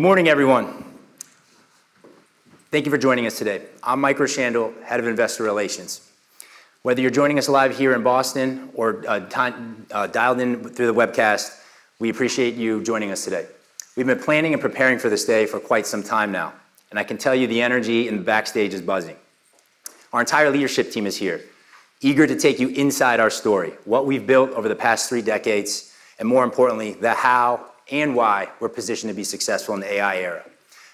Good morning, everyone. Thank you for joining us today. I'm Mike Rowshandel, Head of Investor Relations. Whether you're joining us live here in Boston or dialed in through the webcast, we appreciate you joining us today. We've been planning and preparing for this day for quite some time now, and I can tell you the energy in the backstage is buzzing. Our entire leadership team is here, eager to take you inside our story, what we've built over the past three decades, and more importantly, the how and why we're positioned to be successful in the AI era.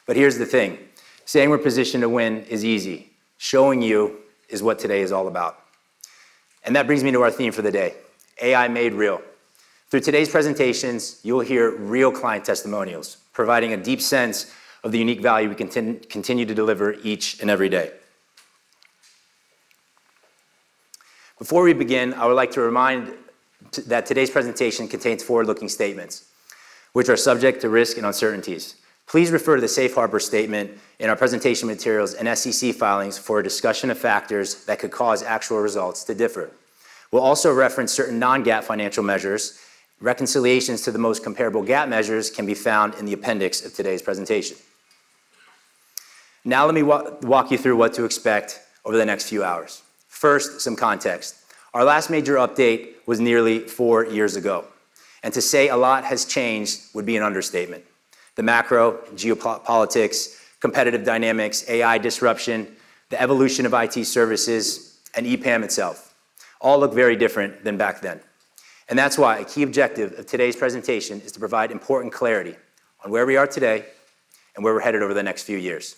Here's the thing: saying we're positioned to win is easy. Showing you is what today is all about. That brings me to our theme for the day, AI Made Real. Through today's presentations, you'll hear real client testimonials, providing a deep sense of the unique value we continue to deliver each and every day. Before we begin, I would like to remind that today's presentation contains forward-looking statements which are subject to risk and uncertainties. Please refer to the safe harbor statement in our presentation materials and SEC filings for a discussion of factors that could cause actual results to differ. We'll also reference certain non-GAAP financial measures. Reconciliations to the most comparable GAAP measures can be found in the appendix of today's presentation. Now let me walk you through what to expect over the next few hours. First, some context. Our last major update was nearly four years ago, and to say a lot has changed would be an understatement. The macro, geopolitics, competitive dynamics, AI disruption, the evolution of IT services, and EPAM itself all look very different than back then. That's why a key objective of today's presentation is to provide important clarity on where we are today and where we're headed over the next few years.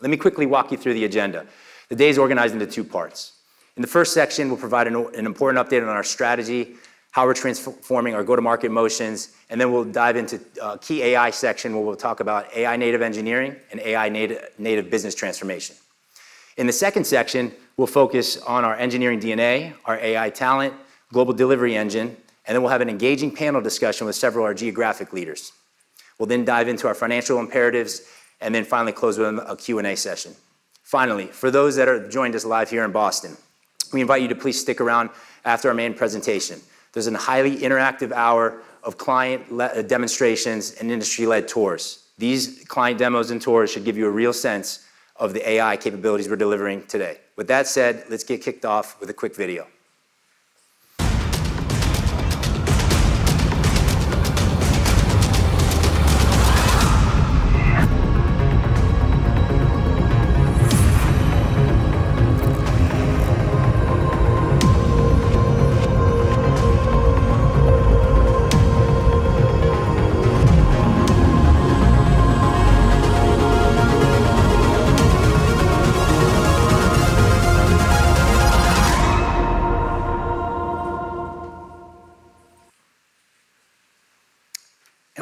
Let me quickly walk you through the agenda. The day is organized into two parts. In the first section, we'll provide an important update on our strategy, how we're transforming our go-to-market motions, and then we'll dive into a key AI section where we'll talk about AI native engineering and AI native business transformation. In the second section, we'll focus on our engineering DNA, our AI talent, global delivery engine, and then we'll have an engaging panel discussion with several of our geographic leaders. We'll then dive into our financial imperatives and then finally close with a Q&A session. Finally, for those that have joined us live here in Boston, we invite you to please stick around after our main presentation. There's a highly interactive hour of client-led demonstrations and industry-led tours. These client demos and tours should give you a real sense of the AI capabilities we're delivering today. With that said, let's get kicked off with a quick video.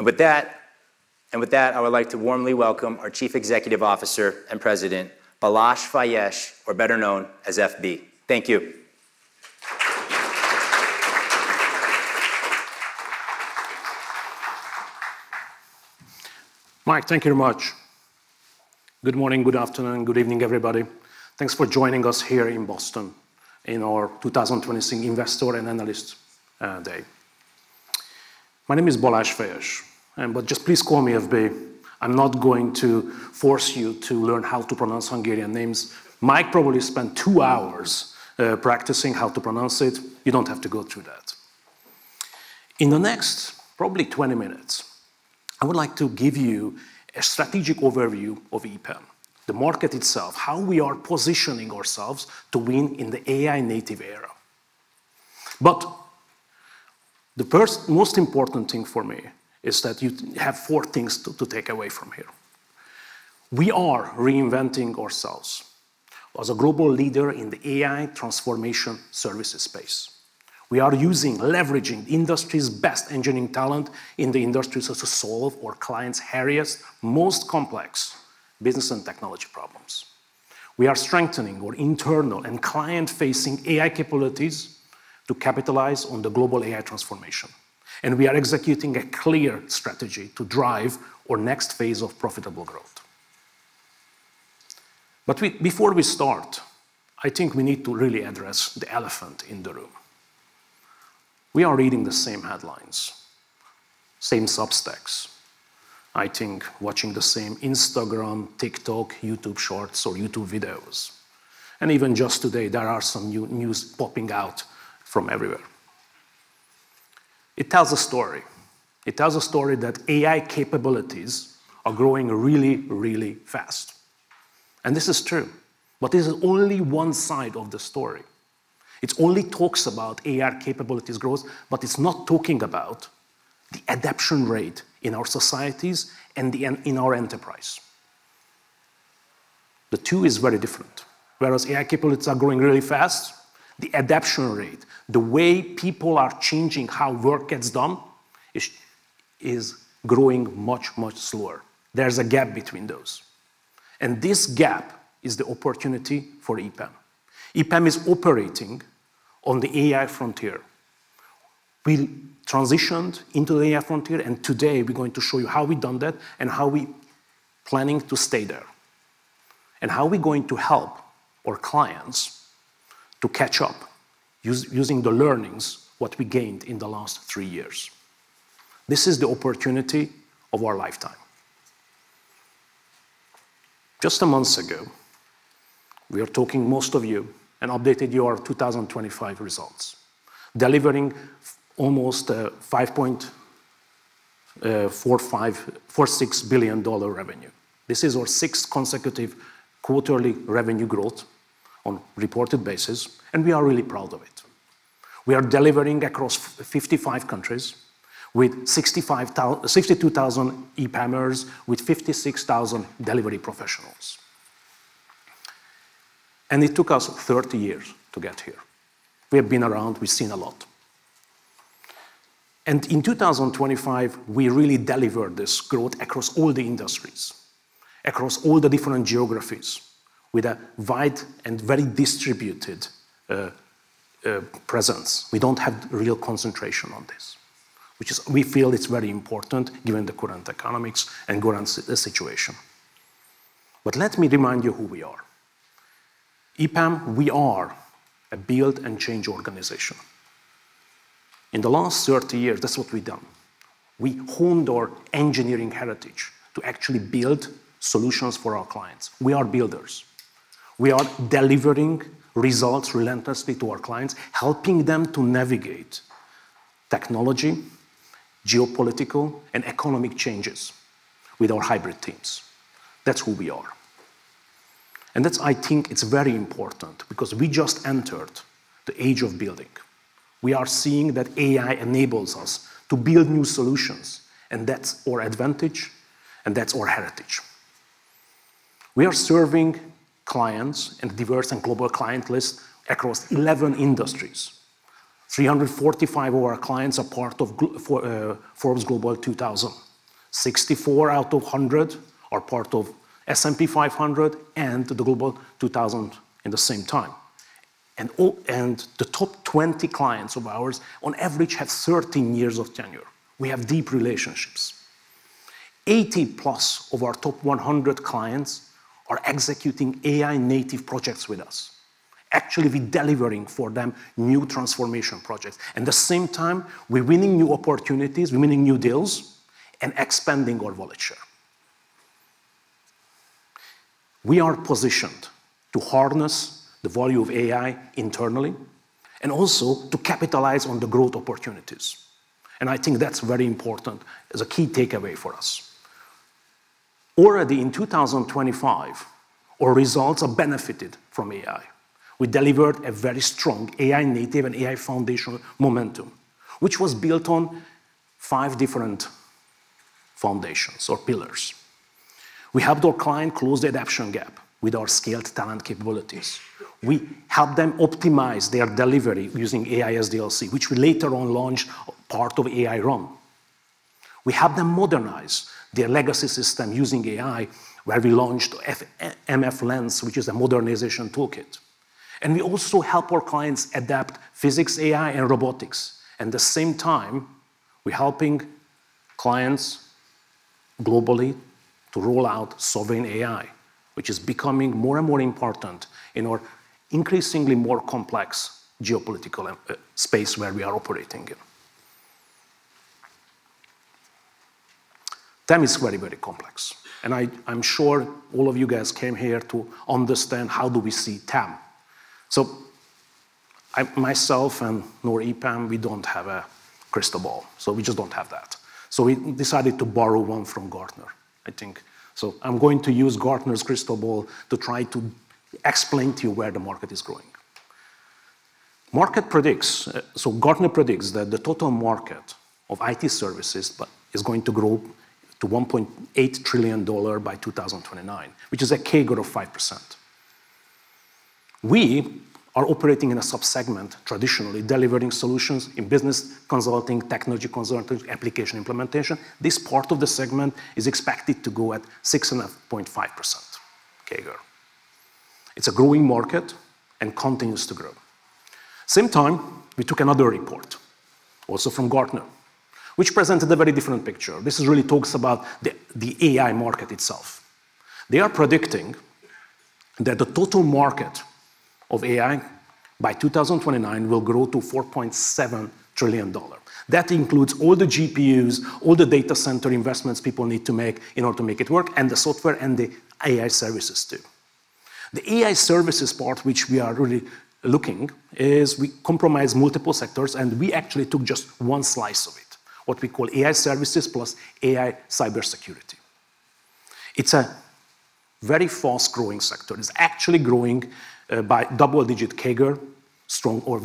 With that, I would like to warmly welcome our Chief Executive Officer and President, Balazs Fejes, or better known as FB. Thank you. Mike, thank you very much. Good morning, good afternoon, good evening, everybody. Thanks for joining us here in Boston at our 2026 Investor and Analyst Day. My name is Balazs Fejes, just please call me FB. I'm not going to force you to learn how to pronounce Hungarian names. Mike probably spent two hours practicing how to pronounce it. You don't have to go through that. In the next probably 20 minutes, I would like to give you a strategic overview of EPAM, the market itself, how we are positioning ourselves to win in the AI native era. The first most important thing for me is that you have four things to take away from here. We are reinventing ourselves as a global leader in the AI transformation services space. We are leveraging industry's best engineering talent in the industry so as to solve our clients' hardest, most complex business and technology problems. We are strengthening our internal and client-facing AI capabilities to capitalize on the global AI transformation, and we are executing a clear strategy to drive our next phase of profitable growth. Before we start, I think we need to really address the elephant in the room. We are reading the same headlines, same Substacks. I think watching the same Instagram, TikTok, YouTube Shorts, or YouTube videos. Even just today there are some new news popping out from everywhere. It tells a story. It tells a story that AI capabilities are growing really, really fast. This is true, but this is only one side of the story. It only talks about AI capabilities growth, but it's not talking about the adoption rate in our societies and in our enterprise. These two are very different. Whereas AI capabilities are growing really fast, the adoption rate, the way people are changing how work gets done is growing much, much slower. There's a gap between those, and this gap is the opportunity for EPAM. EPAM is operating on the AI frontier. We transitioned into the AI frontier, and today we're going to show you how we've done that and how we're planning to stay there. How are we going to help our clients catch up to us using the learnings that we gained in the last three years? This is the opportunity of our lifetime. Just a month ago, we were talking to most of you and updated you on our 2025 results, delivering almost a $5.456 billion revenue. This is our sixth consecutive quarterly revenue growth on reported basis, and we are really proud of it. We are delivering across 55 countries with 62,000 EPAMers with 56,000 delivery professionals. It took us 30 years to get here. We have been around, we've seen a lot. In 2025, we really delivered this growth across all the industries, across all the different geographies with a wide and very distributed presence. We don't have real concentration on this. We feel it's very important given the current economics and current situation. But let me remind you who we are. EPAM, we are a build and change organization. In the last 30 years, that's what we've done. We honed our engineering heritage to actually build solutions for our clients. We are builders. We are delivering results relentlessly to our clients, helping them to navigate technology, geopolitical, and economic changes with our hybrid teams. That's who we are, and that's, I think, it's very important because we just entered the age of building. We are seeing that AI enables us to build new solutions, and that's our advantage, and that's our heritage. We are serving a diverse and global client list across 11 industries. 345 of our clients are part of Forbes Global 2000. 64 out of 100 are part of S&P 500 and the Global 2000 at the same time. The top 20 clients of ours on average had 13 years of tenure. We have deep relationships. 80+ of our top 100 clients are executing AI native projects with us. Actually, we're delivering for them new transformation projects. At the same time, we're winning new opportunities, we're winning new deals, and expanding our wallet share. We are positioned to harness the value of AI internally and also to capitalize on the growth opportunities, and I think that's very important as a key takeaway for us. Already in 2025, our results are benefited from AI. We delivered a very strong AI native and AI foundation momentum, which was built on five different foundations or pillars. We helped our client close the adoption gap with our skilled talent capabilities. We helped them optimize their delivery using AI SDLC, which we later on launched as part of AI/RUN. We helped them modernize their legacy system using AI, where we launched MFLens, which is a modernization toolkit. We also help our clients adopt physics AI and robotics. At the same time, we're helping clients globally to roll out sovereign AI, which is becoming more and more important in our increasingly more complex geopolitical space where we are operating in. TAM is very, very complex, and I'm sure all of you guys came here to understand how do we see TAM. Myself and not EPAM, we don't have a crystal ball. We just don't have that. We decided to borrow one from Gartner, I think. I'm going to use Gartner's crystal ball to try to explain to you where the market is going. Gartner predicts that the total market of IT services is going to grow to $1.8 trillion by 2029, which is a 5% CAGR. We are operating in a sub-segment, traditionally delivering solutions in business consulting, technology consulting, application implementation. This part of the segment is expected to go at 6.5% CAGR. It's a growing market and continues to grow. At the same time, we took another report, also from Gartner, which presented a very different picture. This really talks about the AI market itself. They are predicting that the total market of AI by 2029 will grow to $4.7 trillion. That includes all the GPUs, all the data center investments people need to make in order to make it work, and the software and the AI services too. The AI services part, which we are really looking, is we comprise multiple sectors, and we actually took just one slice of it, what we call AI services plus AI cybersecurity. It's a very fast-growing sector. It's actually growing by double-digit CAGR,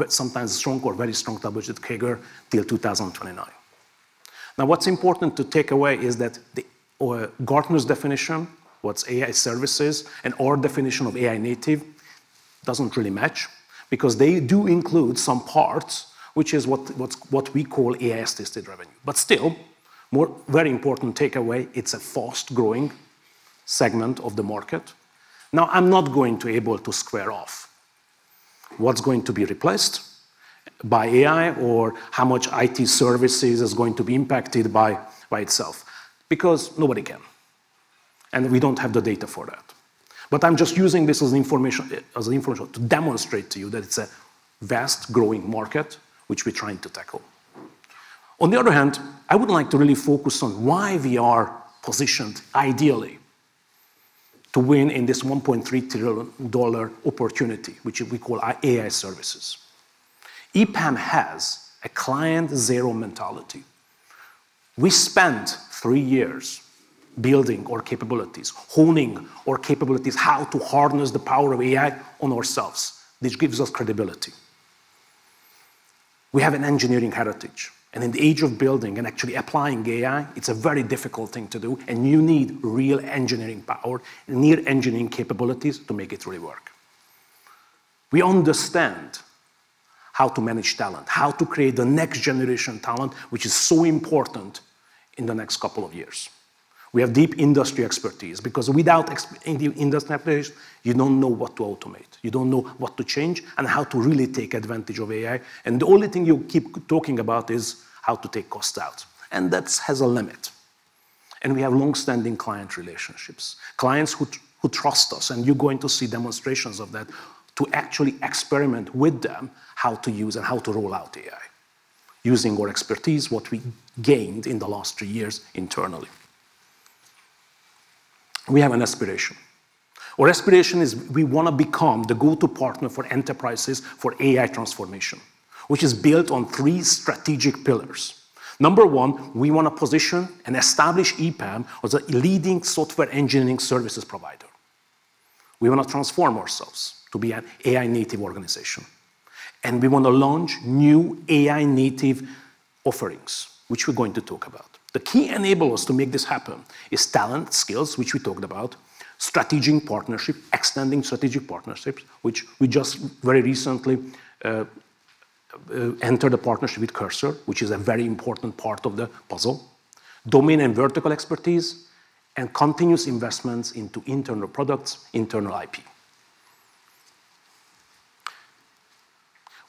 sometimes strong or very strong double-digit CAGR till 2029. Now, what's important to take away is that the or Gartner's definition, what's AI services, and our definition of AI native doesn't really match because they do include some parts, which is what we call AI-assisted revenue. But still, very important takeaway, it's a fast-growing segment of the market. Now, I'm not going to be able to square off what's going to be replaced by AI or how much IT services is going to be impacted by itself, because nobody can, and we don't have the data for that. I'm just using this as information to demonstrate to you that it's a vast growing market which we're trying to tackle. On the other hand, I would like to really focus on why we are positioned ideally to win in this $1.3 trillion opportunity, which we call our AI services. EPAM has a client zero mentality. We spent three years building our capabilities, honing our capabilities, how to harness the power of AI on ourselves. This gives us credibility. We have an engineering heritage, and in the age of building and actually applying AI, it's a very difficult thing to do, and you need real engineering power and you need engineering capabilities to make it really work. We understand how to manage talent, how to create the next generation talent, which is so important in the next couple of years. We have deep industry expertise because without in-industry expertise, you don't know what to automate, you don't know what to change and how to really take advantage of AI. The only thing you keep talking about is how to take cost out, and that has a limit. We have long-standing client relationships, clients who trust us, and you're going to see demonstrations of that to actually experiment with them, how to use and how to roll out AI using our expertise, what we gained in the last three years internally. We have an aspiration. Our aspiration is we wanna become the go-to partner for enterprises for AI transformation, which is built on 3 strategic pillars. Number 1, we wanna position and establish EPAM as a leading software engineering services provider. We wanna transform ourselves to be an AI native organization, and we want to launch new AI native offerings, which we're going to talk about. The key enablers to make this happen is talent skills, which we talked about, strategic partnership, extending strategic partnerships, which we just very recently entered a partnership with Cursor, which is a very important part of the puzzle, domain and vertical expertise, and continuous investments into internal products, internal IP.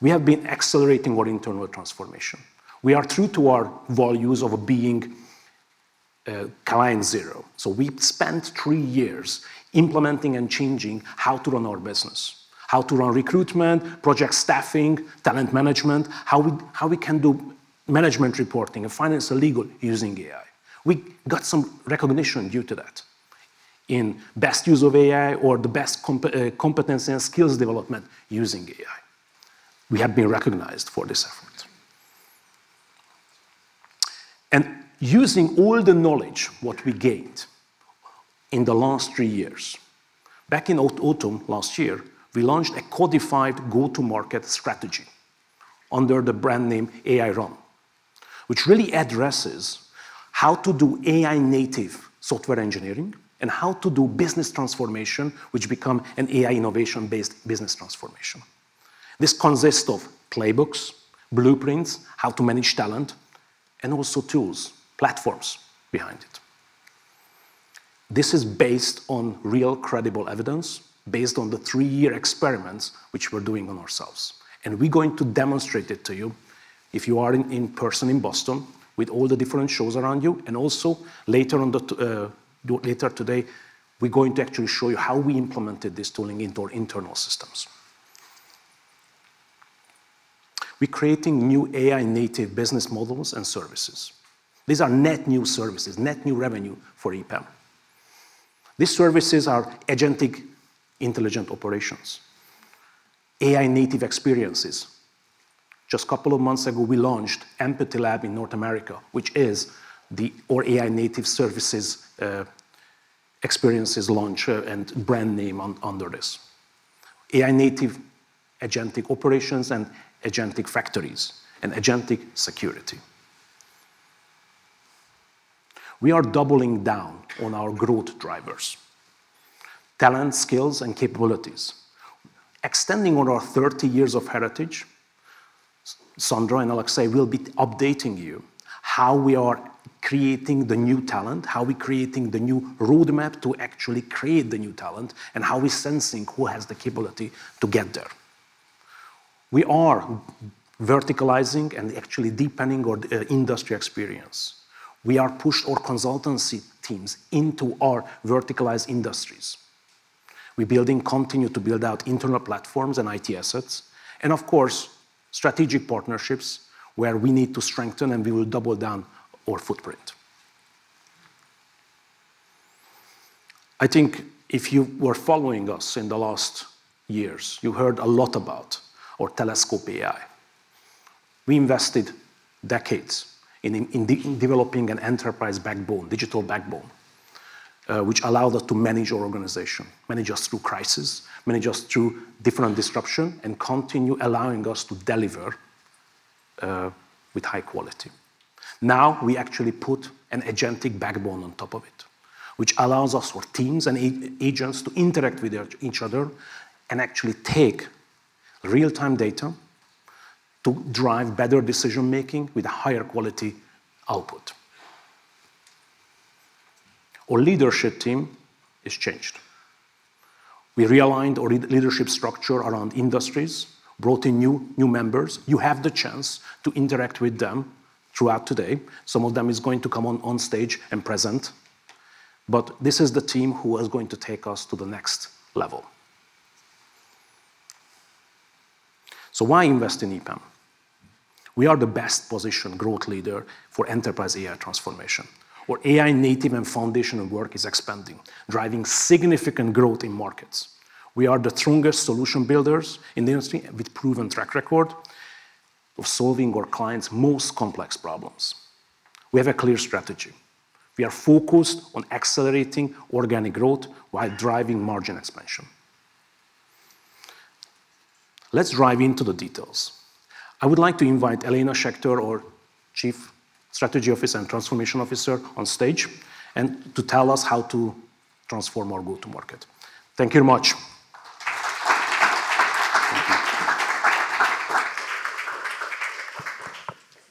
We have been accelerating our internal transformation. We are true to our values of being a client zero. We spent three years implementing and changing how to run our business, how to run recruitment, project staffing, talent management, how we can do management reporting and finance and legal using AI. We got some recognition due to that in best use of AI or the best competence and skills development using AI. We have been recognized for this effort. Using all the knowledge what we gained in the last three years, back in autumn last year, we launched a codified go-to-market strategy under the brand name AI/RUN, which really addresses how to do AI native software engineering and how to do business transformation, which become an AI innovation-based business transformation. This consists of playbooks, blueprints, how to manage talent, and also tools, platforms behind it. This is based on real credible evidence, based on the three-year experiments which we're doing on ourselves. We're going to demonstrate it to you if you are in person in Boston with all the different shows around you. Also later today, we're going to actually show you how we implemented this tooling into our internal systems. We're creating new AI native business models and services. These are net new services, net new revenue for EPAM. These services are agentic intelligent operations, AI native experiences. Just a couple of months ago, we launched Empathy Lab in North America, which is our AI native services, experiences launch, and brand name under this. AI native agentic operations and agentic factories and agentic security. We are doubling down on our growth drivers, talent, skills and capabilities. Extending on our 30 years of heritage, Sandra and Alexei will be updating you how we are creating the new talent, how we creating the new roadmap to actually create the new talent, and how we're sensing who has the capability to get there. We are verticalizing and actually deepening our industry experience. We are pushing our consultancy teams into our verticalized industries. We're building, continue to build out internal platforms and IT assets, and of course, strategic partnerships where we need to strengthen, and we will double down our footprint. I think if you were following us in the last years, you heard a lot about our TelescopeAI. We invested decades in developing an enterprise backbone, digital backbone, which allowed us to manage our organization, manage us through crisis, manage us through different disruption, and continue allowing us to deliver with high quality. Now, we actually put an agentic backbone on top of it, which allows us, our teams and agents to interact with each other and actually take real-time data to drive better decision-making with higher quality output. Our leadership team has changed. We realigned our leadership structure around industries, brought in new members. You have the chance to interact with them throughout today. Some of them is going to come on stage and present, but this is the team who is going to take us to the next level. Why invest in EPAM? We are the best positioned growth leader for enterprise AI transformation. Our AI native and foundational work is expanding, driving significant growth in markets. We are the strongest solution builders in the industry with proven track record of solving our clients' most complex problems. We have a clear strategy. We are focused on accelerating organic growth while driving margin expansion. Let's dive into the details. I would like to invite Elaina Shekhter, our Chief Strategy & Transformation Officer, on stage and to tell us how to transform our go-to-market. Thank you very much.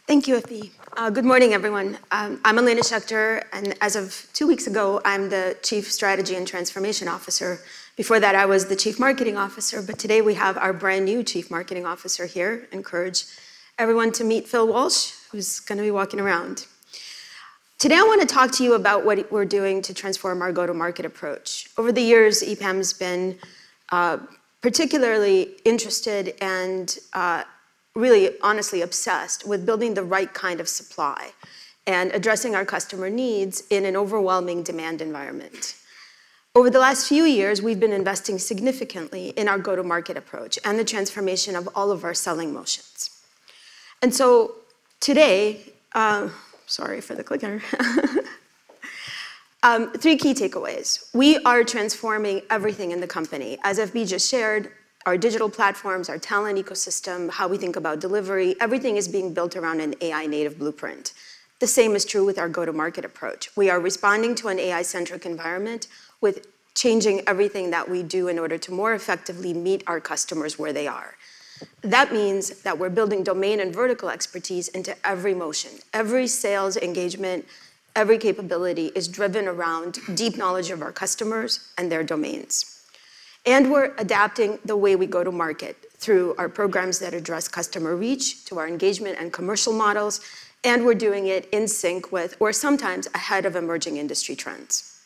Thank you, FB. Good morning, everyone. I'm Elaina Shekhter, and as of two weeks ago, I'm the Chief Strategy and Transformation Officer. Before that, I was the Chief Marketing Officer, but today we have our brand-new Chief Marketing Officer here. Encourage everyone to meet Phil Walsh, who's gonna be walking around. Today, I wanna talk to you about what we're doing to transform our go-to-market approach. Over the years, EPAM has been particularly interested and really honestly obsessed with building the right kind of supply and addressing our customer needs in an overwhelming demand environment. Over the last few years, we've been investing significantly in our go-to-market approach and the transformation of all of our selling motions. Today, sorry for the clicker. Three key takeaways. We are transforming everything in the company. As FB just shared, our digital platforms, our talent ecosystem, how we think about delivery, everything is being built around an AI native blueprint. The same is true with our go-to-market approach. We are responding to an AI-centric environment with changing everything that we do in order to more effectively meet our customers where they are. That means that we're building domain and vertical expertise into every motion. Every sales engagement, every capability is driven around deep knowledge of our customers and their domains. We're adapting the way we go to market through our programs that address customer reach to our engagement and commercial models, and we're doing it in sync with, or sometimes ahead of, emerging industry trends.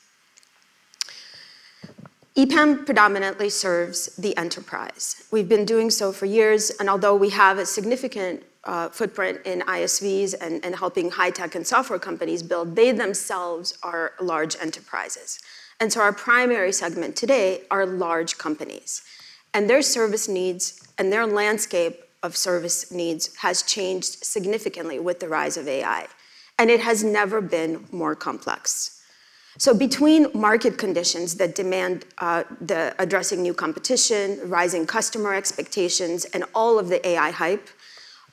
EPAM predominantly serves the enterprise. We've been doing so for years, and although we have a significant footprint in ISVs and helping high tech and software companies build, they themselves are large enterprises. Our primary segment today are large companies, and their service needs, and their landscape of service needs has changed significantly with the rise of AI, and it has never been more complex. Between market conditions that demand the addressing new competition, rising customer expectations, and all of the AI hype,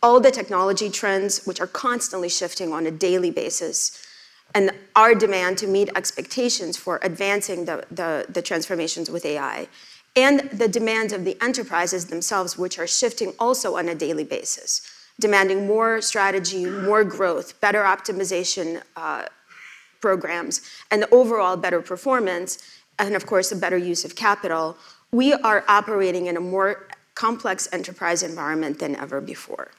all the technology trends which are constantly shifting on a daily basis, and our demand to meet expectations for advancing the transformations with AI, and the demands of the enterprises themselves, which are shifting also on a daily basis, demanding more strategy, more growth, better optimization programs, and overall better performance, and of course, a better use of capital, we are operating in a more complex enterprise environment than ever before.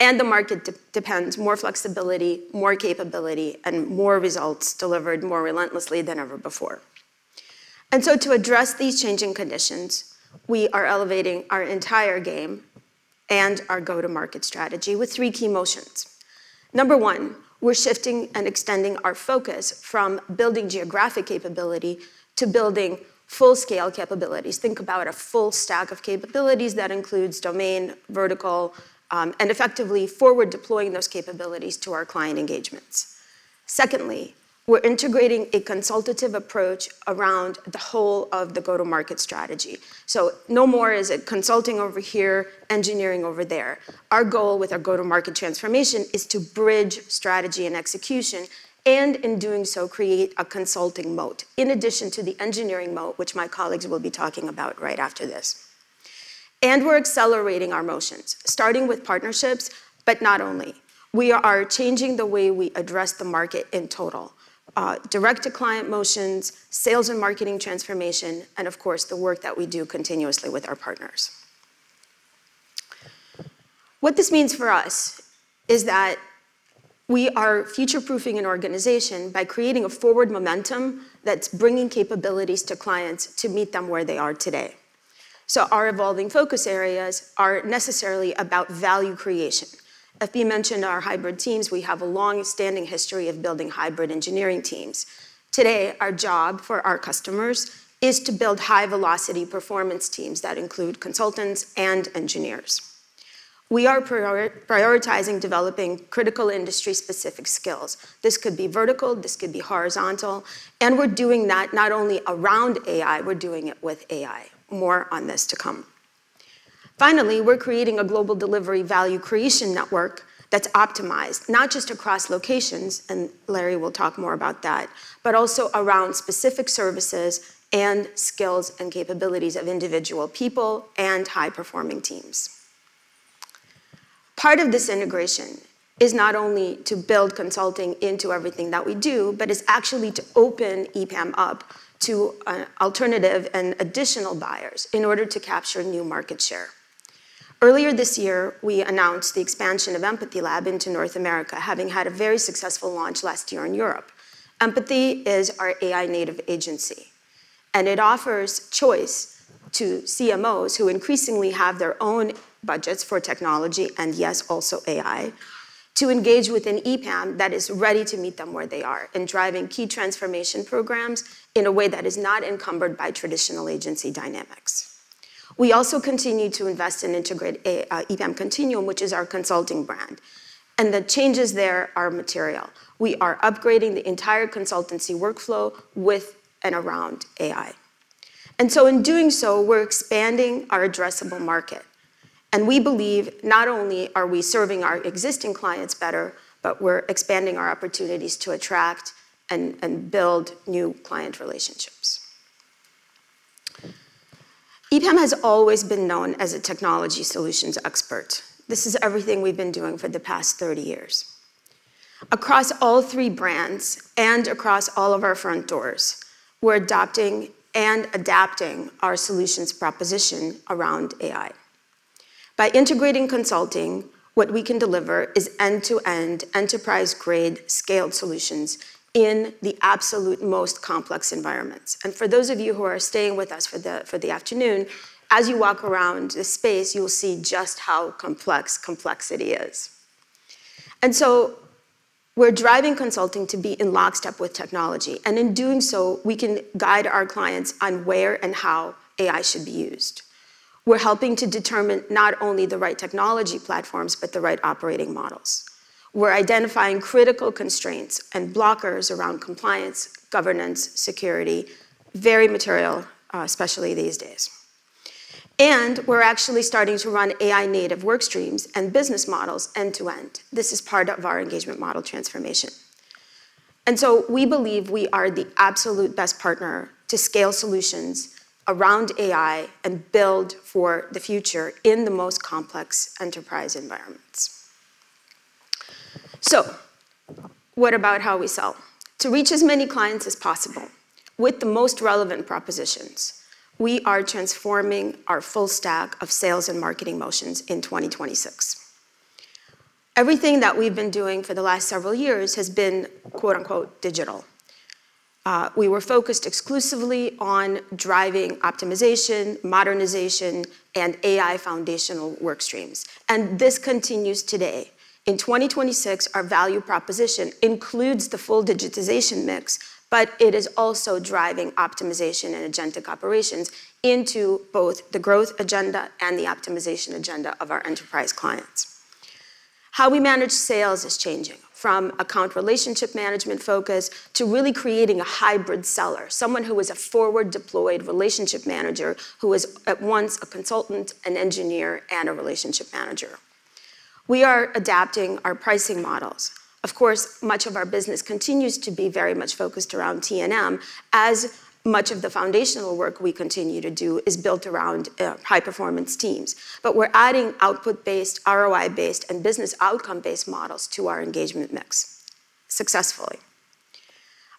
The market demands more flexibility, more capability, and more results delivered more relentlessly than ever before. To address these changing conditions, we are elevating our entire game and our go-to-market strategy with three key motions. Number one, we're shifting and extending our focus from building geographic capability to building full-scale capabilities. Think about a full stack of capabilities that includes domain, vertical, and effectively forward deploying those capabilities to our client engagements. Secondly, we're integrating a consultative approach around the whole of the go-to-market strategy. No more is it consulting over here, engineering over there. Our goal with our go-to-market transformation is to bridge strategy and execution, and in doing so, create a consulting moat in addition to the engineering moat, which my colleagues will be talking about right after this. We're accelerating our motions, starting with partnerships, but not only. We are changing the way we address the market in total, direct-to-client motions, sales and marketing transformation, and of course, the work that we do continuously with our partners. What this means for us is that we are future-proofing an organization by creating a forward momentum that's bringing capabilities to clients to meet them where they are today. Our evolving focus areas are necessarily about value creation. At the mention of our hybrid teams, we have a long-standing history of building hybrid engineering teams. Today, our job for our customers is to build high-velocity performance teams that include consultants and engineers. We are prioritizing developing critical industry-specific skills. This could be vertical. This could be horizontal. We're doing that not only around AI, we're doing it with AI. More on this to come. Finally, we're creating a global delivery value creation network that's optimized not just across locations, and Larry will talk more about that, but also around specific services and skills and capabilities of individual people and high-performing teams. Part of this integration is not only to build consulting into everything that we do, but it's actually to open EPAM up to alternative and additional buyers in order to capture new market share. Earlier this year, we announced the expansion of Empathy Lab into North America, having had a very successful launch last year in Europe. Empathy is our AI native agency, and it offers choice to CMOs who increasingly have their own budgets for technology, and yes, also AI, to engage with an EPAM that is ready to meet them where they are in driving key transformation programs in a way that is not encumbered by traditional agency dynamics. We also continue to invest and integrate a EPAM Continuum, which is our consulting brand, and the changes there are material. We are upgrading the entire consultancy workflow with and around AI. In doing so, we're expanding our addressable market, and we believe not only are we serving our existing clients better, but we're expanding our opportunities to attract and build new client relationships. EPAM has always been known as a technology solutions expert. This is everything we've been doing for the past 30 years. Across all three brands and across all of our front doors, we're adopting and adapting our solutions proposition around AI. By integrating consulting, what we can deliver is end-to-end enterprise-grade scaled solutions in the absolute most complex environments. For those of you who are staying with us for the afternoon, as you walk around the space, you'll see just how complex complexity is. We're driving consulting to be in lockstep with technology, and in doing so, we can guide our clients on where and how AI should be used. We're helping to determine not only the right technology platforms, but the right operating models. We're identifying critical constraints and blockers around compliance, governance, security, very material, especially these days. We're actually starting to run AI native work streams and business models end to end. This is part of our engagement model transformation. We believe we are the absolute best partner to scale solutions around AI and build for the future in the most complex enterprise environments. What about how we sell? To reach as many clients as possible with the most relevant propositions, we are transforming our full stack of sales and marketing motions in 2026. Everything that we've been doing for the last several years has been quote unquote digital. We were focused exclusively on driving optimization, modernization, and AI foundational work streams, and this continues today. In 2026, our value proposition includes the full digitization mix, but it is also driving optimization and agentic operations into both the growth agenda and the optimization agenda of our enterprise clients. How we manage sales is changing from account relationship management focus to really creating a hybrid seller, someone who is a forward deployed relationship manager who is at once a consultant, an engineer, and a relationship manager. We are adapting our pricing models. Of course, much of our business continues to be very much focused around T&M as much of the foundational work we continue to do is built around high-performance teams. But we're adding output-based, ROI-based, and business outcome-based models to our engagement mix successfully.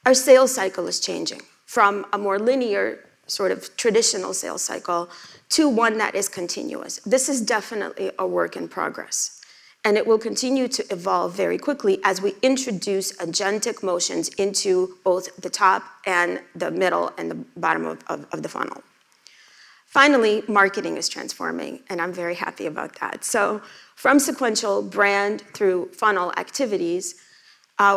Our sales cycle is changing from a more linear, sort of traditional sales cycle to one that is continuous. This is definitely a work in progress, and it will continue to evolve very quickly as we introduce agentic motions into both the top and the middle and the bottom of the funnel. Finally, marketing is transforming, and I'm very happy about that. From sequential brand through funnel activities,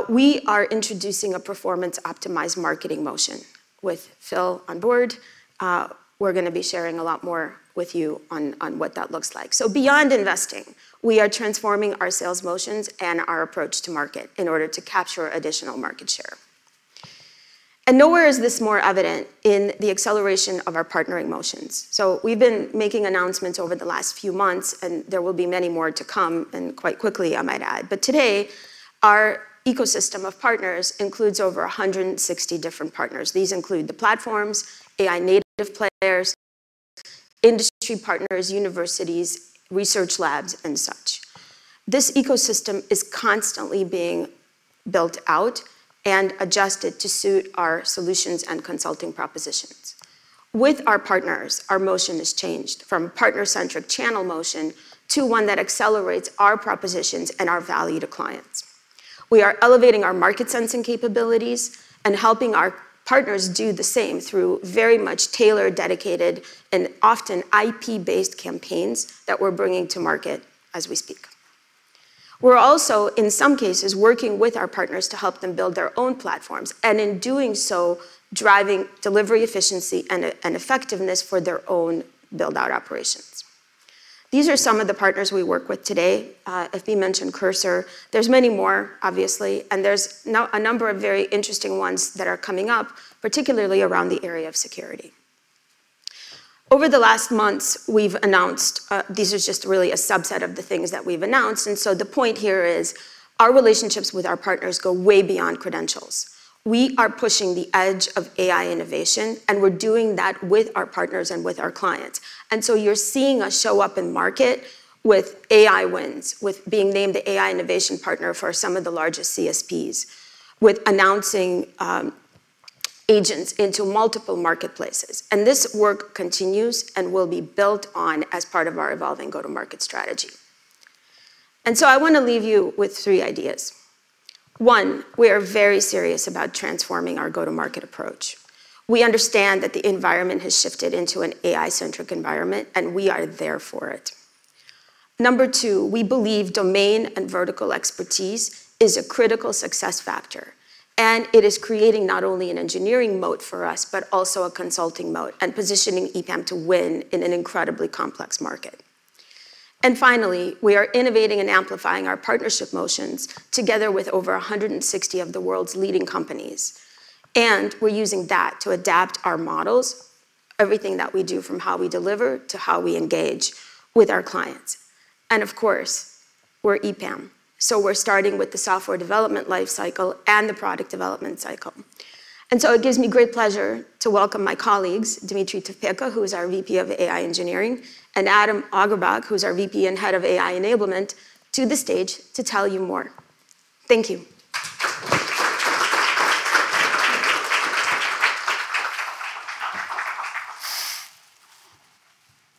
we are introducing a performance optimized marketing motion. With Phil on board, we're gonna be sharing a lot more with you on what that looks like. Beyond investing, we are transforming our sales motions and our approach to market in order to capture additional market share. Nowhere is this more evident in the acceleration of our partnering motions. We've been making announcements over the last few months, and there will be many more to come, and quite quickly I might add. Today, our ecosystem of partners includes over 160 different partners. These include the platforms, AI native players, industry partners, universities, research labs, and such. This ecosystem is constantly being built out and adjusted to suit our solutions and consulting propositions. With our partners, our motion has changed from partner-centric channel motion to one that accelerates our propositions and our value to clients. We are elevating our market sensing capabilities and helping our partners do the same through very much tailored, dedicated, and often IP-based campaigns that we're bringing to market as we speak. We're also, in some cases, working with our partners to help them build their own platforms, and in doing so, driving delivery efficiency and effectiveness for their own build-out operations. These are some of the partners we work with today. FB mentioned Cursor. There's many more obviously, and there's now a number of very interesting ones that are coming up, particularly around the area of security. Over the last months, we've announced these are just really a subset of the things that we've announced, and so the point here is our relationships with our partners go way beyond credentials. We are pushing the edge of AI innovation, and we're doing that with our partners and with our clients. You're seeing us show up in market with AI wins, with being named the AI innovation partner for some of the largest CSPs, with announcing agents into multiple marketplaces. This work continues and will be built on as part of our evolving go-to-market strategy. I wanna leave you with three ideas. One, we are very serious about transforming our go-to-market approach. We understand that the environment has shifted into an AI-centric environment, and we are there for it. Number two, we believe domain and vertical expertise is a critical success factor, and it is creating not only an engineering moat for us, but also a consulting moat and positioning EPAM to win in an incredibly complex market. Finally, we are innovating and amplifying our partnership motions together with over 160 of the world's leading companies. We're using that to adapt our models, everything that we do, from how we deliver to how we engage with our clients. Of course, we're EPAM, so we're starting with the software development life cycle and the product development cycle. It gives me great pleasure to welcome my colleagues, Dmitry Tovpeko, who is our VP of AI Engineering, and Adam Auerbach, who's our VP and Head of AI Enablement, to the stage to tell you more. Thank you.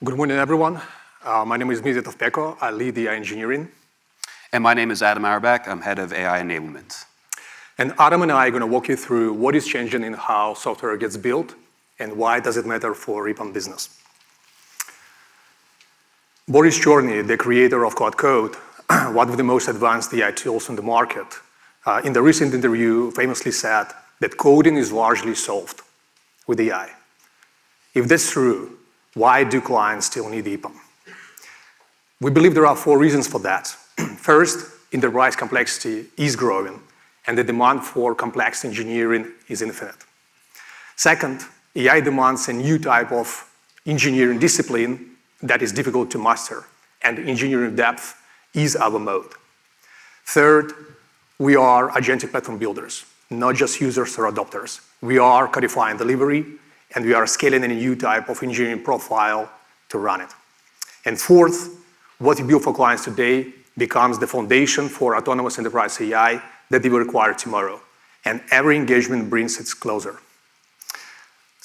Good morning, everyone. My name is Dmitry Tovpeko. I lead AI engineering. My name is Adam Auerbach. I'm head of AI enablement. Adam and I are gonna walk you through what is changing in how software gets built and why does it matter for EPAM business. Boris Cherny, the creator of Claude Code, one of the most advanced AI tools in the market, in the recent interview famously said that coding is largely solved with AI. If that's true, why do clients still need EPAM? We believe there are four reasons for that. First, enterprise complexity is growing, and the demand for complex engineering is infinite. Second, AI demands a new type of engineering discipline that is difficult to master, and engineering depth is our moat. Third, we are agentic platform builders, not just users or adopters. We are codifying delivery, and we are scaling a new type of engineering profile to run it. Fourth, what you build for clients today becomes the foundation for autonomous enterprise AI that they will require tomorrow, and every engagement brings us closer.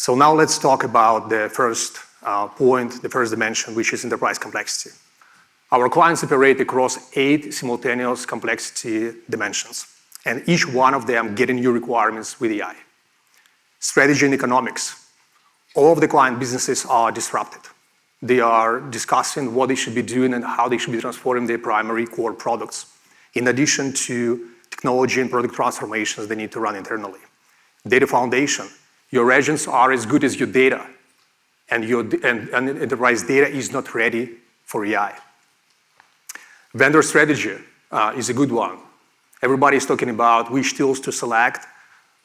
Now let's talk about the first point, the first dimension, which is enterprise complexity. Our clients operate across eight simultaneous complexity dimensions, and each one of them get new requirements with AI. Strategy and economics. All of the client businesses are disrupted. They are discussing what they should be doing and how they should be transforming their primary core products. In addition to technology and product transformations they need to run internally. Data foundation. Your agents are as good as your data, and your enterprise data is not ready for AI. Vendor strategy is a good one. Everybody's talking about which tools to select,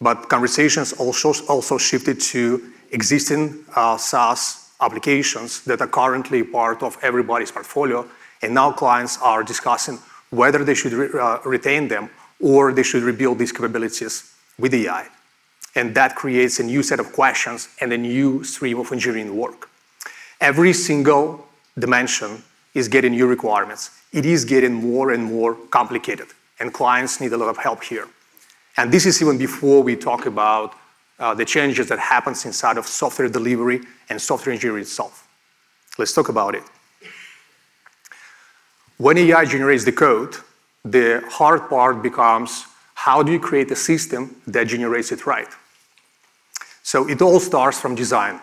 but conversations also shifted to existing SaaS applications that are currently part of everybody's portfolio, and now clients are discussing whether they should retain them or they should rebuild these capabilities with AI. That creates a new set of questions and a new stream of engineering work. Every single dimension is getting new requirements. It is getting more and more complicated, and clients need a lot of help here. This is even before we talk about the changes that happens inside of software delivery and software engineering itself. Let's talk about it. When AI generates the code, the hard part becomes how do you create a system that generates it right. It all starts from design.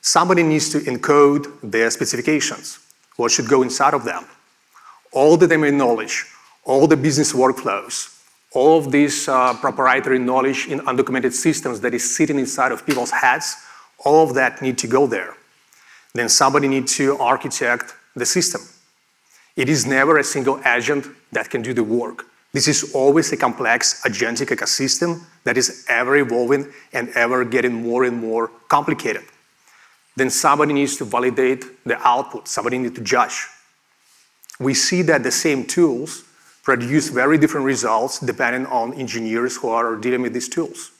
Somebody needs to encode their specifications. What should go inside of them? All the domain knowledge, all the business workflows, all of these, proprietary knowledge in undocumented systems that is sitting inside of people's heads, all of that need to go there. Somebody need to architect the system. It is never a single agent that can do the work. This is always a complex agentic ecosystem that is ever-evolving and ever getting more and more complicated. Somebody needs to validate the output. Somebody need to judge. We see that the same tools produce very different results depending on engineers who are dealing with these tools,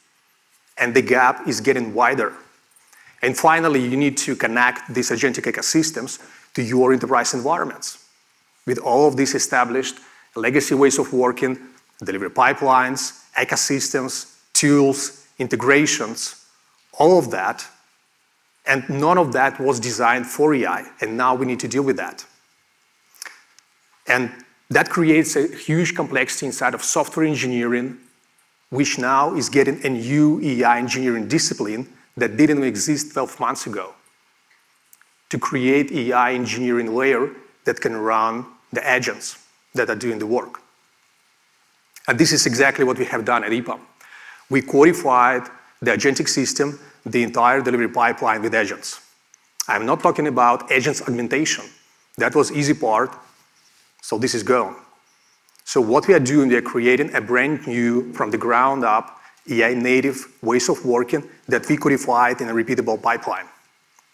and the gap is getting wider. Finally, you need to connect these agentic ecosystems to your enterprise environments. With all of these established legacy ways of working, delivery pipelines, ecosystems, tools, integrations, all of that, and none of that was designed for AI, and now we need to deal with that. That creates a huge complexity inside of software engineering, which now is getting a new AI engineering discipline that didn't exist 12 months ago, to create AI engineering layer that can run the agents that are doing the work. This is exactly what we have done at EPAM. We codified the agentic system, the entire delivery pipeline with agents. I'm not talking about agents augmentation. That was easy part, so this is gone. What we are doing, we are creating a brand new, from the ground up, AI native ways of working that we codified in a repeatable pipeline,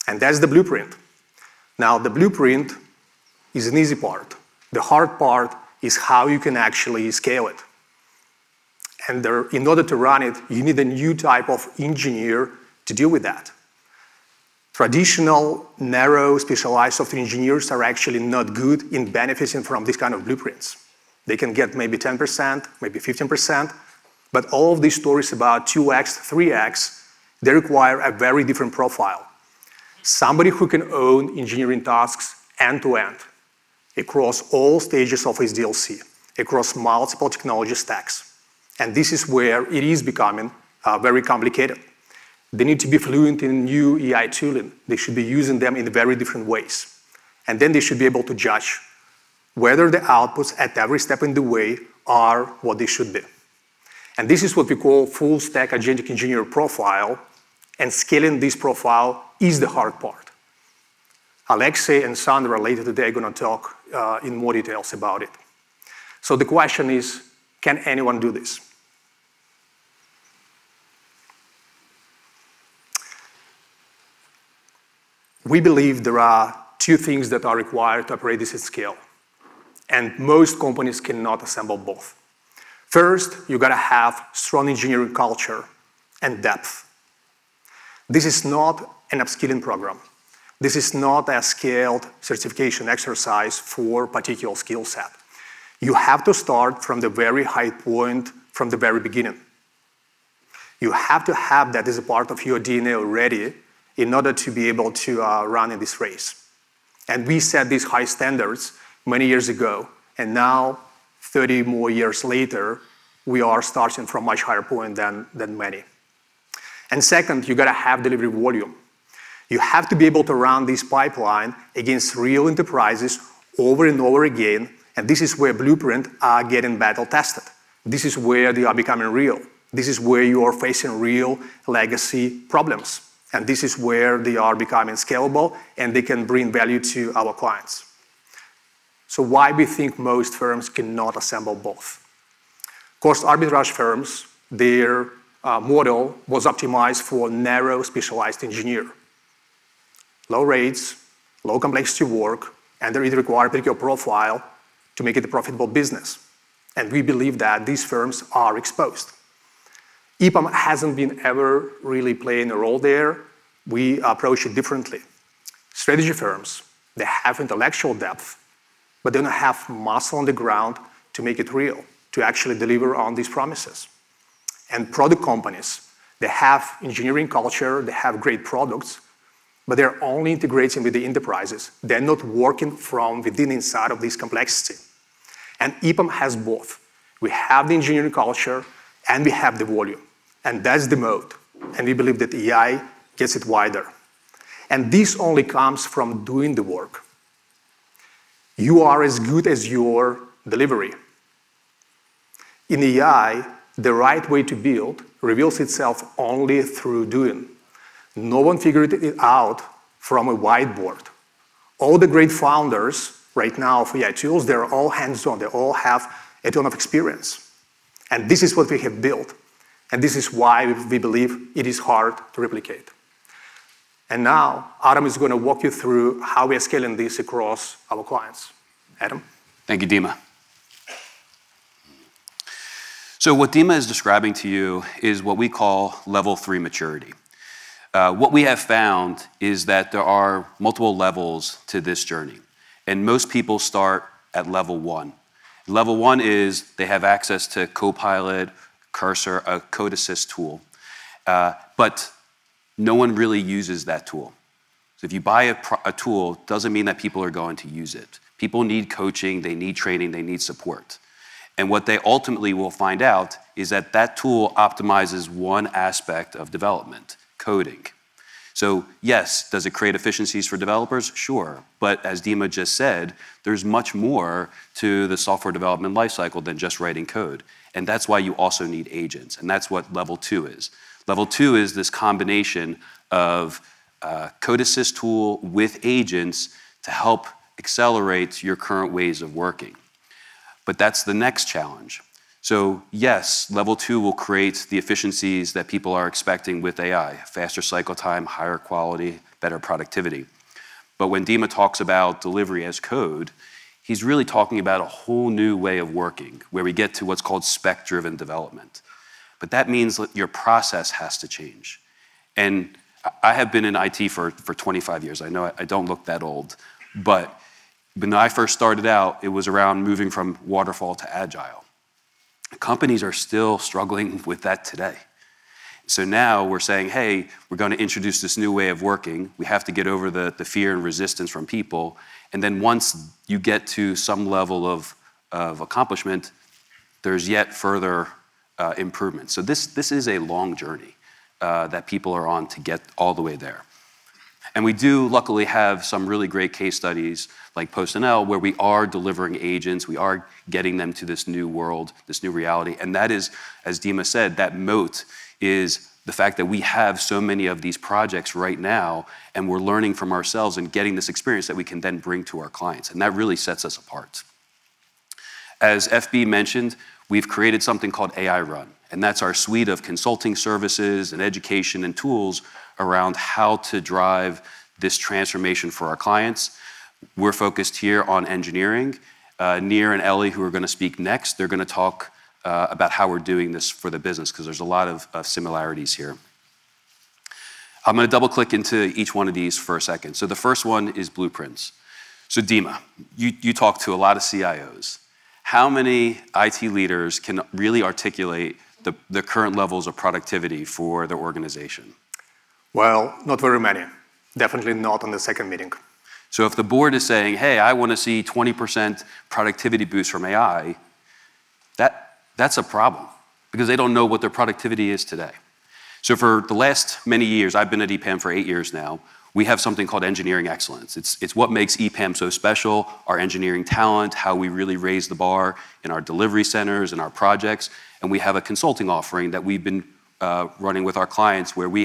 and that's the blueprint. Now, the blueprint is an easy part. The hard part is how you can actually scale it. In order to run it, you need a new type of engineer to deal with that. Traditional, narrow, specialized software engineers are actually not good in benefiting from these kind of blueprints. They can get maybe 10%, maybe 15%, but all of these stories about 2x, 3x, they require a very different profile. Somebody who can own engineering tasks end to end across all stages of SDLC, across multiple technology stacks, and this is where it is becoming very complicated. They need to be fluent in new AI tooling. They should be using them in very different ways. They should be able to judge whether the outputs at every step in the way are what they should be. This is what we call full stack agentic engineer profile, and scaling this profile is the hard part. Alexei and Sandra later today are gonna talk in more details about it. The question is, can anyone do this? We believe there are two things that are required to operate this at scale, and most companies cannot assemble both. First, you've got to have strong engineering culture and depth. This is not an upskilling program. This is not a scaled certification exercise for particular skill set. You have to start from the very high point from the very beginning. You have to have that as a part of your DNA already in order to be able to run in this race. We set these high standards many years ago, and now, 30 more years later, we are starting from a much higher point than many. Second, you've got to have delivery volume. You have to be able to run this pipeline against real enterprises over and over again, and this is where blueprint are getting battle tested. This is where they are becoming real. This is where you are facing real legacy problems. This is where they are becoming scalable, and they can bring value to our clients. Why we think most firms cannot assemble both? Of course, arbitrage firms, their model was optimized for narrow specialized engineer. Low rates, low complexity work, and they require particular profile to make it a profitable business, and we believe that these firms are exposed. EPAM hasn't been ever really playing a role there. We approach it differently. Strategy firms, they have intellectual depth, but they don't have muscle on the ground to make it real, to actually deliver on these promises. Product companies, they have engineering culture, they have great products, but they're only integrating with the enterprises. They're not working from within inside of this complexity. EPAM has both. We have the engineering culture, and we have the volume, and that's the mode. We believe that AI gets it wider. This only comes from doing the work. You are as good as your delivery. In AI, the right way to build reveals itself only through doing. No one figured it out from a whiteboard. All the great founders right now of AI tools, they're all hands-on. They all have a ton of experience. This is what we have built, and this is why we believe it is hard to replicate. Now Adam is going to walk you through how we are scaling this across our clients. Adam. Thank you, Dima. What Dima is describing to you is what we call level three maturity. What we have found is that there are multiple levels to this journey, and most people start at level one. Level one is they have access to Copilot, Cursor, a code assist tool, but no one really uses that tool. If you buy a tool, doesn't mean that people are going to use it. People need coaching. They need training. They need support. What they ultimately will find out is that that tool optimizes one aspect of development, coding. Yes, does it create efficiencies for developers? Sure. As Dima just said, there's much more to the software development life cycle than just writing code, and that's why you also need agents, and that's what level two is. Level two is this combination of a code assist tool with agents to help accelerate your current ways of working. That's the next challenge. Yes, level two will create the efficiencies that people are expecting with AI, faster cycle time, higher quality, better productivity. When Dima talks about delivery as code, he's really talking about a whole new way of working, where we get to what's called spec-driven development. That means your process has to change. I have been in IT for 25 years. I know I don't look that old. When I first started out, it was around moving from waterfall to agile. Companies are still struggling with that today. Now we're saying, "Hey, we're going to introduce this new way of working." We have to get over the fear and resistance from people. Once you get to some level of accomplishment, there's yet further improvement. This is a long journey that people are on to get all the way there. We do luckily have some really great case studies like PostNL, where we are delivering agents, we are getting them to this new world, this new reality, and that is, as Dima said, that moat is the fact that we have so many of these projects right now, and we're learning from ourselves and getting this experience that we can then bring to our clients, and that really sets us apart. As FB mentioned, we've created something called AI/RUN, and that's our suite of consulting services and education and tools around how to drive this transformation for our clients. We're focused here on engineering. Nir and Eli, who are going to speak next, they're going to talk about how we're doing this for the business 'cause there's a lot of similarities here. I'm gonna double-click into each one of these for a second. The first one is blueprints. Dima, you talk to a lot of CIOs. How many IT leaders can really articulate the current levels of productivity for their organization? Well, not very many. Definitely not on the second meeting. If the board is saying, "Hey, I wanna see 20% productivity boost from AI," that's a problem because they don't know what their productivity is today. For the last many years, I've been at EPAM for eight years now, we have something called Engineering Excellence. It's what makes EPAM so special, our engineering talent, how we really raise the bar in our delivery centers, in our projects, and we have a consulting offering that we've been running with our clients where we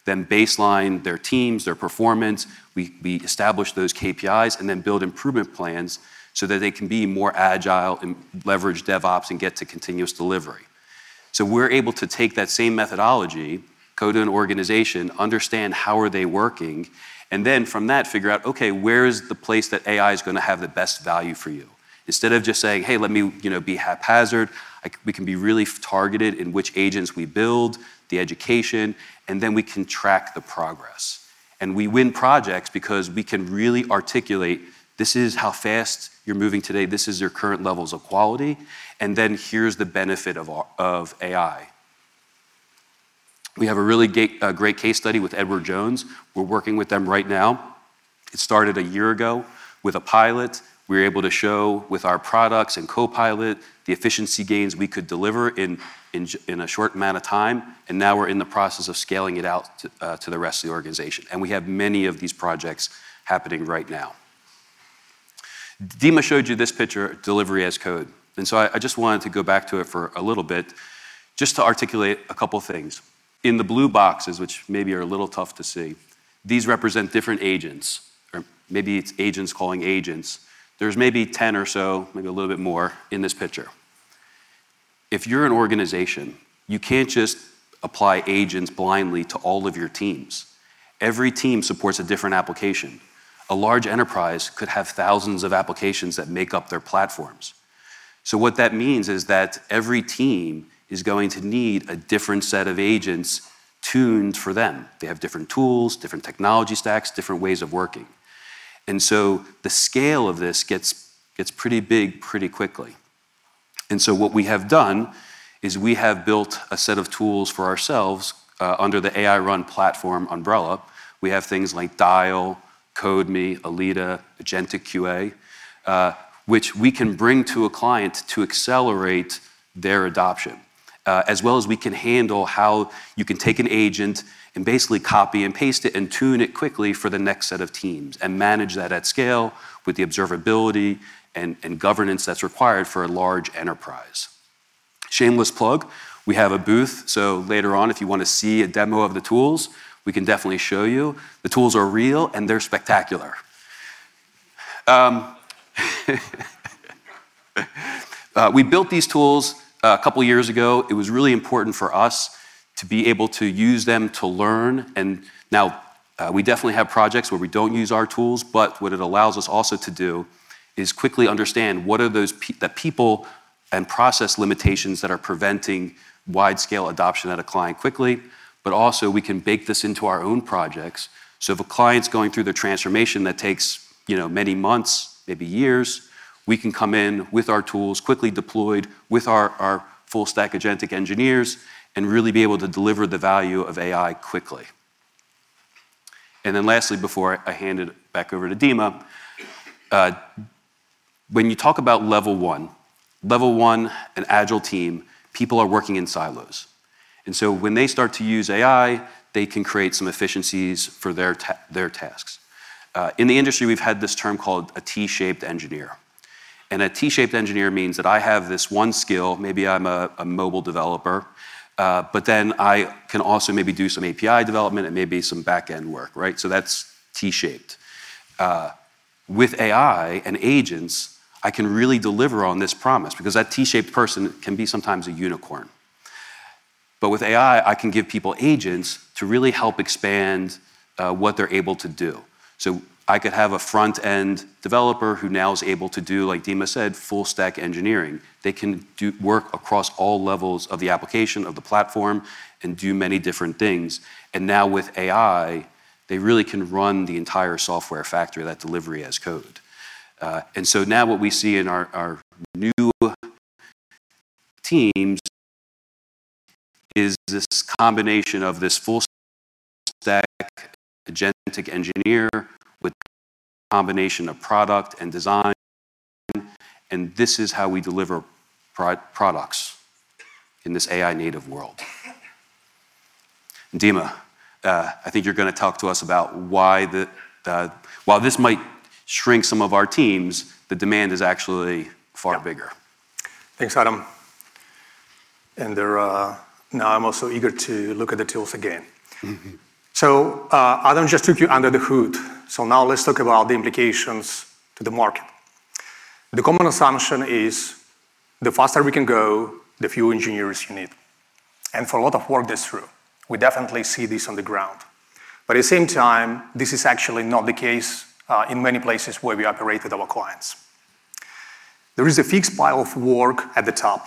help them baseline their teams, their performance. We establish those KPIs and then build improvement plans so that they can be more agile and leverage DevOps and get to continuous delivery. We're able to take that same methodology, go to an organization, understand how are they working, and then from that figure out, okay, where is the place that AI is gonna have the best value for you? Instead of just saying, "Hey, let me, you know, be haphazard," we can be really targeted in which agents we build, the education, and then we can track the progress. We win projects because we can really articulate, "This is how fast you're moving today. This is your current levels of quality, and then here's the benefit of of AI." We have a really great case study with Edward Jones. We're working with them right now. It started a year ago with a pilot. We were able to show with our products and copilot the efficiency gains we could deliver in a short amount of time, and now we're in the process of scaling it out to the rest of the organization, and we have many of these projects happening right now. Dima showed you this picture, delivery as code, and I just wanted to go back to it for a little bit just to articulate a couple things. In the blue boxes, which maybe are a little tough to see, these represent different agents, or maybe it's agents calling agents. There's maybe 10 or so, maybe a little bit more, in this picture. If you're an organization, you can't just apply agents blindly to all of your teams. Every team supports a different application. A large enterprise could have thousands of applications that make up their platforms. What that means is that every team is going to need a different set of agents tuned for them. They have different tools, different technology stacks, different ways of working. The scale of this gets pretty big pretty quickly. What we have done is we have built a set of tools for ourselves under the AI/RUN platform umbrella. We have things like DIAL, CodeMie, ELITEA, Agentic QA, which we can bring to a client to accelerate their adoption. As well as we can handle how you can take an agent and basically copy and paste it and tune it quickly for the next set of teams and manage that at scale with the observability and governance that's required for a large enterprise. Shameless plug, we have a booth, so later on if you wanna see a demo of the tools, we can definitely show you. The tools are real, and they're spectacular. We built these tools a couple years ago. It was really important for us to be able to use them to learn and now, we definitely have projects where we don't use our tools, but what it allows us also to do is quickly understand what are those people and process limitations that are preventing wide scale adoption at a client quickly. We can bake this into our own projects. If a client's going through the transformation that takes, you know, many months, maybe years, we can come in with our tools quickly deployed with our full stack agentic engineers and really be able to deliver the value of AI quickly. Then lastly, before I hand it back over to Dima, when you talk about level one, an agile team, people are working in silos. When they start to use AI, they can create some efficiencies for their tasks. In the industry, we've had this term called a T-shaped engineer, and a T-shaped engineer means that I have this one skill, maybe I'm a mobile developer, but then I can also maybe do some API development and maybe some backend work, right? That's T-shaped. With AI and agents, I can really deliver on this promise because that T-shaped person can be sometimes a unicorn. With AI, I can give people agents to really help expand what they're able to do. I could have a front-end developer who now is able to do, like Dima said, full-stack engineering. They can do work across all levels of the application, of the platform, and do many different things. Now with AI, they really can run the entire software factory, that delivery as code. Now what we see in our new teams is this combination of this full-stack agentic engineer with combination of product and design, and this is how we deliver products in this AI-native world. Dima, I think you're gonna talk to us about why, while this might shrink some of our teams, the demand is actually far bigger. Yeah. Thanks, Adam. Now I'm also eager to look at the tools again. Adam just took you under the hood. Now let's talk about the implications to the market. The common assumption is the faster we can go, the fewer engineers you need. For a lot of work that's true. We definitely see this on the ground. At the same time, this is actually not the case in many places where we operate with our clients. There is a fixed pile of work at the top.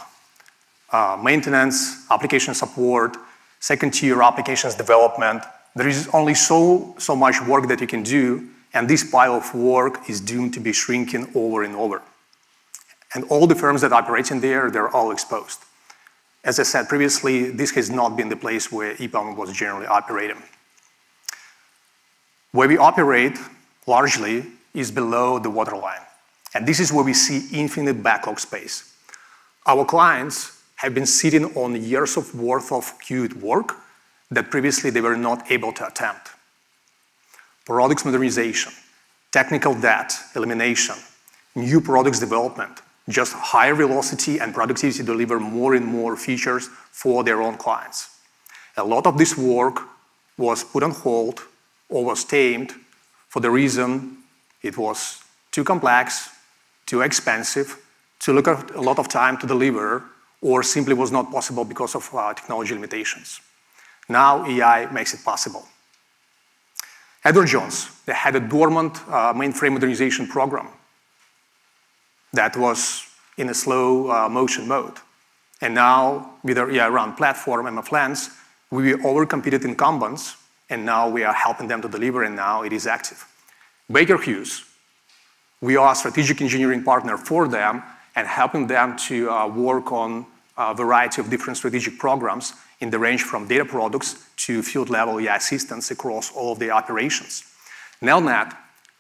Maintenance, application support, second-tier applications development. There is only so much work that you can do, and this pile of work is doomed to be shrinking over and over. All the firms that operate in there, they're all exposed. As I said previously, this has not been the place where EPAM was generally operating. Where we operate largely is below the waterline, and this is where we see infinite backlog space. Our clients have been sitting on years' worth of queued work that previously they were not able to attempt. Product modernization, technical debt elimination, new product development, just higher velocity and productivity deliver more and more features for their own clients. A lot of this work was put on hold or was tabled for the reason it was too complex, too expensive, took a lot of time to deliver, or simply was not possible because of technology limitations. Now AI makes it possible. Edward Jones, they had a dormant mainframe authorization program that was in a slow-motion mode. Now with our AI/RUN platform and the plans, we out-competed incumbents, and now we are helping them to deliver, and now it is active. Baker Hughes, we are a strategic engineering partner for them and helping them to work on a variety of different strategic programs in the range from data products to field-level AI assistance across all of the operations. Nelnet,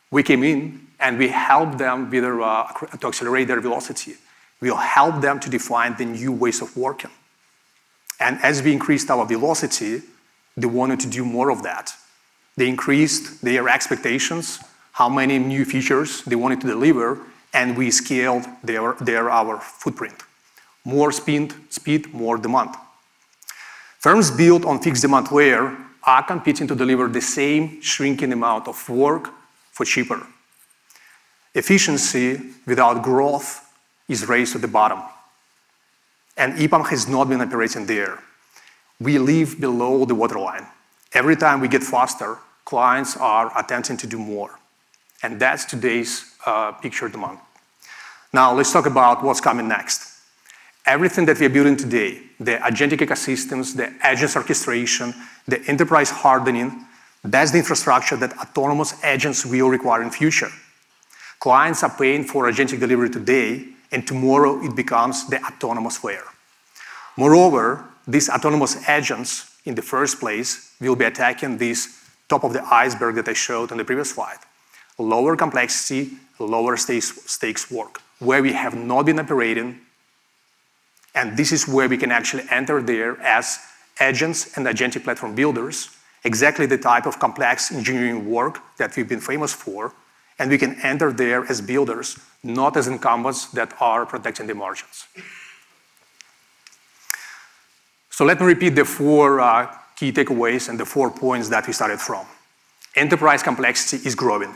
we came in, and we helped them to accelerate their velocity. We helped them to define the new ways of working. As we increased our velocity, they wanted to do more of that. They increased their expectations, how many new features they wanted to deliver, and we scaled our footprint. More speed, more demand. Firms built on fixed-demand where are competing to deliver the same shrinking amount of work for cheaper. Efficiency without growth is a race to the bottom, and EPAM has not been operating there. We live below the waterline. Every time we get faster, clients are attempting to do more, and that's today's picture of demand. Now let's talk about what's coming next. Everything that we are building today, the agentic ecosystems, the agents orchestration, the enterprise hardening, that's the infrastructure that autonomous agents will require in future. Clients are paying for agentic delivery today and tomorrow it becomes the autonomous layer. Moreover, these autonomous agents, in the first place, will be attacking this top of the iceberg that I showed on the previous slide. Lower complexity, lower stakes work where we have not been operating, and this is where we can actually enter there as agents and agentic platform builders, exactly the type of complex engineering work that we've been famous for, and we can enter there as builders, not as incumbents that are protecting the margins. Let me repeat the four key takeaways and the four points that we started from. Enterprise complexity is growing.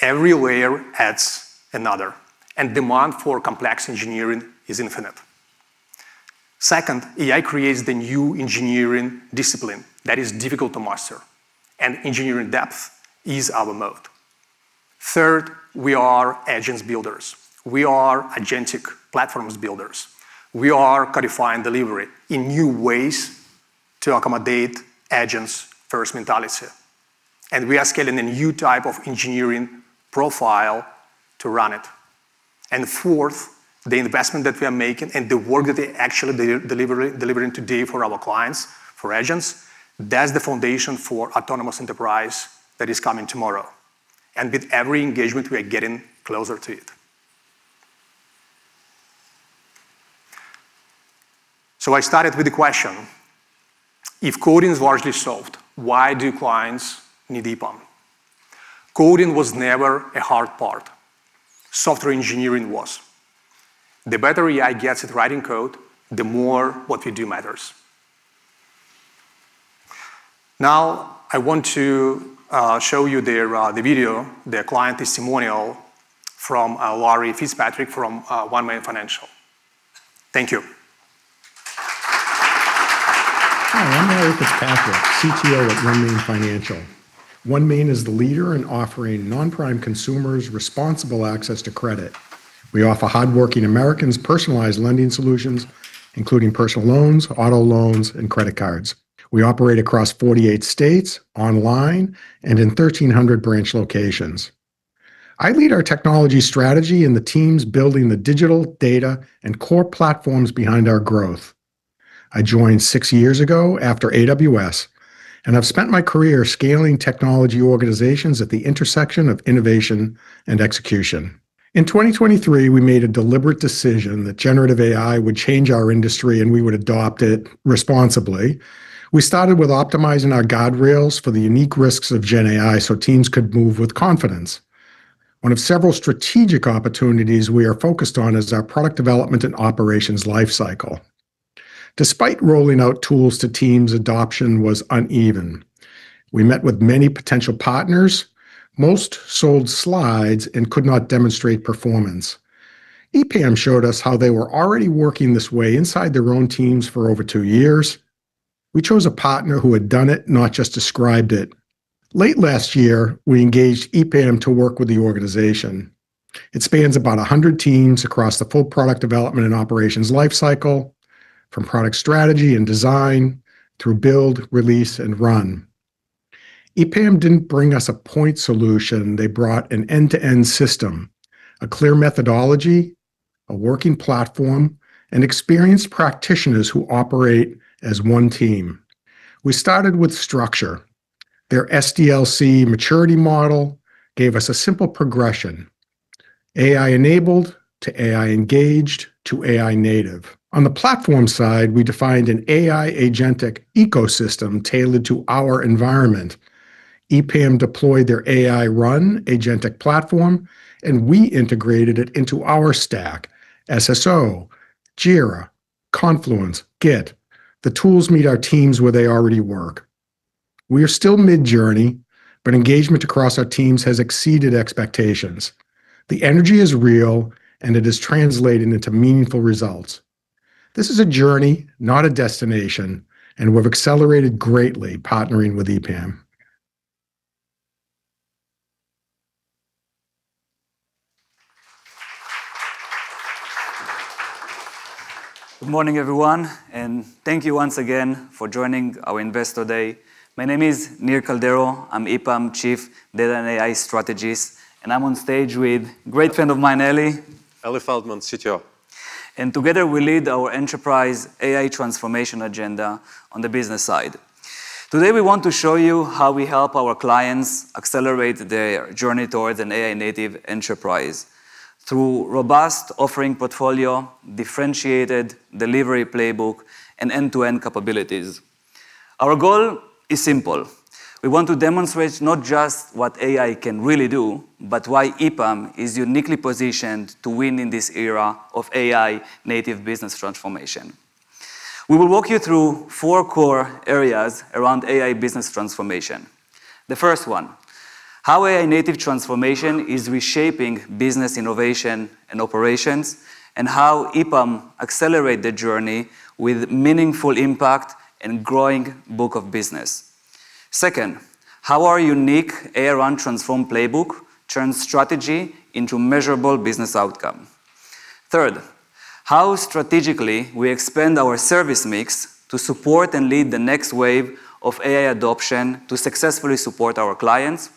Every layer adds another, and demand for complex engineering is infinite. Second, AI creates the new engineering discipline that is difficult to master, and engineering depth is our moat. Third, we are agents builders. We are agentic platforms builders. We are codifying delivery in new ways to accommodate agents-first mentality, and we are scaling a new type of engineering profile to run it. Fourth, the investment that we are making and the work that we're actually delivering today for our clients for agents, that's the foundation for autonomous enterprise that is coming tomorrow, and with every engagement, we are getting closer to it. I started with the question, if coding is largely solved, why do clients need EPAM? Coding was never a hard part. Software engineering was. The better AI gets at writing code, the more what we do matters. Now I want to show you the video, the client testimonial from Larry Fitzpatrick from OneMain Financial. Thank you. Hi, I'm Larry Fitzpatrick, CTO at OneMain Financial. OneMain is the leader in offering non-prime consumers responsible access to credit. We offer hardworking Americans personalized lending solutions, including personal loans, auto loans, and credit cards. We operate across 48 states, online, and in 1,300 branch locations. I lead our technology strategy and the teams building the digital data and core platforms behind our growth. I joined six years ago after AWS, and I've spent my career scaling technology organizations at the intersection of innovation and execution. In 2023, we made a deliberate decision that generative AI would change our industry, and we would adopt it responsibly. We started with optimizing our guardrails for the unique risks of gen AI so teams could move with confidence. One of several strategic opportunities we are focused on is our product development and operations life cycle. Despite rolling out tools to teams, adoption was uneven. We met with many potential partners. Most sold slides and could not demonstrate performance. EPAM showed us how they were already working this way inside their own teams for over two years. We chose a partner who had done it, not just described it. Late last year, we engaged EPAM to work with the organization. It spans about 100 teams across the full product development and operations life cycle from product strategy and design through build, release, and run. EPAM didn't bring us a point solution. They brought an end-to-end system, a clear methodology, a working platform, and experienced practitioners who operate as one team. We started with structure. Their SDLC maturity model gave us a simple progression, AI enabled to AI engaged to AI native. On the platform side, we defined an AI agentic ecosystem tailored to our environment. EPAM deployed their AI/RUN Agentic platform, and we integrated it into our stack. SSO, Jira, Confluence, Git. The tools meet our teams where they already work. We are still mid-journey, but engagement across our teams has exceeded expectations. The energy is real, and it is translating into meaningful results. This is a journey, not a destination, and we've accelerated greatly partnering with EPAM. Good morning, everyone, and thank you once again for joining our Investor Day. My name is Nir Kaldero. I'm EPAM Chief Data and AI Strategist, and I'm on stage with great friend of mine, Eli. Eli Feldman, CTO. Together we lead our enterprise AI transformation agenda on the business side. Today, we want to show you how we help our clients accelerate their journey towards an AI native enterprise through robust offering portfolio, differentiated delivery playbook, and end-to-end capabilities. Our goal is simple. We want to demonstrate not just what AI can really do, but why EPAM is uniquely positioned to win in this era of AI native business transformation. We will walk you through four core areas around AI business transformation. The first one, how AI native transformation is reshaping business innovation and operations, and how EPAM accelerate the journey with meaningful impact and growing book of business. Second, how our unique AI/RUN transform playbook turns strategy into measurable business outcome. Third, how strategically we expand our service mix to support and lead the next wave of AI adoption to successfully support our clients.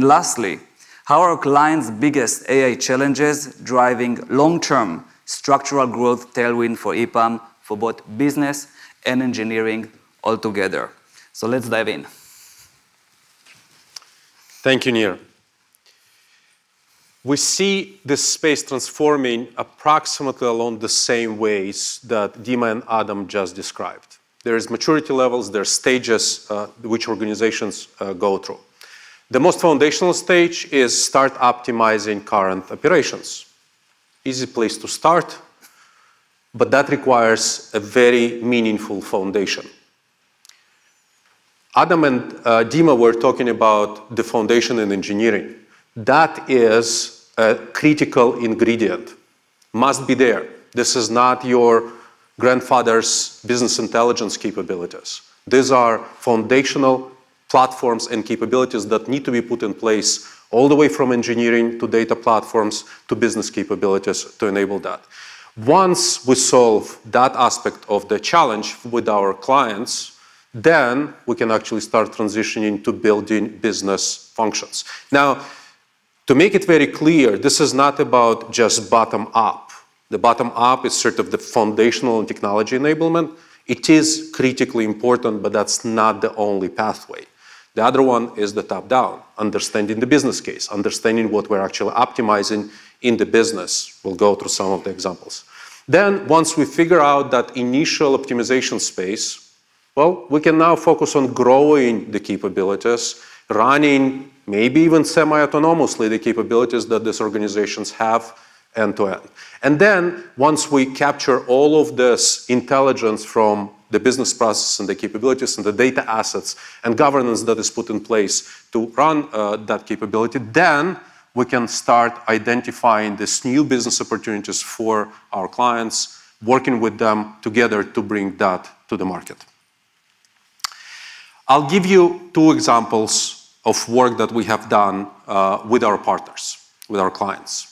Lastly, how are our clients' biggest AI challenges driving long-term structural growth tailwind for EPAM for both business and engineering altogether? Let's dive in. Thank you, Nir. We see this space transforming approximately along the same ways that Dima and Adam just described. There is maturity levels, there are stages, which organizations go through. The most foundational stage is start optimizing current operations. Easy place to start, but that requires a very meaningful foundation. Adam and Dima were talking about the foundation in engineering. That is a critical ingredient. Must be there. This is not your grandfather's business intelligence capabilities. These are foundational platforms and capabilities that need to be put in place all the way from engineering to data platforms to business capabilities to enable that. Once we solve that aspect of the challenge with our clients, then we can actually start transitioning to building business functions. Now, to make it very clear, this is not about just bottom up. The bottom up is sort of the foundational and technology enablement. It is critically important, but that's not the only pathway. The other one is the top-down, understanding the business case, understanding what we're actually optimizing in the business. We'll go through some of the examples. Once we figure out that initial optimization space, well, we can now focus on growing the capabilities, running maybe even semi-autonomously the capabilities that these organizations have end to end. Once we capture all of this intelligence from the business process and the capabilities and the data assets and governance that is put in place to run that capability, then we can start identifying these new business opportunities for our clients, working with them together to bring that to the market. I'll give you two examples of work that we have done with our partners, with our clients.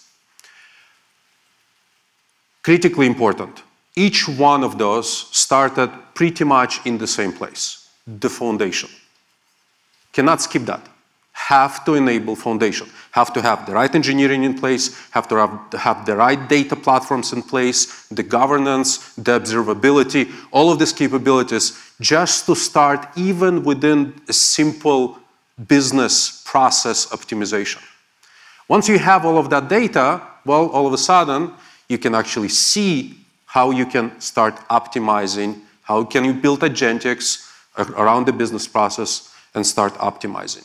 Critically important, each one of those started pretty much in the same place, the foundation. Cannot skip that. Have to enable foundation. Have to have the right engineering in place, have the right data platforms in place, the governance, the observability, all of these capabilities just to start even within a simple business process optimization. Once you have all of that data, well, all of a sudden, you can actually see how you can start optimizing, how can you build agentic AI around the business process and start optimizing.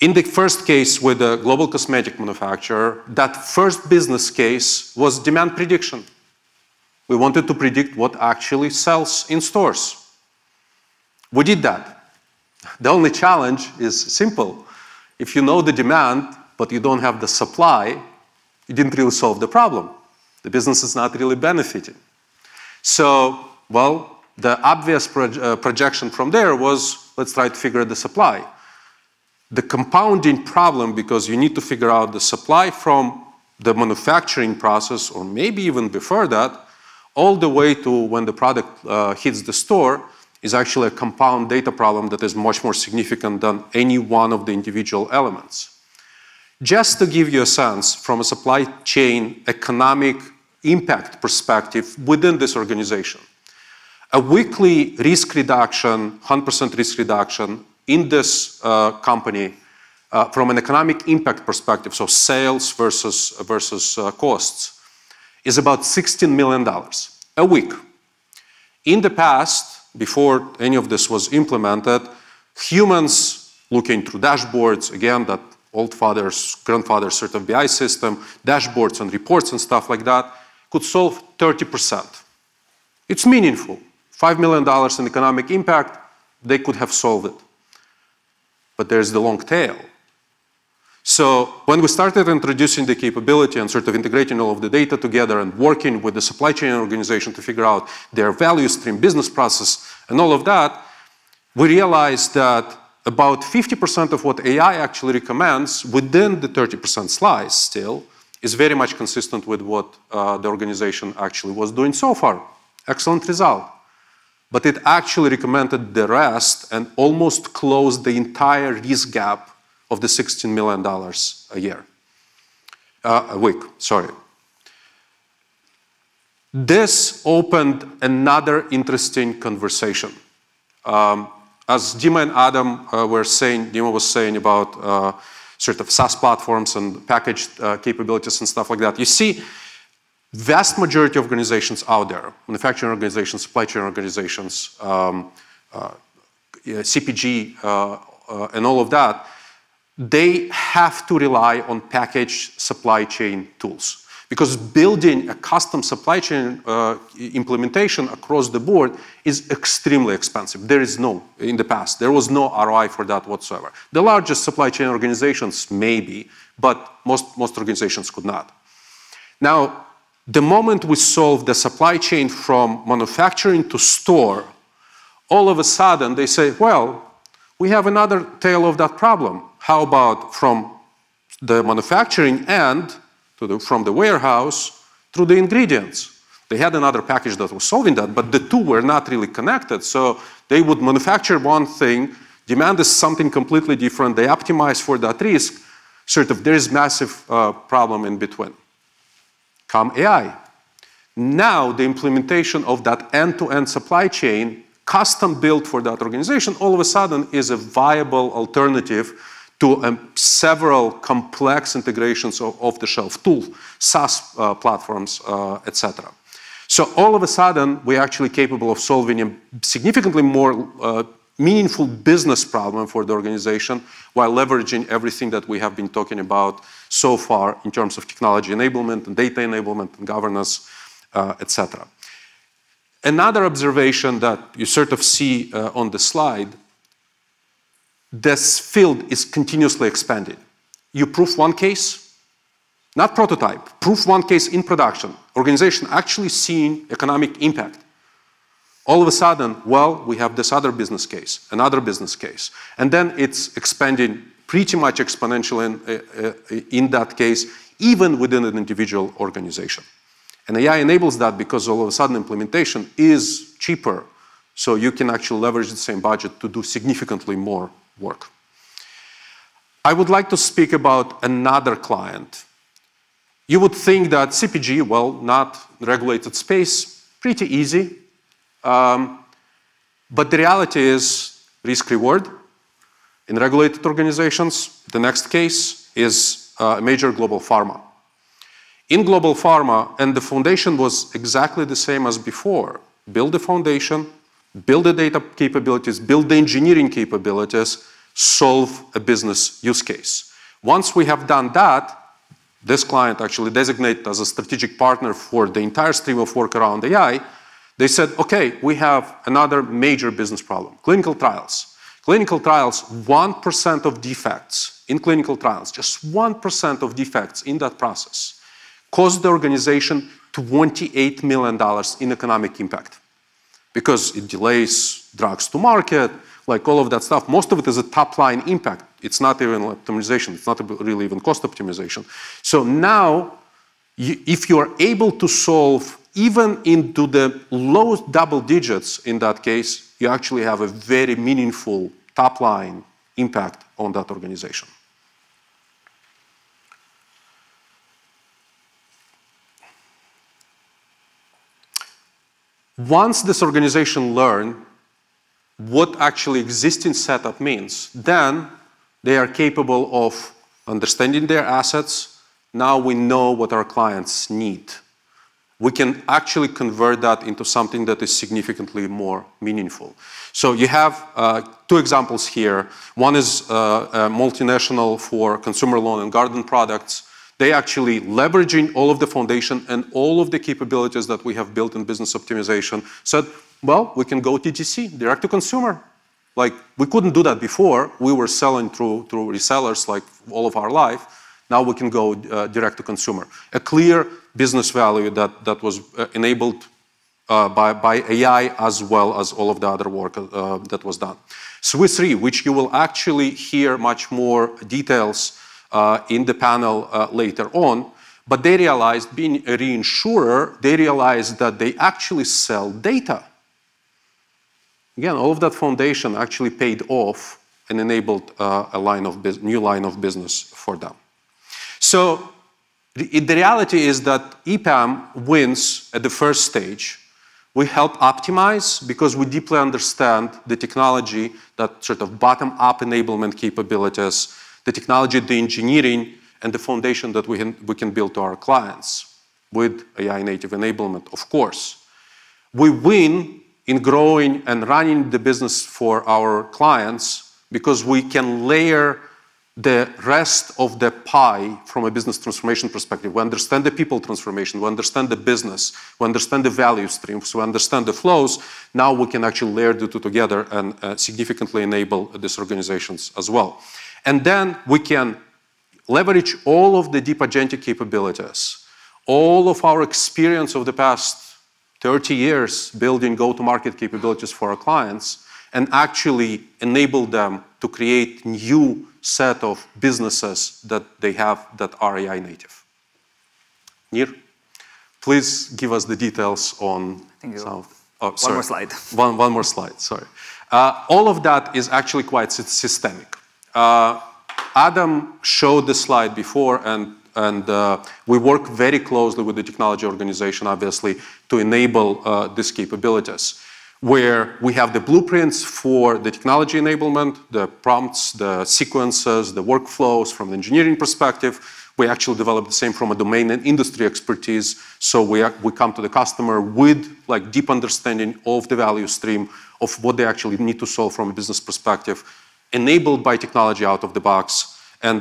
In the first case with a global cosmetic manufacturer, that first business case was demand prediction. We wanted to predict what actually sells in stores. We did that. The only challenge is simple if you know the demand, but you don't have the supply, you didn't really solve the problem. The business is not really benefiting. Well, the obvious projection from there was let's try to figure the supply. The compounding problem, because you need to figure out the supply from the manufacturing process or maybe even before that all the way to when the product hits the store, is actually a compound data problem that is much more significant than any one of the individual elements. Just to give you a sense from a supply chain economic impact perspective within this organization, a weekly 100% risk reduction in this company from an economic impact perspective. Sales versus costs is about $16 million a week. In the past, before any of this was implemented, humans looking through dashboards again that old fathers, grandfathers sort of BI system, dashboards and reports and stuff like that could solve 30%. It's meaningful. $5 million in economic impact they could have solved it. There's the long tail. When we started introducing the capability and sort of integrating all of the data together and working with the supply chain organization to figure out their value stream business process and all of that, we realized that about 50% of what AI actually recommends within the 30% slice still is very much consistent with what the organization actually was doing so far. Excellent result. It actually recommended the rest and almost closed the entire risk gap of the $16 million a year. A week. Sorry. This opened another interesting conversation. As Dima and Adam were saying, Dima was saying about sort of SaaS platforms and package capabilities and stuff like that. You see, vast majority of organizations out there, manufacturing organizations, supply chain organizations, CPG, and all of that, they have to rely on packaged supply chain tools because building a custom supply chain implementation across the board is extremely expensive. In the past, there was no ROI for that whatsoever. The largest supply chain organizations maybe, but most organizations could not. Now, the moment we solve the supply chain from manufacturing to store, all of a sudden they say, "Well, we have another tail of that problem. How about from the manufacturing end to the warehouse to the ingredients?" They had another packaged that was solving that, but the two were not really connected. They would manufacture one thing. Demand is something completely different. They optimize for that risk, sort of there is massive problem in between. Now, the implementation of that end-to-end supply chain, custom-built for that organization all of a sudden is a viable alternative to several complex integrations off-the-shelf tools, SaaS, platforms, et cetera. All of a sudden, we're actually capable of solving a significantly more meaningful business problem for the organization while leveraging everything that we have been talking about so far in terms of technology enablement and data enablement and governance, et cetera. Another observation that you sort of see on the slide, this field is continuously expanding. You prove one case, not prototype. Prove one case in production. Organization actually seeing economic impact. All of a sudden, well, we have this other business case. Another business case. And then it's expanding pretty much exponentially in that case, even within an individual organization. AI enables that because all of a sudden implementation is cheaper, so you can actually leverage the same budget to do significantly more work. I would like to speak about another client. You would think that CPG, well, not regulated space, pretty easy. But the reality is risk-reward in regulated organizations. The next case is a major global pharma. In global pharma, the foundation was exactly the same as before. Build a foundation, build the data capabilities, build the engineering capabilities, solve a business use case. Once we have done that, this client actually designate as a strategic partner for the entire stream of work around AI. They said, "Okay, we have another major business problem. Clinical trials." Clinical trials, 1% of defects in clinical trials. Just 1% of defects in that process cost the organization $28 million in economic impact because it delays drugs to market, like all of that stuff. Most of it is a top-line impact. It's not even optimization. It's not really even cost optimization. Now you, if you are able to solve even into the low double digits, in that case, you actually have a very meaningful top-line impact on that organization. Once this organization learn what actually existing setup means, then they are capable of understanding their assets. Now we know what our clients need. We can actually convert that into something that is significantly more meaningful. You have two examples here. One is a multinational for consumer lawn and garden products. They actually leveraging all of the foundation and all of the capabilities that we have built in business optimization, said, "Well, we can go DTC, direct to consumer." Like, we couldn't do that before. We were selling through resellers, like, all of our life, now we can go direct to consumer. A clear business value that was enabled by AI as well as all of the other work that was done. Swiss Re, which you will actually hear much more details in the panel later on. They realized being a reinsurer, they realized that they actually sell data. Again, all of that foundation actually paid off and enabled a new line of business for them. The reality is that EPAM wins at the first stage. We help optimize because we deeply understand the technology, that sort of bottom-up enablement capabilities, the technology, the engineering, and the foundation that we can build to our clients with AI-native enablement of course. We win in growing and running the business for our clients because we can layer the rest of the pie from a business transformation perspective. We understand the people transformation, we understand the business, we understand the value streams, we understand the flows. Now we can actually layer the two together and significantly enable these organizations as well. We can leverage all of the deep agentic capabilities, all of our experience over the past 30 years building go-to-market capabilities for our clients, and actually enable them to create new set of businesses that they have that are AI-native. Nir, please give us the details on. Thank you. Oh, sorry. One more slide. One more slide. Sorry. All of that is actually quite systemic. Adam showed the slide before and we work very closely with the technology organization obviously to enable these capabilities, where we have the blueprints for the technology enablement, the prompts, the sequences, the workflows from engineering perspective. We actually develop the same from a domain and industry expertise, so we come to the customer with, like, deep understanding of the value stream of what they actually need to solve from a business perspective, enabled by technology out of the box and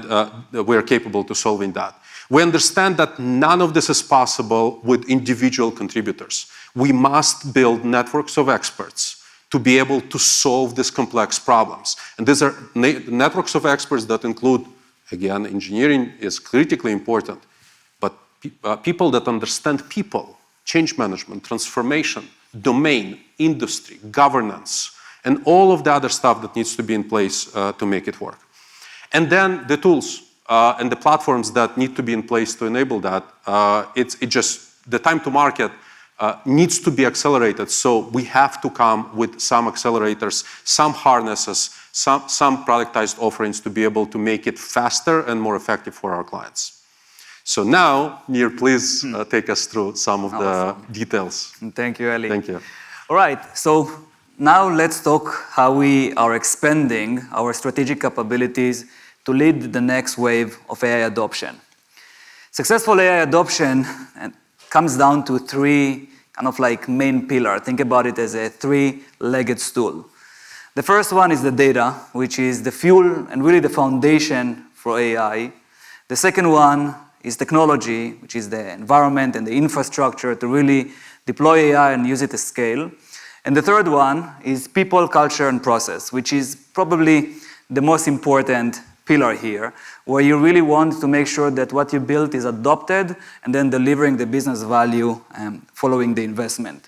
we're capable of solving that. We understand that none of this is possible with individual contributors. We must build networks of experts to be able to solve these complex problems, and these are networks of experts that include, again, engineering is critically important, but people that understand people, change management, transformation, domain, industry, governance, and all of the other stuff that needs to be in place to make it work. Then the tools and the platforms that need to be in place to enable that. The time to market needs to be accelerated, so we have to come with some accelerators, some harnesses, some productized offerings to be able to make it faster and more effective for our clients. Now, Nir, please. Take us through some of the details. Thank you, Eli. Thank you. All right. Now let's talk how we are expanding our strategic capabilities to lead the next wave of AI adoption. Successful AI adoption comes down to three kind of like main pillar. Think about it as a three-legged stool. The first one is the data, which is the fuel and really the foundation for AI. The second one is technology, which is the environment and the infrastructure to really deploy AI and use it to scale. The third one is people, culture, and process, which is probably the most important pillar here, where you really want to make sure that what you built is adopted and then delivering the business value following the investment.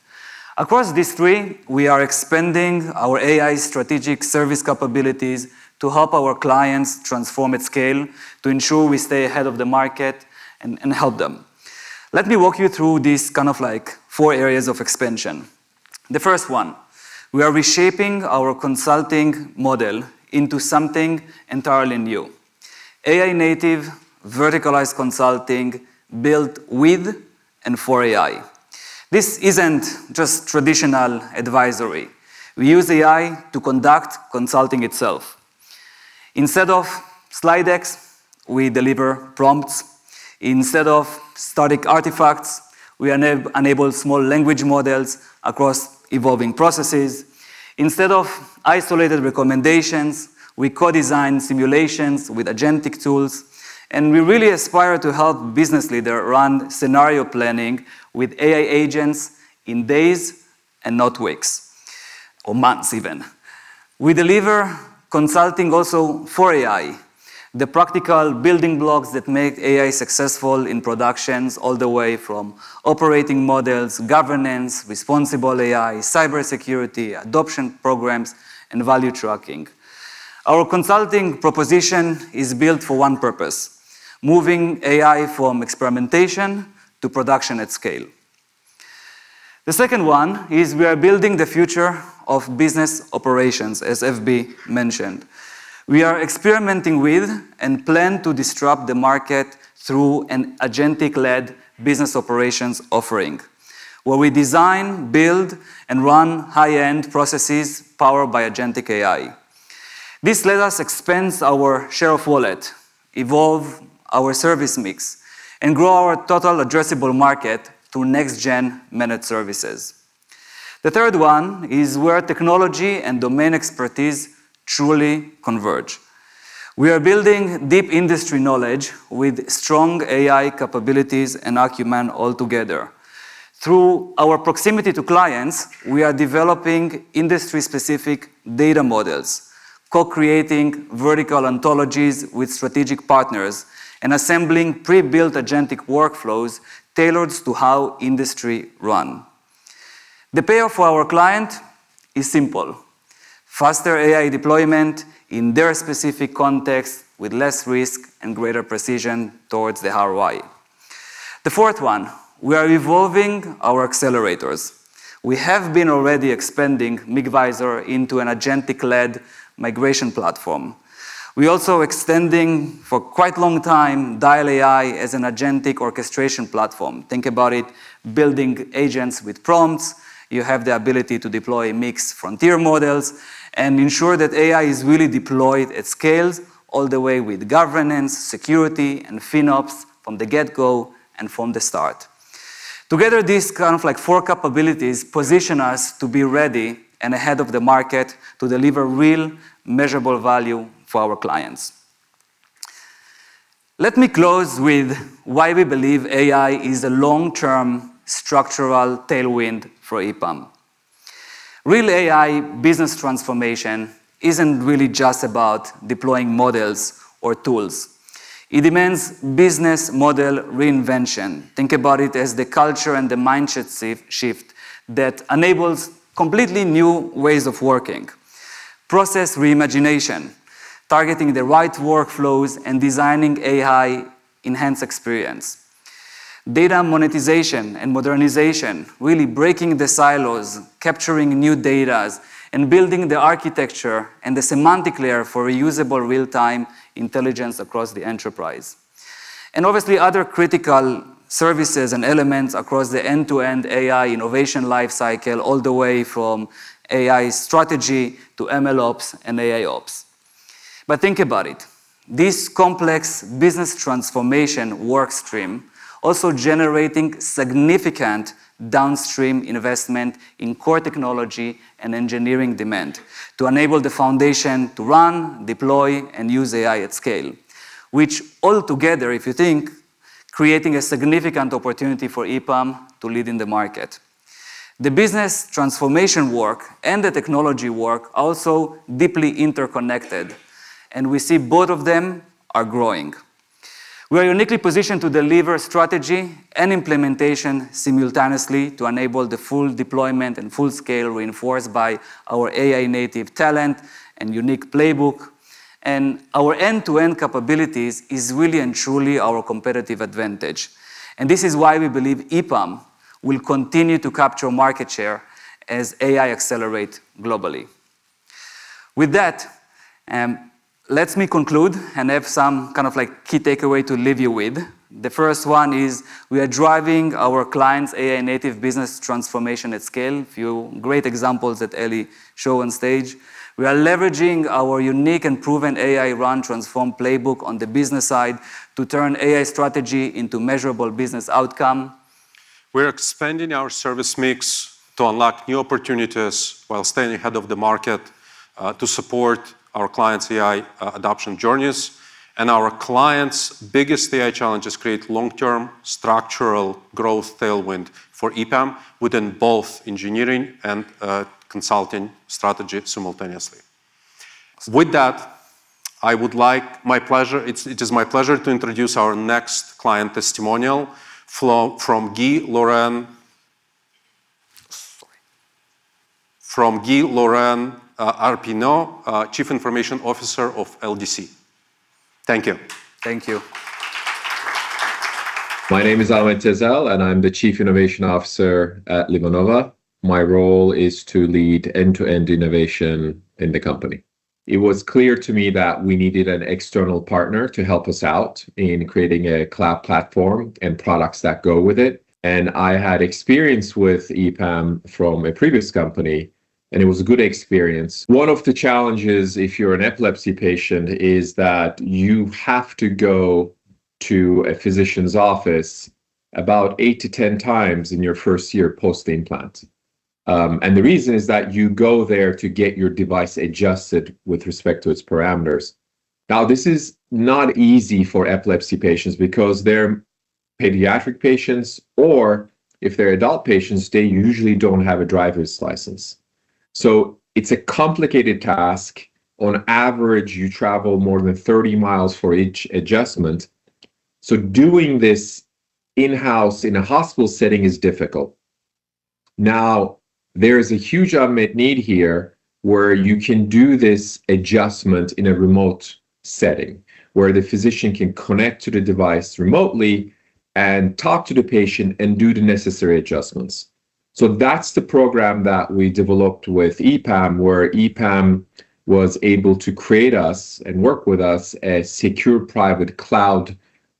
Across these three, we are expanding our AI strategic service capabilities to help our clients transform at scale to ensure we stay ahead of the market and help them. Let me walk you through these kind of like four areas of expansion. The first one, we are reshaping our consulting model into something entirely new. AI-native, verticalized consulting built with and for AI. This isn't just traditional advisory. We use AI to conduct consulting itself. Instead of slide decks, we deliver prompts. Instead of static artifacts, we enable small language models across evolving processes. Instead of isolated recommendations, we co-design simulations with agentic tools, and we really aspire to help business leader run scenario planning with AI agents in days and not weeks or months even. We deliver consulting also for AI, the practical building blocks that make AI successful in productions all the way from operating models, governance, responsible AI, cybersecurity, adoption programs, and value tracking. Our consulting proposition is built for one purpose, moving AI from experimentation to production at scale. The second one is we are building the future of business operations, as FB mentioned. We are experimenting with and plan to disrupt the market through an agentic-led business operations offering, where we design, build, and run high-end processes powered by agentic AI. This lets us expand our share of wallet, evolve our service mix, and grow our total addressable market through next gen managed services. The third one is where technology and domain expertise truly converge. We are building deep industry knowledge with strong AI capabilities and acumen all together. Through our proximity to clients, we are developing industry-specific data models, co-creating vertical ontologies with strategic partners, and assembling pre-built agentic workflows tailored to how industries run. The payoff for our client is simple. Faster AI deployment in their specific context with less risk and greater precision towards the ROI. The fourth one, we are evolving our accelerators. We have been already expanding migVisor into an agentic-led migration platform. We also extending for quite long time DIAL as an agentic orchestration platform. Think about it building agents with prompts. You have the ability to deploy mixed frontier models and ensure that AI is really deployed at scale all the way with governance, security, and FinOps from the get-go and from the start. Together, these kind of like four capabilities position us to be ready and ahead of the market to deliver real measurable value for our clients. Let me close with why we believe AI is a long-term structural tailwind for EPAM. Real AI business transformation isn't really just about deploying models or tools. It demands business model reinvention. Think about it as the culture and the mindset shift that enables completely new ways of working. Process reimagination, targeting the right workflows and designing AI enhanced experience. Data monetization and modernization, really breaking the silos, capturing new data, and building the architecture and the semantic layer for reusable real-time intelligence across the enterprise. Obviously other critical services and elements across the end-to-end AI innovation life cycle all the way from AI strategy to MLOps and AIOps. Think about it, this complex business transformation work stream also generating significant downstream investment in core technology and engineering demand to enable the foundation to run, deploy, and use AI at scale, which altogether, if you think, creating a significant opportunity for EPAM to lead in the market. The business transformation work and the technology work also deeply interconnected, and we see both of them are growing. We are uniquely positioned to deliver strategy and implementation simultaneously to enable the full deployment and full scale reinforced by our AI native talent and unique playbook. Our end-to-end capabilities is really and truly our competitive advantage. This is why we believe EPAM will continue to capture market share as AI accelerate globally. With that, let me conclude and have some kind of like key takeaway to leave you with. The first one is we are driving our clients' AI native business transformation at scale. Few great examples that Eli show on stage. We are leveraging our unique and proven AI run transform playbook on the business side to turn AI strategy into measurable business outcome. We're expanding our service mix to unlock new opportunities while staying ahead of the market, to support our clients' AI adoption journeys. Our clients' biggest AI challenges create long-term structural growth tailwind for EPAM within both engineering and consulting strategy simultaneously. With that, it's my pleasure to introduce our next client testimonial from Guy-Laurent Arpino, Chief Information Officer of LDC. Thank you. Thank you. My name is Ahmet Tezel, and I'm the Chief Innovation Officer at LivaNova. My role is to lead end-to-end innovation in the company. It was clear to me that we needed an external partner to help us out in creating a cloud platform and products that go with it, and I had experience with EPAM from a previous company, and it was a good experience. One of the challenges if you're an epilepsy patient is that you have to go to a physician's office about eight to 10 times in your first year post-implant. The reason is that you go there to get your device adjusted with respect to its parameters. Now, this is not easy for epilepsy patients because they're pediatric patients or if they're adult patients, they usually don't have a driver's license. It's a complicated task. On average, you travel more than 30 miles for each adjustment. Doing this in-house in a hospital setting is difficult. Now, there is a huge unmet need here where you can do this adjustment in a remote setting, where the physician can connect to the device remotely and talk to the patient and do the necessary adjustments. That's the program that we developed with EPAM, where EPAM was able to create for us and work with us a secure private cloud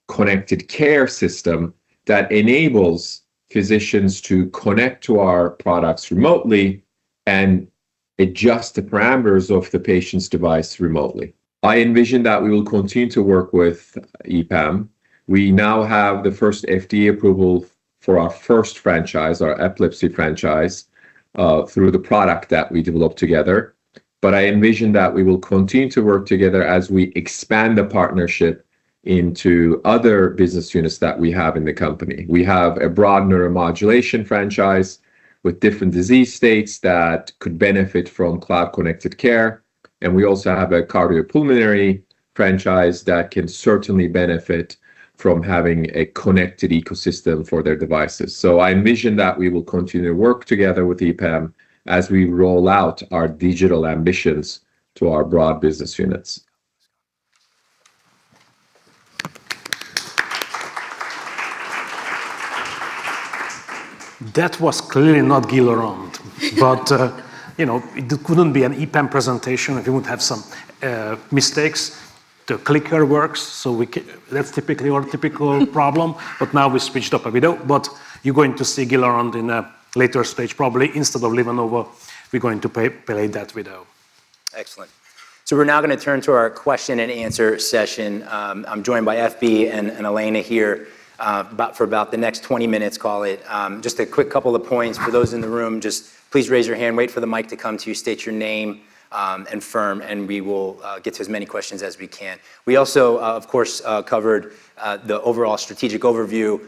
connected care system that enables physicians to connect to our products remotely and adjust the parameters of the patient's device remotely. I envision that we will continue to work with EPAM. We now have the first FDA approval for our first franchise, our epilepsy franchise, through the product that we developed together. I envision that we will continue to work together as we expand the partnership into other business units that we have in the company. We have a broad neuromodulation franchise with different disease states that could benefit from cloud-connected care, and we also have a cardiopulmonary franchise that can certainly benefit from having a connected ecosystem for their devices. I envision that we will continue to work together with EPAM as we roll out our digital ambitions to our broad business units. That was clearly not Guy-Laurent. You know, it couldn't be an EPAM presentation if it wouldn't have some mistakes. The clicker works, so that's typically our problem, but now we switched off a video. You're going to see Guy-Laurent in a later stage probably instead of live and over, we're going to play that video. Excellent. We're now gonna turn to our question and answer session. I'm joined by FB and Elaina here for about the next 20 minutes, call it. Just a quick couple of points for those in the room. Just please raise your hand, wait for the mic to come to you, state your name and firm, and we will get to as many questions as we can. We also, of course, covered the overall strategic overview,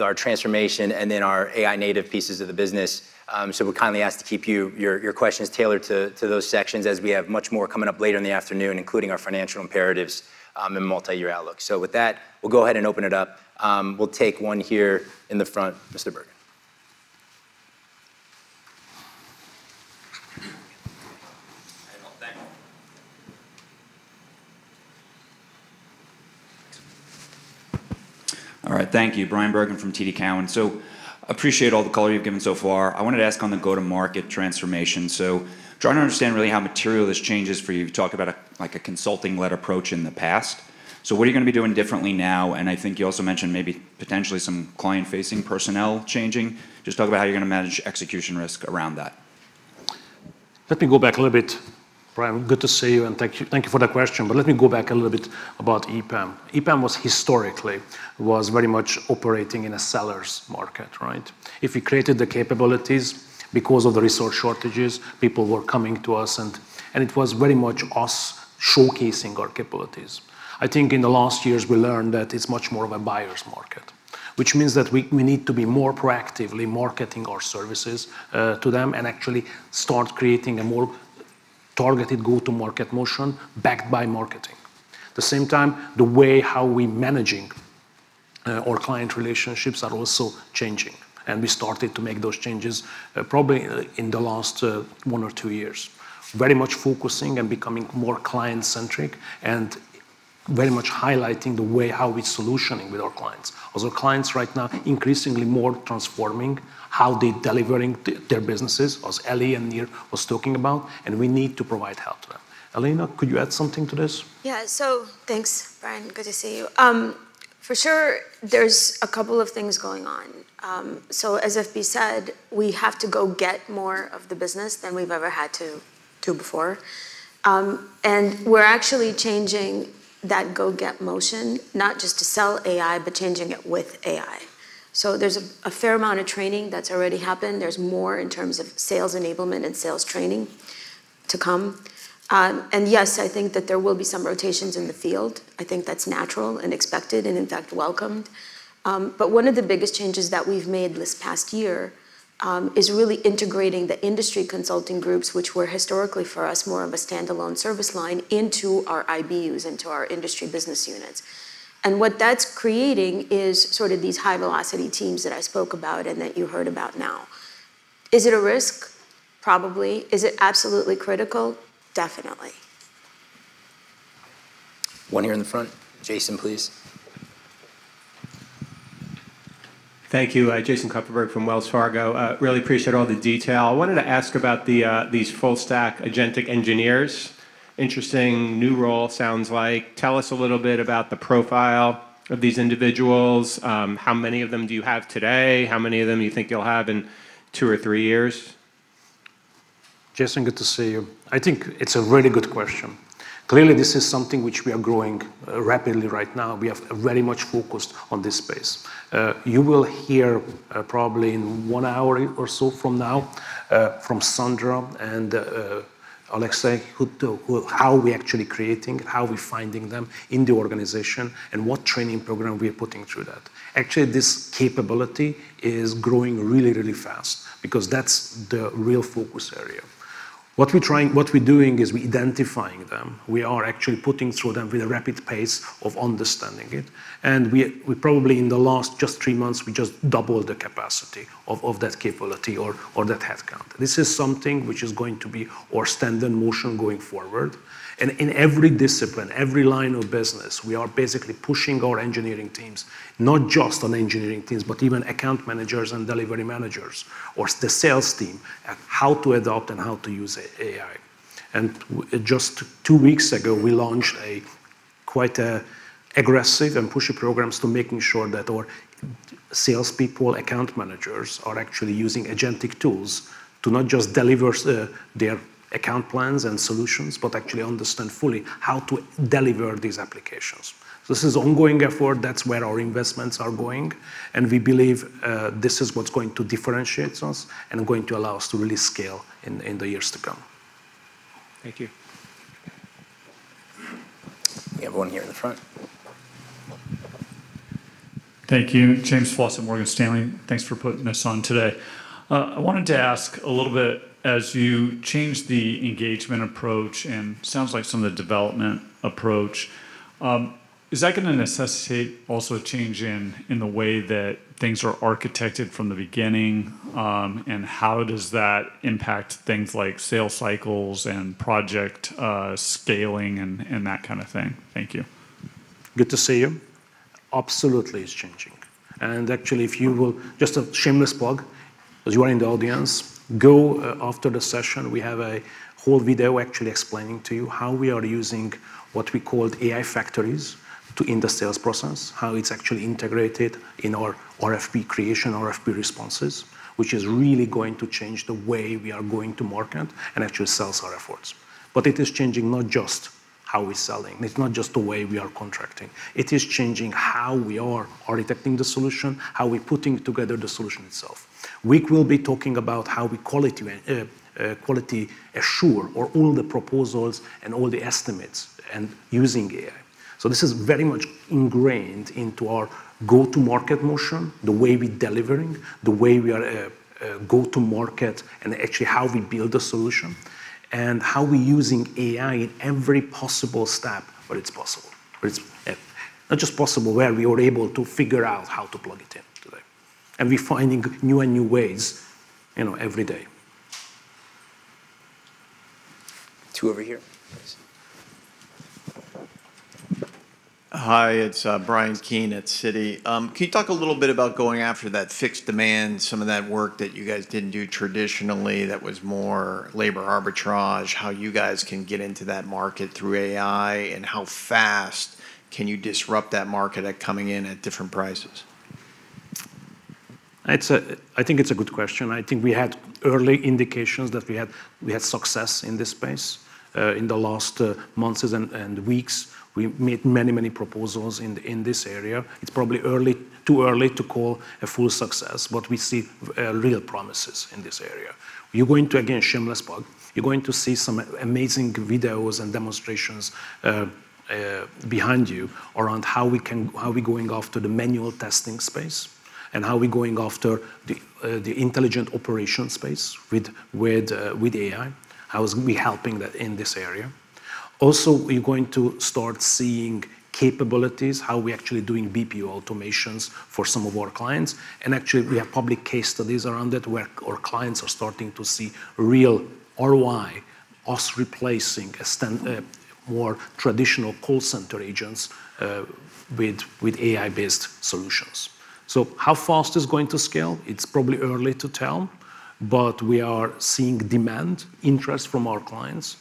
our transformation, and then our AI native pieces of the business. We kindly ask to keep your questions tailored to those sections as we have much more coming up later in the afternoon, including our financial imperatives and multiyear outlook. With that, we'll go ahead and open it up. We'll take one here in the front. Mr. Bergin. All right, thank you. Bryan Bergin from TD Cowen. Appreciate all the color you've given so far. I wanted to ask on the go-to-market transformation. Trying to understand really how material this change is for you. You've talked about a, like, a consulting-led approach in the past. What are you gonna be doing differently now? I think you also mentioned maybe potentially some client-facing personnel changing. Just talk about how you're gonna manage execution risk around that. Let me go back a little bit. Bryan, good to see you, and thank you, thank you for that question. Let me go back a little bit about EPAM. EPAM was historically operating in a seller's market, right? If we created the capabilities because of the resource shortages, people were coming to us and it was very much us showcasing our capabilities. I think in the last years, we learned that it's much more of a buyer's market, which means that we need to be more proactively marketing our services to them and actually start creating a more targeted go-to-market motion backed by marketing. At the same time, the way how we managing our client relationships are also changing, and we started to make those changes probably in the last one or two years. Very much focusing and becoming more client-centric and very much highlighting the way how we're solutioning with our clients. Also, clients right now increasingly more transforming how they're delivering their businesses, as Eli and Nir was talking about, and we need to provide help to them. Elaina, could you add something to this? Yeah. Thanks, Bryan. Good to see you. For sure there's a couple of things going on. As FB said, we have to go get more of the business than we've ever had to before. We're actually changing that go get motion not just to sell AI, but changing it with AI. There's a fair amount of training that's already happened. There's more in terms of sales enablement and sales training to come. Yes, I think that there will be some rotations in the field. I think that's natural and expected and, in fact, welcomed. One of the biggest changes that we've made this past year is really integrating the industry consulting groups, which were historically for us more of a standalone service line into our IBUs, into our industry business units. What that's creating is sort of these high-velocity teams that I spoke about and that you heard about now. Is it a risk? Probably. Is it absolutely critical? Definitely. One here in the front. Jason, please. Thank you. Jason Kupferberg from Wells Fargo. Really appreciate all the detail. I wanted to ask about the these full stack agentic engineers. Interesting new role sounds like. Tell us a little bit about the profile of these individuals. How many of them do you have today? How many of them you think you'll have in two or three years? Jason, good to see you. I think it's a really good question. Clearly, this is something which we are growing rapidly right now. We have very much focused on this space. You will hear probably in 1 hour or so from now from Sandra and Alexei how we actually creating, how we finding them in the organization, and what training program we are putting through that. Actually, this capability is growing really fast because that's the real focus area. What we're doing is we're identifying them. We are actually putting through them with a rapid pace of understanding it, and we probably in the last just 3 months, we just doubled the capacity of that capability or that headcount. This is something which is going to be our standard motion going forward. In every discipline, every line of business, we are basically pushing our engineering teams, but even account managers and delivery managers or the sales team at how to adopt and how to use AI. Just two weeks ago, we launched quite an aggressive and pushy program to make sure that our salespeople, account managers are actually using agentic tools to not just deliver their account plans and solutions, but actually understand fully how to deliver these applications. This is ongoing effort. That's where our investments are going, and we believe this is what's going to differentiate us and going to allow us to really scale in the years to come. Thank you. We have one here in the front. Thank you. James Faucette, Morgan Stanley. Thanks for putting this on today. I wanted to ask a little bit, as you change the engagement approach and sounds like some of the development approach, is that gonna necessitate also a change in the way that things are architected from the beginning? And how does that impact things like sales cycles and project scaling and that kind of thing? Thank you. Good to see you. Absolutely it's changing. Actually, if you will, just a shameless plug, as you are in the audience, go after the session, we have a whole video actually explaining to you how we are using what we called AI factories in the sales process, how it's actually integrated in our RFP creation, RFP responses, which is really going to change the way we are going to market and actually sells our efforts. It is changing not just how we're selling, it's not just the way we are contracting. It is changing how we are architecting the solution, how we're putting together the solution itself. We will be talking about how we quality assure all the proposals and all the estimates using AI. This is very much ingrained into our go-to-market motion, the way we delivering, the way we are go to market and actually how we build the solution and how we're using AI in every possible step where it's possible. Where it's not just possible, where we are able to figure out how to plug it in today. We're finding new and new ways, you know, every day. Two over here. Please. Hi, it's Bryan Keane at Citi. Can you talk a little bit about going after that fixed demand, some of that work that you guys didn't do traditionally that was more labor arbitrage, how you guys can get into that market through AI, and how fast can you disrupt that market by coming in at different prices? I think it's a good question. I think we had early indications that we had success in this space in the last months and weeks. We made many proposals in this area. It's probably too early to call a full success, but we see real promises in this area. We're going to, again, shameless plug, you're going to see some amazing videos and demonstrations behind you around how we're going after the manual testing space and how we're going after the intelligent operation space with AI. How we're helping that in this area. Also, we're going to start seeing capabilities, how we're actually doing BPO automations for some of our clients. Actually we have public case studies around it where our clients are starting to see real ROI, us replacing more traditional call center agents with AI-based solutions. How fast it's going to scale, it's probably early to tell, but we are seeing demand interest from our clients.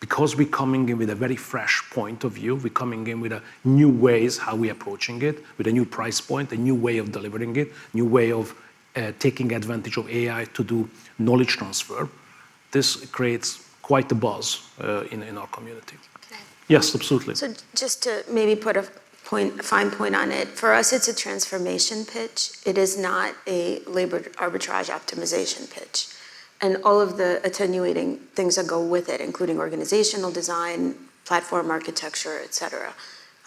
Because we coming in with a very fresh point of view, we coming in with a new ways how we approaching it, with a new price point, a new way of delivering it, new way of taking advantage of AI to do knowledge transfer. This creates quite a buzz in our community. Can I? Yes, absolutely. Just to maybe put a point, a fine point on it, for us, it's a transformation pitch. It is not a labor arbitrage optimization pitch, and all of the attendant things that go with it, including organizational design, platform architecture, et cetera.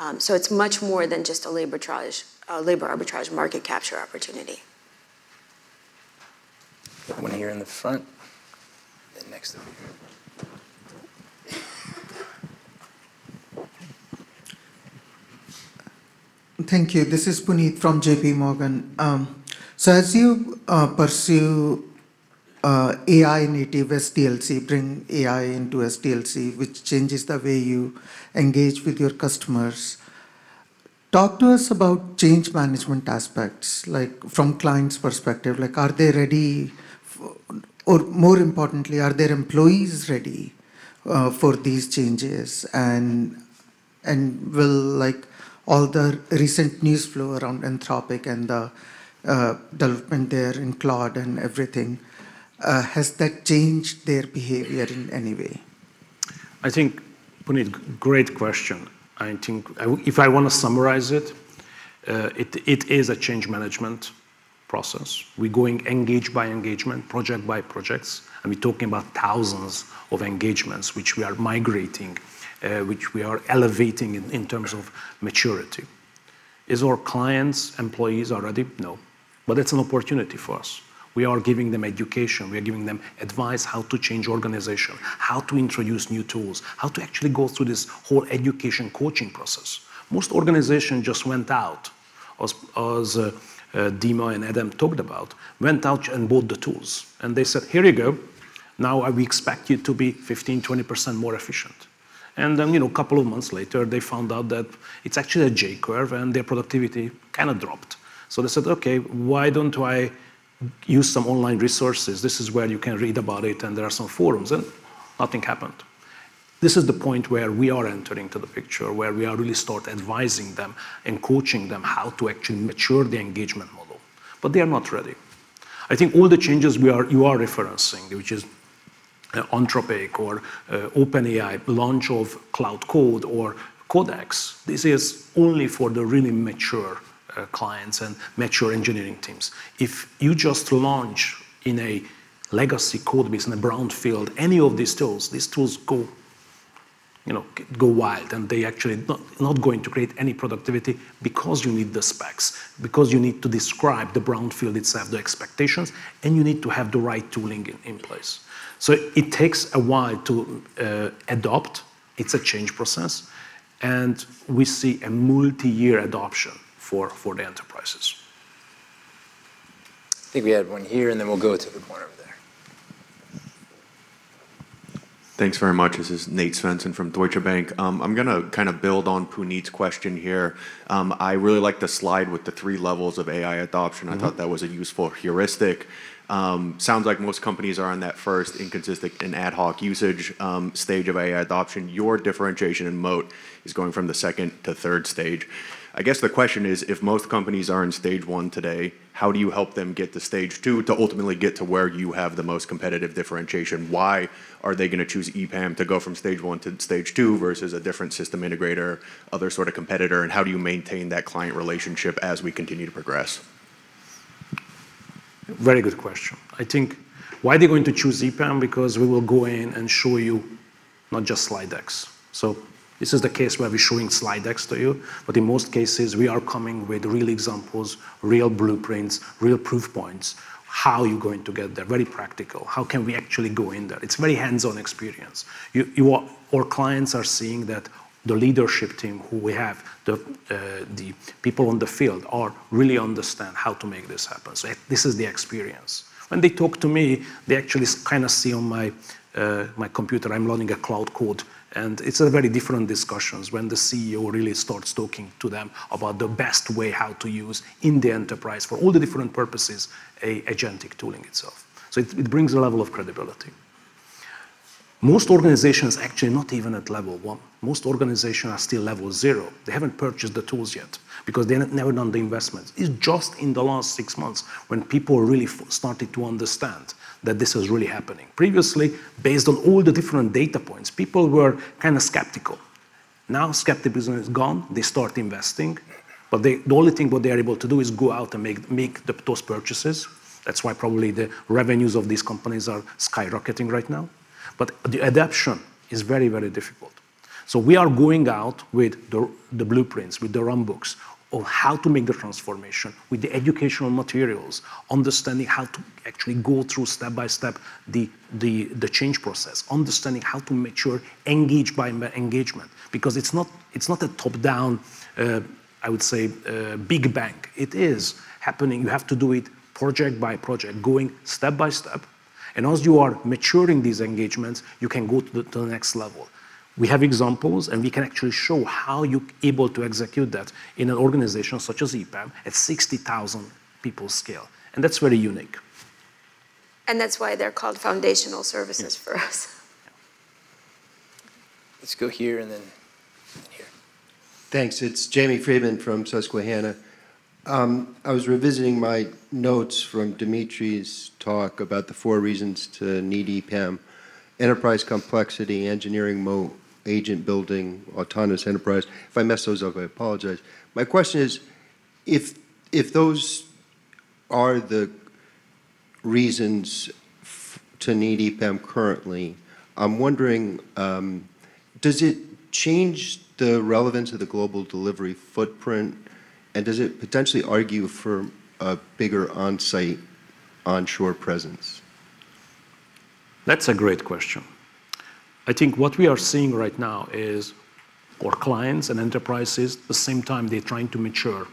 It's much more than just a labor arbitrage market capture opportunity. One here in the front, then next to you. Thank you. This is Puneet from JPMorgan. As you pursue AI native SDLC, bring AI into SDLC, which changes the way you engage with your customers, talk to us about change management aspects, like from clients' perspective. Like, are they ready? Or more importantly, are their employees ready for these changes? Will, like, all the recent news flow around Anthropic and the development there in cloud and everything, has that changed their behavior in any way? I think, Puneet, great question. I think if I want to summarize it is a change management process. We're going engagement by engagement, project by project, and we're talking about thousands of engagements which we are migrating, which we are elevating in terms of maturity. Are our clients' employees ready? No. It's an opportunity for us. We are giving them education. We are giving them advice how to change organization, how to introduce new tools, how to actually go through this whole education coaching process. Most organizations just went out, as Dima and Adam talked about, went out and bought the tools, and they said, "Here you go. We expect you to be 15%-20% more efficient. You know, couple of months later, they found out that it's actually a J curve and their productivity kind of dropped. They said, "Okay, why don't I use some online resources? This is where you can read about it, and there are some forums." Nothing happened. This is the point where we are entering into the picture, where we are really start advising them and coaching them how to actually mature the engagement model. They are not ready. I think all the changes you are referencing, which is, Anthropic or, OpenAI, launch of Claude Code or Codex, this is only for the really mature clients and mature engineering teams. If you just launch in a legacy code base in a brownfield, any of these tools, these tools go, you know, go wild, and they actually not going to create any productivity because you need the specs, because you need to describe the brownfield itself, the expectations, and you need to have the right tooling in place. It takes a while to adopt. It's a change process, and we see a multiyear adoption for the enterprises. I think we had one here, and then we'll go to the one over there. Thanks very much. This is Nate Svensson from Deutsche Bank. I'm gonna kinda build on Puneet's question here. I really like the slide with the three levels of AI adoption. I thought that was a useful heuristic. Sounds like most companies are on that first inconsistent and ad hoc usage stage of AI adoption. Your differentiation and moat is going from the second to third stage. I guess the question is, if most companies are in stage one today, how do you help them get to stage two to ultimately get to where you have the most competitive differentiation? Why are they gonna choose EPAM to go from stage one to stage two versus a different system integrator, other sort of competitor, and how do you maintain that client relationship as we continue to progress? Very good question. I think why they're going to choose EPAM, because we will go in and show you not just slide decks. This is the case where we're showing slide decks to you, but in most cases we are coming with real examples, real blueprints, real proof points, how you're going to get there, very practical. How can we actually go in there? It's very hands-on experience. Our clients are seeing that the leadership team who we have, the people on the field are really understand how to make this happen. This is the experience. When they talk to me, they actually kind of see on my computer, I'm running a Claude Code, and it's a very different discussions when the CEO really starts talking to them about the best way how to use in the enterprise for all the different purposes agentic tooling itself. It brings a level of credibility. Most organizations actually not even at level one. Most organizations are still level zero. They haven't purchased the tools yet because they never done the investments. It's just in the last six months when people really started to understand that this is really happening. Previously, based on all the different data points, people were kinda skeptical. Now skepticism is gone. They start investing. They, the only thing what they are able to do is go out and make those purchases. That's why probably the revenues of these companies are skyrocketing right now. The adoption is very, very difficult. We are going out with the blueprints, with the runbooks on how to make the transformation with the educational materials, understanding how to actually go through step-by-step the change process, understanding how to mature engagement by engagement, because it's not a top-down, I would say, big bang. It is happening. You have to do it project by project, going step by step, and as you are maturing these engagements, you can go to the next level. We have examples, and we can actually show how you're able to execute that in an organization such as EPAM at 60,000 people scale, and that's very unique. That's why they're called foundational services for us. Let's go here, and then here. Thanks. It's Jamie Friedman from Susquehanna. I was revisiting my notes from Dmitry's talk about the four reasons to need EPAM: enterprise complexity, engineering moat, agent building, autonomous enterprise. If I messed those up, I apologize. My question is, if those are the reasons to need EPAM currently, I'm wondering, does it change the relevance of the global delivery footprint, and does it potentially argue for a bigger on-site, on-shore presence? That's a great question. I think what we are seeing right now is our clients and enterprises, the same time they're trying to mature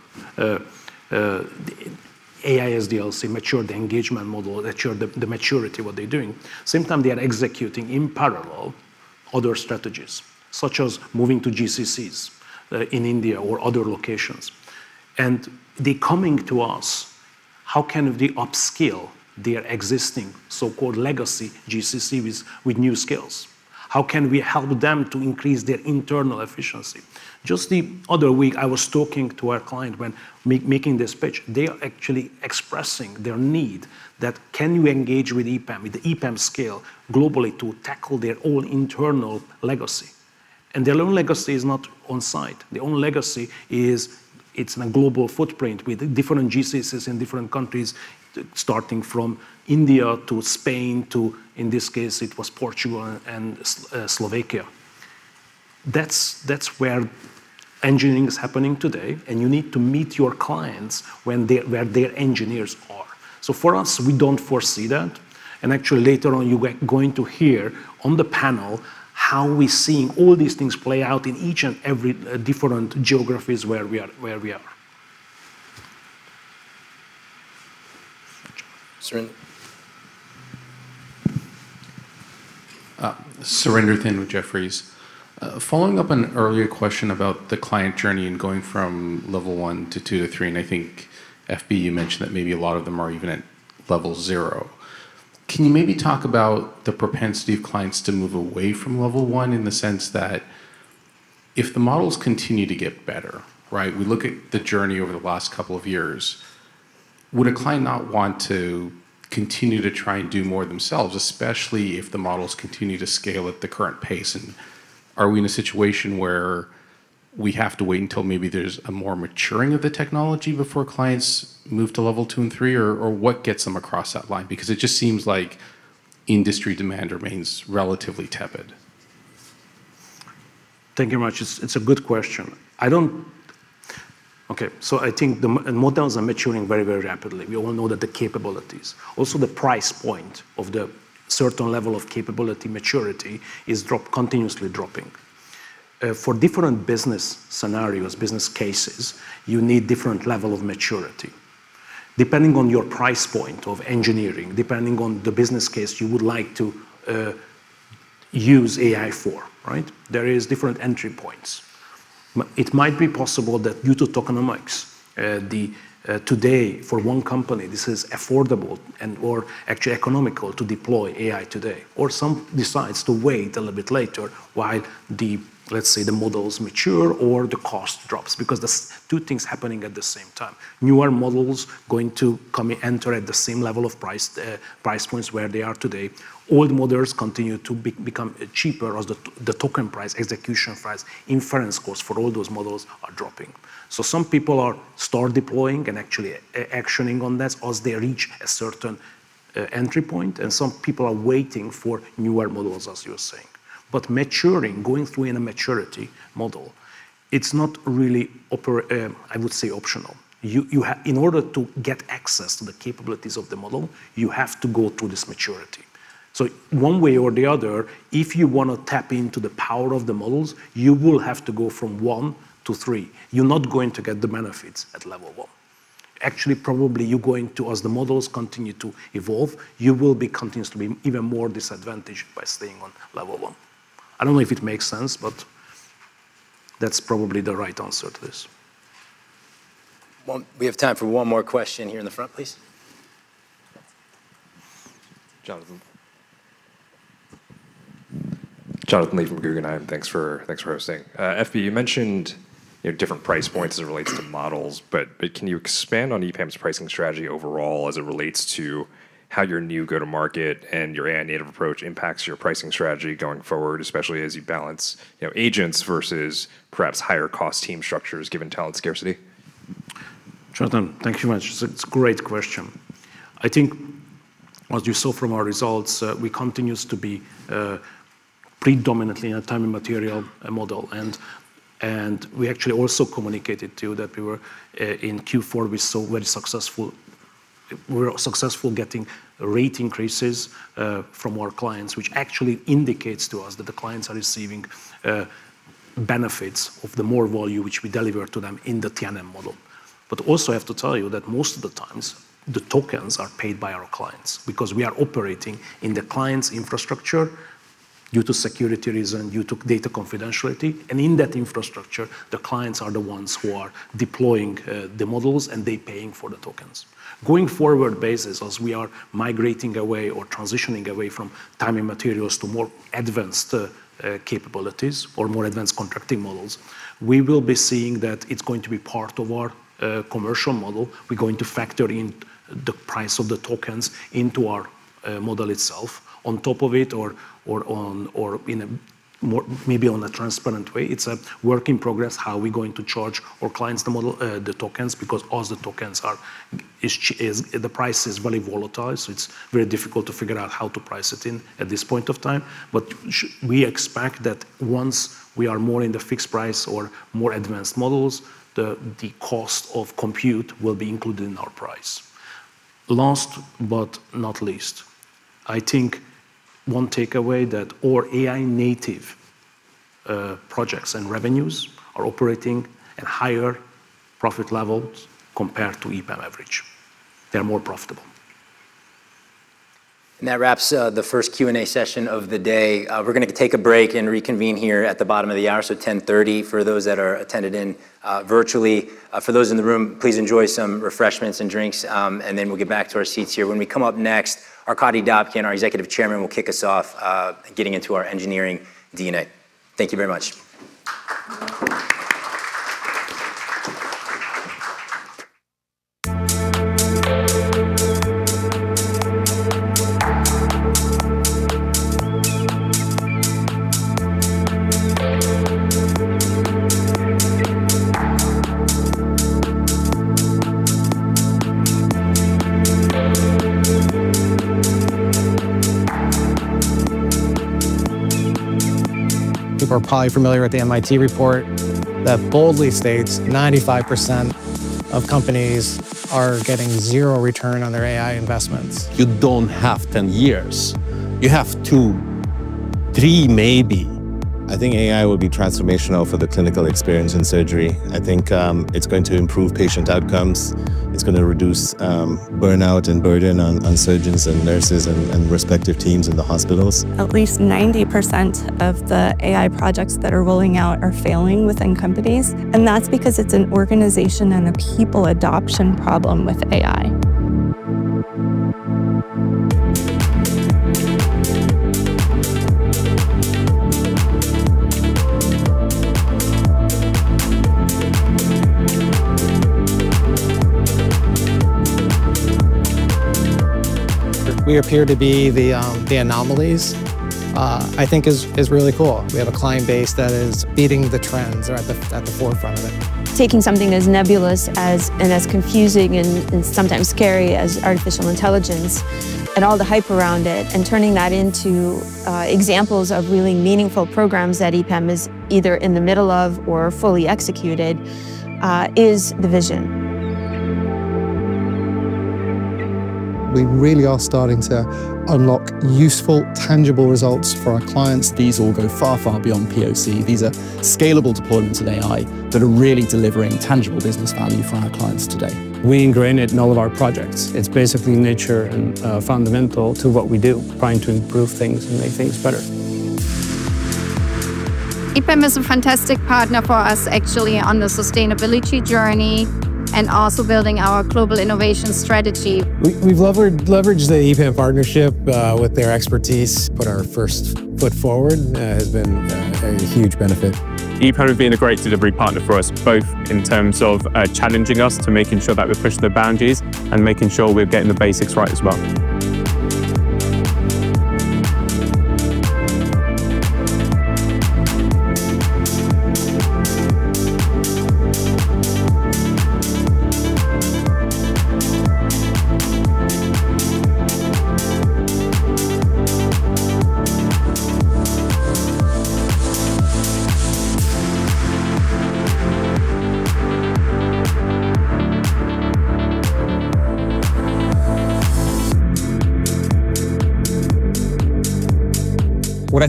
AI SDLC, mature the engagement model, mature the maturity what they're doing, same time they are executing in parallel other strategies, such as moving to GCCs in India or other locations. They're coming to us, how can they upskill their existing so-called legacy GCC with new skills? How can we help them to increase their internal efficiency? Just the other week, I was talking to our client when making this pitch. They are actually expressing their need that can you engage with EPAM, with the EPAM scale globally to tackle their own internal legacy. Their own legacy is not on-site. Their own legacy is it's a global footprint with different GCCs in different countries, starting from India to Spain to, in this case, it was Portugal and Slovakia. That's where engineering is happening today, and you need to meet your clients where their engineers are. For us, we don't foresee that, and actually later on, you are going to hear on the panel how we're seeing all these things play out in each and every different geographies where we are. Surinder Thind with Jefferies. Following up an earlier question about the client journey and going from level one to two to three, and I think, FB, you mentioned that maybe a lot of them are even at level zero. Can you maybe talk about the propensity of clients to move away from level one in the sense that if the models continue to get better, right? We look at the journey over the last couple of years, would a client not want to continue to try and do more themselves, especially if the models continue to scale at the current pace? And are we in a situation where we have to wait until maybe there's a more maturing of the technology before clients move to level two and three? Or, or what gets them across that line? Because it just seems like industry demand remains relatively tepid. Thank you very much. It's a good question. Okay, so I think the models are maturing very, very rapidly. We all know that the capabilities. Also the price point of the certain level of capability maturity is continuously dropping. For different business scenarios, business cases, you need different level of maturity. Depending on your price point of engineering, depending on the business case you would like to use AI for, right? There is different entry points. It might be possible that due to tokenomics, the today for one company this is affordable and or actually economical to deploy AI today, or some decides to wait a little bit later while the, let's say, the models mature or the cost drops because there's two things happening at the same time. Newer models going to enter at the same level of price points where they are today. Old models continue to become cheaper as the token price, execution price, inference costs for all those models are dropping. Some people are starting to deploy and actually actioning on this as they reach a certain entry point, and some people are waiting for newer models, as you're saying. Maturing, going through a maturity model, it's not really optional. In order to get access to the capabilities of the model, you have to go through this maturity. One way or the other, if you wanna tap into the power of the models, you will have to go from one to three. You're not going to get the benefits at level one. Actually, probably you're going to, as the models continue to evolve, you will be continuously even more disadvantaged by staying on level one. I don't know if it makes sense, but that's probably the right answer to this. We have time for one more question here in the front, please. Jonathan. Jonathan Lee from Guggenheim. Thanks for hosting. FB, you mentioned, you know, different price points as it relates to models, but can you expand on EPAM's pricing strategy overall as it relates to how your new go-to-market and your AI-native approach impacts your pricing strategy going forward, especially as you balance, you know, agents versus perhaps higher cost team structures given talent scarcity? Jonathan, thank you much. It's a great question. I think as you saw from our results, we continues to be predominantly in a time and material model and we actually also communicated too that we were in Q4 we were successful getting rate increases from our clients, which actually indicates to us that the clients are receiving benefits of the more value which we deliver to them in the T&M model. But also I have to tell you that most of the times the tokens are paid by our clients because we are operating in the client's infrastructure due to security reason, due to data confidentiality. In that infrastructure, the clients are the ones who are deploying the models, and they're paying for the tokens. Going forward basis, as we are migrating away or transitioning away from time and materials to more advanced, capabilities or more advanced contracting models, we will be seeing that it's going to be part of our, commercial model. We're going to factor in the price of the tokens into our, model itself on top of it or on, or in a more maybe on a transparent way. It's a work in progress how we're going to charge our clients the model, the tokens because as the tokens is the price is very volatile, so it's very difficult to figure out how to price it in at this point of time. We expect that once we are more in the fixed price or more advanced models, the cost of compute will be included in our price. Last but not least, I think one takeaway that our AI native projects and revenues are operating at higher profit levels compared to EPAM average. They're more profitable. That wraps the first Q&A session of the day. We're gonna take a break and reconvene here at the bottom of the hour, so 10:30 A.M. for those that are attending virtually. For those in the room, please enjoy some refreshments and drinks, and then we'll get back to our seats here. When we come up next, Arkadiy Dobkin, our Executive Chairman, will kick us off getting into our engineering DNA. Thank you very much. People are probably familiar with the MIT report that boldly states 95% of companies are getting zero return on their AI investments. You don't have 10 years. You have 2. Three, maybe. I think AI will be transformational for the clinical experience in surgery. I think, it's going to improve patient outcomes. It's gonna reduce, burnout and burden on surgeons and nurses and respective teams in the hospitals. At least 90% of the AI projects that are rolling out are failing within companies, and that's because it's an organization and a people adoption problem with AI. That we appear to be the anomalies, I think is really cool. We have a client base that is beating the trends. They're at the forefront of it. Taking something as nebulous as, and as confusing and sometimes scary as artificial intelligence and all the hype around it and turning that into, examples of really meaningful programs that EPAM is either in the middle of or fully executed, is the vision. We really are starting to unlock useful, tangible results for our clients. These all go far, far beyond POC. These are scalable deployments of AI that are really delivering tangible business value for our clients today. We ingrain it in all of our projects. It's basically nature and, fundamental to what we do, trying to improve things and make things better. EPAM is a fantastic partner for us actually on the sustainability journey and also building our global innovation strategy. We've leveraged the EPAM partnership with their expertise. Putting our best foot forward has been a huge benefit. EPAM have been a great delivery partner for us, both in terms of challenging us to making sure that we push the boundaries and making sure we're getting the basics right as well.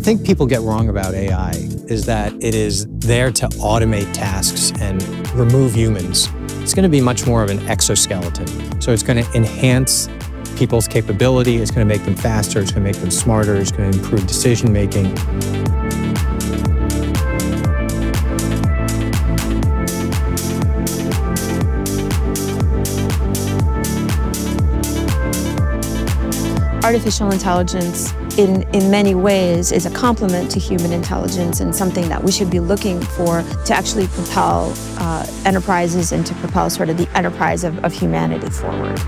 What I think people get wrong about AI is that it is there to automate tasks and remove humans. It's gonna be much more of an exoskeleton, so it's gonna enhance people's capability, it's gonna make them faster, it's gonna make them smarter, it's gonna improve decision-making. Artificial intelligence in many ways is a complement to human intelligence and something that we should be looking for to actually propel enterprises and to propel sort of the enterprise of humanity forward.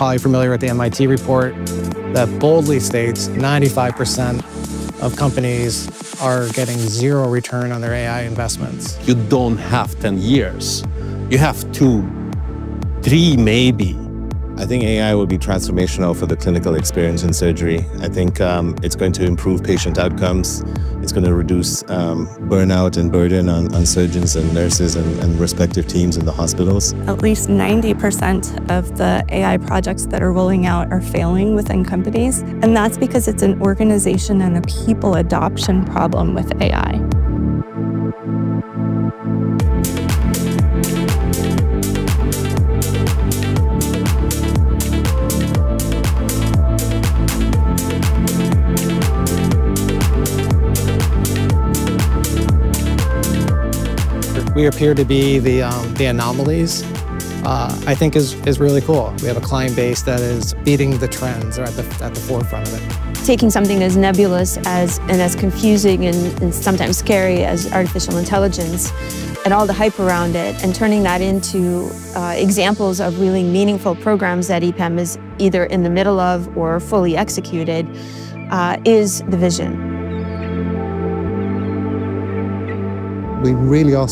Eu já sei que nada será como antes amanhã. Mas eu sei também que você não tá falando a verdade, meu bem. Por favor, me deixa e mais, me dá um favor e sai da minha vida, porque eu sei que vou sofrer a cada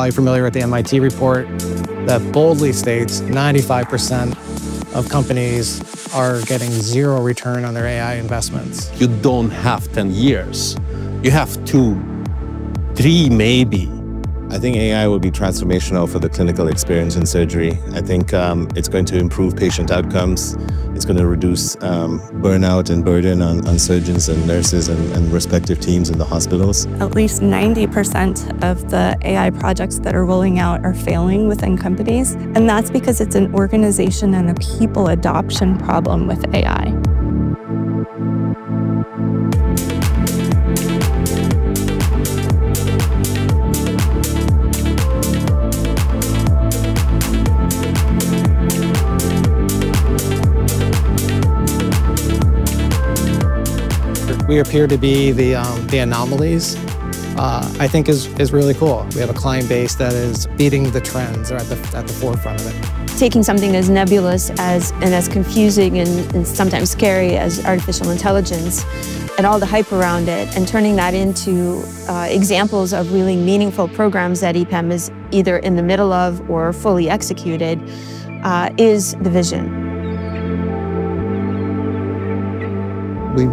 despedida. Me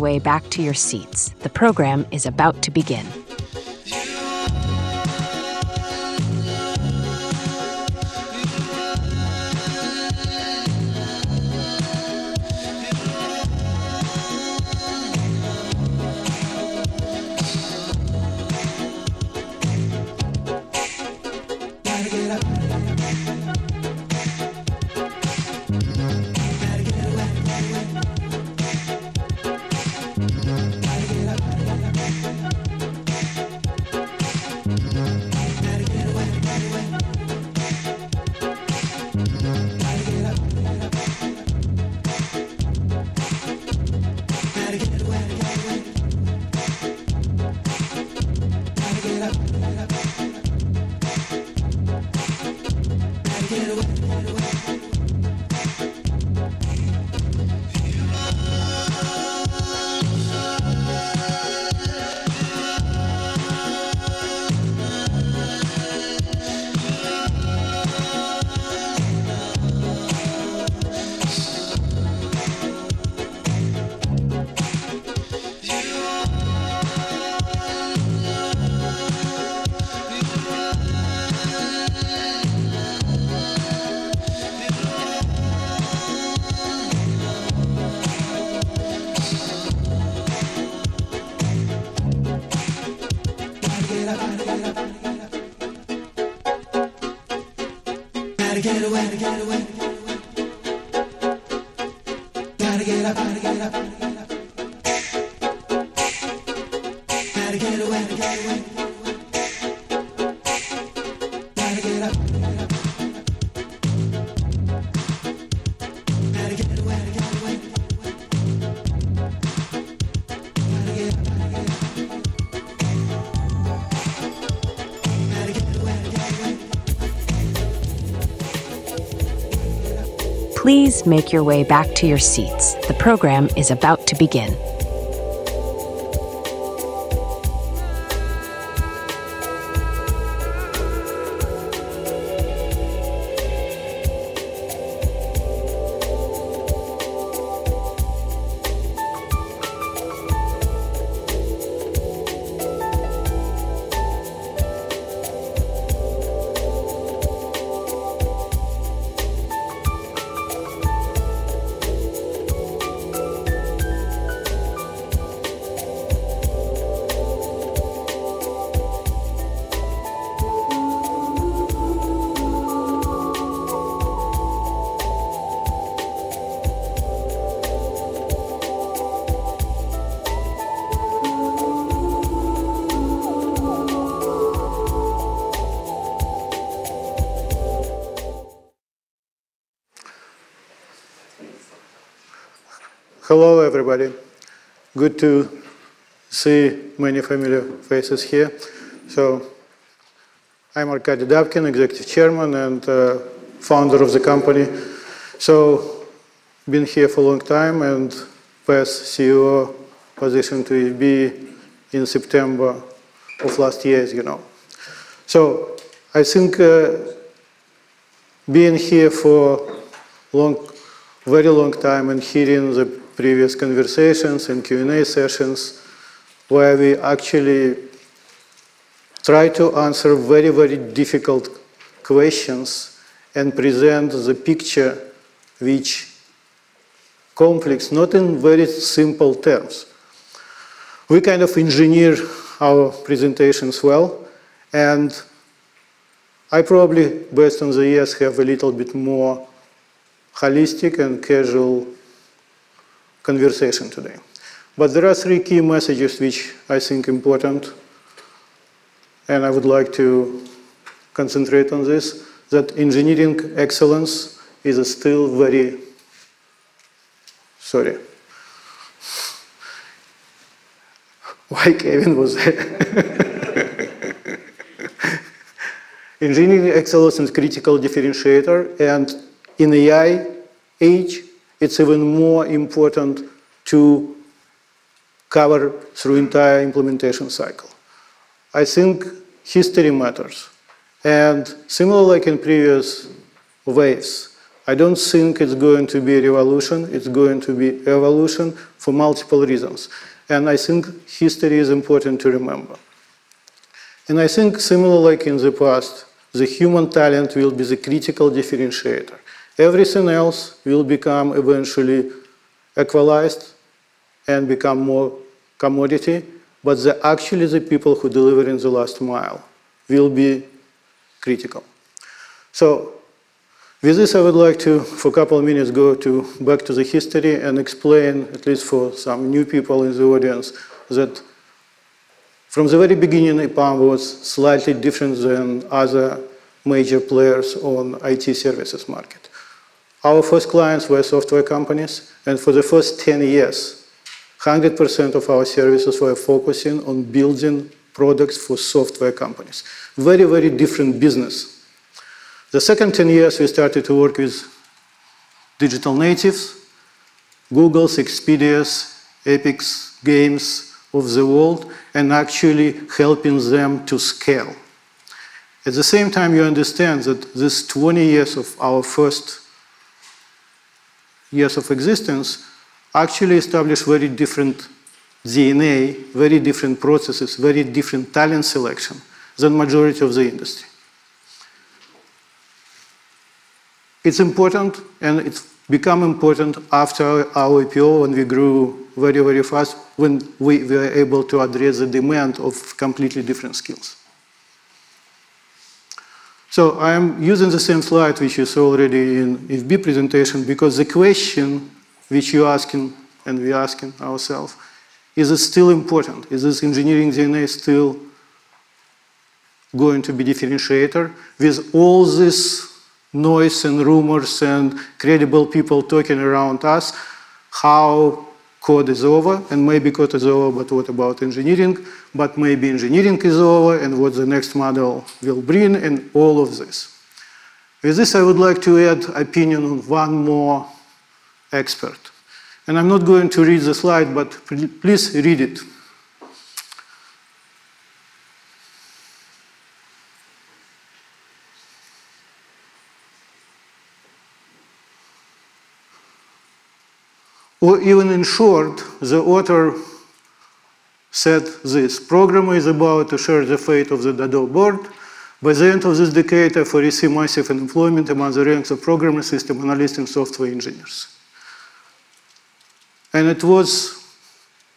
dá um favor. Please make your way back to your seats. The program is about to begin. Hello, everybody. Good to see many familiar faces here. I'm Arkadiy Dobkin, executive chairman and founder of the company. I've been here for a long time, and passed the CEO position to Balazs in September of last year, as you know. I think being here for a very long time and hearing the previous conversations and Q&A sessions where we actually try to answer very, very difficult questions and present the picture which conflicts not in very simple terms. We kind of engineer our presentations well, and I probably, based on the years, have a little bit more holistic and casual conversation today. There are three key messages which I think important. I would like to concentrate on this, that engineering excellence is still very. Sorry. Why Kevin was. Engineering excellence is critical differentiator, and in the AI age, it's even more important to cut through entire implementation cycle. I think history matters, and similar like in previous waves, I don't think it's going to be revolution. It's going to be evolution for multiple reasons, and I think history is important to remember. I think similar like in the past, the human talent will be the critical differentiator. Everything else will become eventually equalized and become more commodity. Actually the people who deliver in the last mile will be critical. With this, I would like to, for a couple of minutes, go back to the history and explain, at least for some new people in the audience, that from the very beginning, EPAM was slightly different than other major players on IT services market. Our first clients were software companies, and for the first 10 years, 100% of our services were focusing on building products for software companies. Very, very different business. The second 10 years, we started to work with digital natives, Google's, Expedia's, Epic Games', games of the world, and actually helping them to scale. At the same time, you understand that this 20 years of our first years of existence actually established very different DNA, very different processes, very different talent selection than majority of the industry. It's important, and it's become important after our IPO when we grew very, very fast, when we were able to address the demand of completely different skills. I am using the same slide, which is already in Balazs presentation because the question which you asking and we asking ourself, is it still important? Is this engineering DNA still going to be differentiator with all this noise and rumors and credible people talking around us how code is over and maybe code is over, but what about engineering? Maybe engineering is over and what the next model will bring and all of this. With this, I would like to add opinion of one more expert, and I'm not going to read the slide, but please read it. Or even in short, the author said this: "Programmer is about to share the fate of the Dodo bird. By the end of this decade, I foresee massive unemployment among the ranks of programmer, system analyst, and software engineers." It was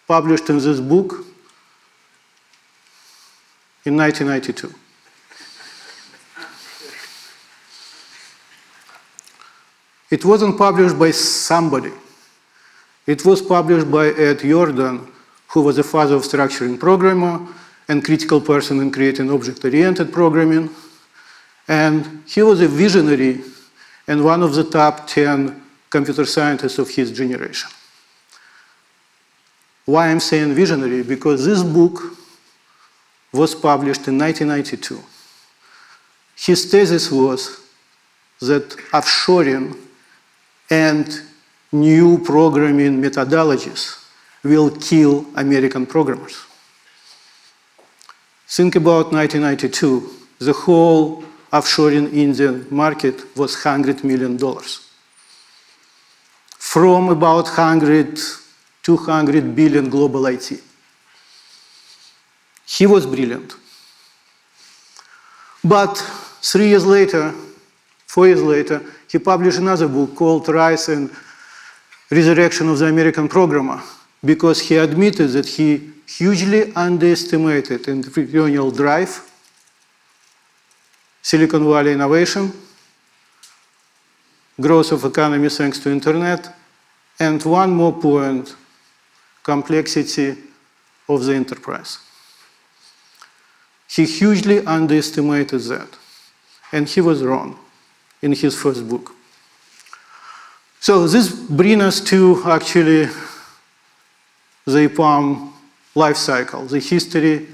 published in this book in 1992. It wasn't published by somebody. It was published by Edward Yourdon, who was a father of structuring programmer and critical person in creating object-oriented programming. He was a visionary and one of the top 10 computer scientists of his generation. Why I'm saying visionary? Because this book was published in 1992. His thesis was that offshoring and new programming methodologies will kill American programmers. Think about 1992. The whole offshoring in the market was $100 million from about $100 billion-$200 billion global IT. He was brilliant. Three years later, four years later, he published another book called Rise and Resurrection of the American Programmer because he admitted that he hugely underestimated entrepreneurial drive, Silicon Valley innovation, growth of economy thanks to internet, and one more point, complexity of the enterprise. He hugely underestimated that, and he was wrong in his first book. This bring us to actually the EPAM life cycle, the history,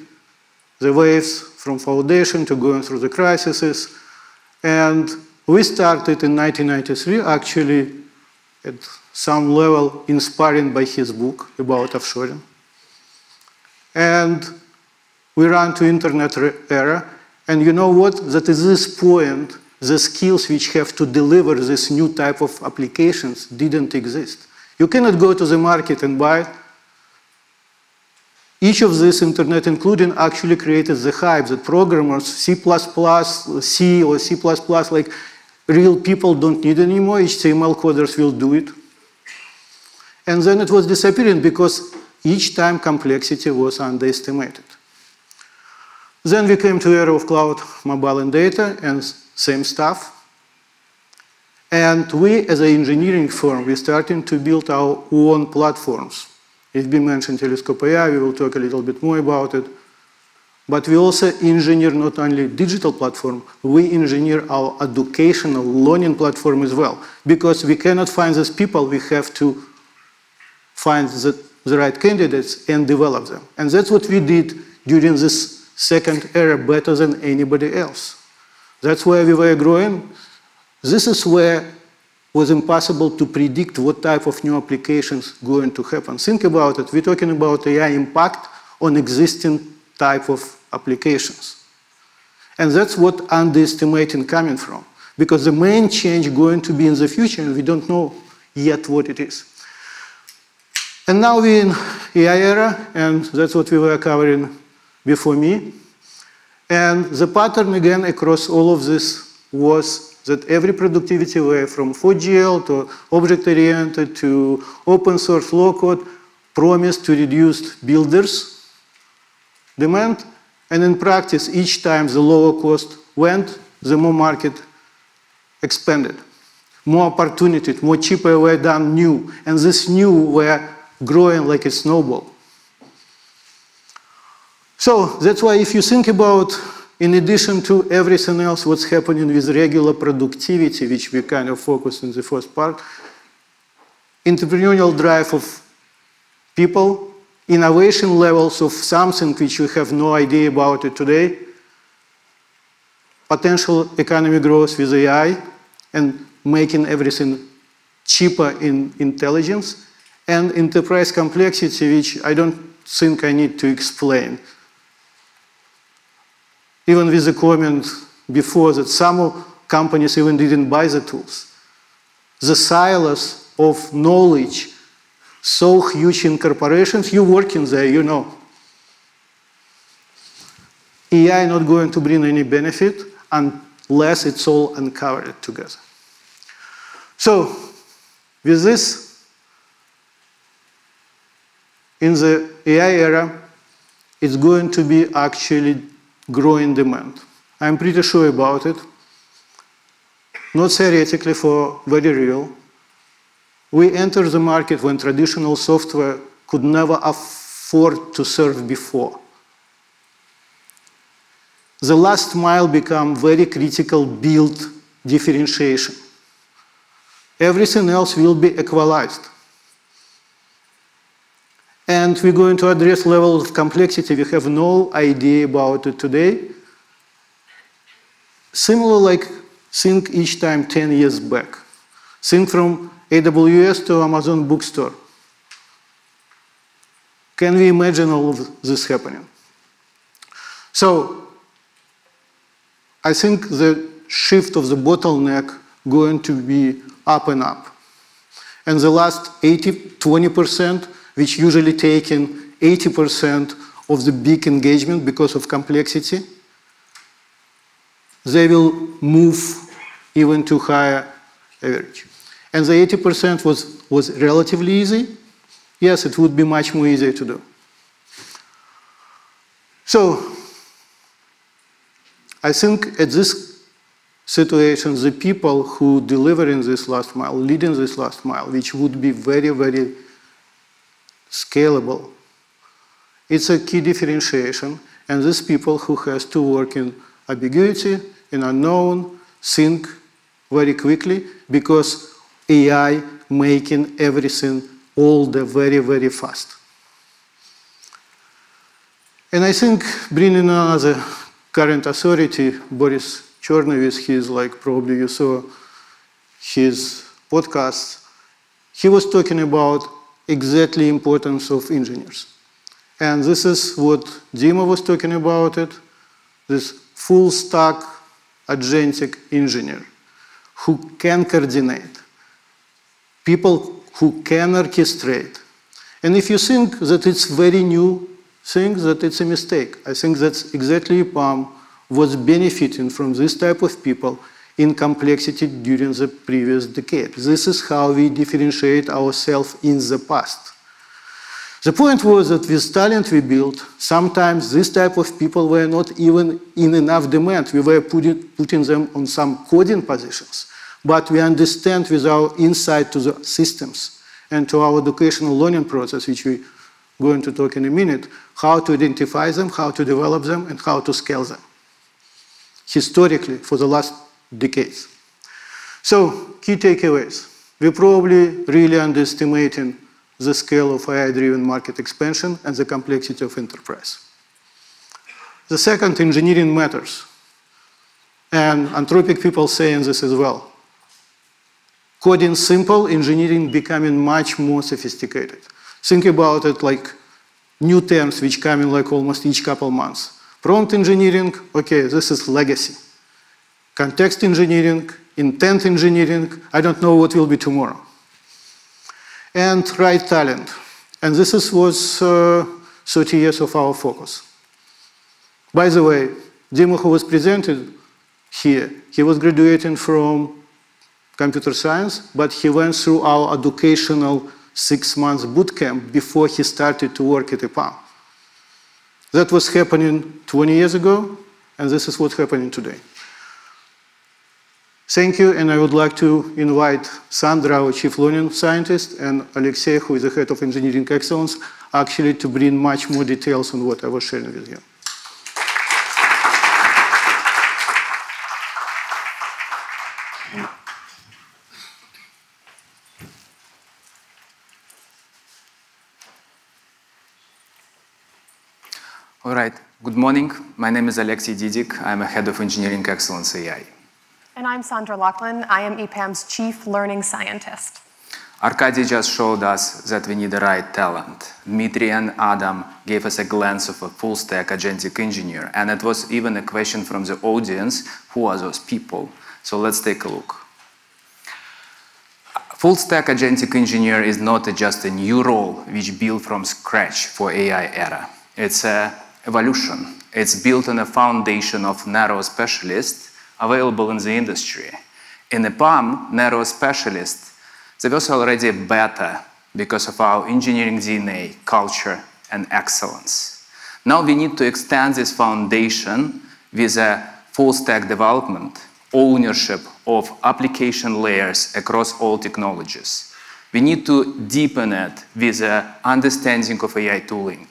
the ways from foundation to going through the crises. We started in 1993, actually, at some level inspired by his book about offshoring. We ran to the internet era. You know what? At this point, the skills which have to deliver this new type of applications didn't exist. You cannot go to the market and buy. Each of this internet, including actually created the hype, the programmers, C++, C or C++ like real people don't need anymore. HTML coders will do it. Then it was disappearing because each time complexity was underestimated. We came to era of cloud, mobile, and data, and same stuff. We as an engineering firm, we're starting to build our own platforms. It's been mentioned TelescopeAI, we will talk a little bit more about it. We also engineer not only digital platform, we engineer our educational learning platform as well, because we cannot find these people, we have to find the right candidates and develop them. That's what we did during this second era better than anybody else. That's why we were growing. This is where was impossible to predict what type of new applications going to happen. Think about it. We're talking about AI impact on existing type of applications, and that's what underestimating coming from, because the main change going to be in the future, and we don't know yet what it is. Now we're in AI era, and that's what we were covering before me, and the pattern again across all of this was that every productivity, whether from 4GL to object-oriented to open source low-code, promised to reduce builders' demand, and in practice, each time the lower cost went, the more market expanded. More opportunity, more cheaper were done new, and this new were growing like a snowball. That's why if you think about in addition to everything else, what's happening with regular productivity, which we kind of focused in the first part, entrepreneurial drive of people, innovation levels of something which you have no idea about it today, potential economy growth with AI and making everything cheaper in intelligence and enterprise complexity, which I don't think I need to explain. Even with the comment before that some of companies even didn't buy the tools. The silos of knowledge so huge in corporations, you, working there, you know. AI not going to bring any benefit unless it's all uncovered together. With this, in the AI era, it's going to be actually growing demand. I'm pretty sure about it. Not theoretically for very real. We enter the market when traditional software could never afford to serve before. The last mile become very critical build differentiation. Everything else will be equalized. We're going to address levels of complexity we have no idea about it today. Similar like think each time 10 years back. Think from AWS to Amazon bookstore. Can we imagine all of this happening? I think the shift of the bottleneck going to be up and up, and the last 80%-20%, which usually taking 80% of the big engagement because of complexity, they will move even to higher average. The 80% was relatively easy. Yes, it would be much more easier to do. I think at this situation, the people who delivering this last mile, leading this last mile, which would be very, very scalable, it's a key differentiation, and these people who has to work in ambiguity, in unknown, think very quickly because AI making everything older very, very fast. I think bringing another current authority, Boris Cherny, he's like probably you saw his podcast. He was talking about exactly importance of engineers, and this is what Dima was talking about it, this full stack agentic engineer who can coordinate. People who can orchestrate. If you think that it's very new thing, that it's a mistake. I think that's exactly EPAM was benefiting from this type of people in complexity during the previous decade. This is how we differentiate ourselves in the past. The point was that with talent we built, sometimes these type of people were not even in enough demand. We were putting them on some coding positions. We understand with our insight to the systems and to our educational learning process, which we're going to talk about in a minute, how to identify them, how to develop them, and how to scale them historically for the last decades. Key takeaways. We're probably really underestimating the scale of AI-driven market expansion and the complexity of enterprise. The second, engineering matters, and Anthropic people saying this as well. Coding simple, engineering becoming much more sophisticated. Think about it like new terms which come in like almost each couple months. Prompt engineering, okay, this is legacy. Context engineering, intent engineering, I don't know what will be tomorrow. Right talent, and this was 30 years of our focus. By the way, Dima, who was presenting here, he was graduating from computer science, but he went through our educational six-month boot camp before he started to work at EPAM. That was happening 20 years ago, and this is what's happening today. Thank you, and I would like to invite Sandra, our Chief Learning Scientist, and Alexei, who is the Head of Engineering Excellence, actually to bring much more details on what I was sharing with you. All right. Good morning. My name is Alexei Didyk. I'm Head of Engineering Excellence AI. I'm Sandra Loughlin. I am EPAM's Chief Learning Scientist. Arkadiy just showed us that we need the right talent. Dmitry and Adam gave us a glance of a full stack agentic engineer, and it was even a question from the audience, who are those people? Let's take a look. A full stack agentic engineer is not just a new role which build from scratch for AI era. It's a evolution. It's built on a foundation of narrow specialists available in the industry. In EPAM, narrow specialists, they're also already better because of our engineering DNA, culture, and excellence. Now we need to extend this foundation with a full stack development, ownership of application layers across all technologies. We need to deepen it with a understanding of AI tooling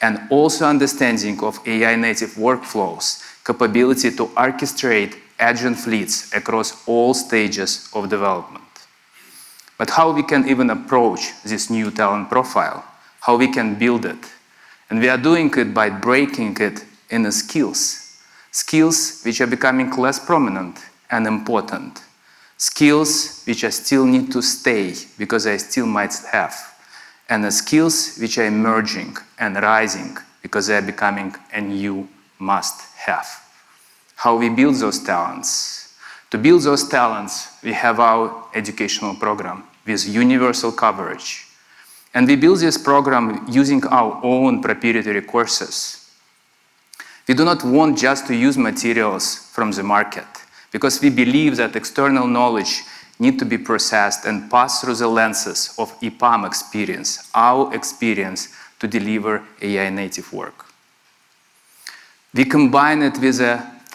and also understanding of AI-native workflows, capability to orchestrate agent fleets across all stages of development. How we can even approach this new talent profile? How we can build it? We are doing it by breaking it into skills. Skills which are becoming less prominent and important, skills which still need to stay because I still might have, and the skills which are emerging and rising because they're becoming a new must-have. How we build those talents. To build those talents, we have our educational program with universal coverage, and we build this program using our own proprietary courses. We do not want just to use materials from the market because we believe that external knowledge need to be processed and passed through the lenses of EPAM experience, our experience to deliver AI-native work. We combine it with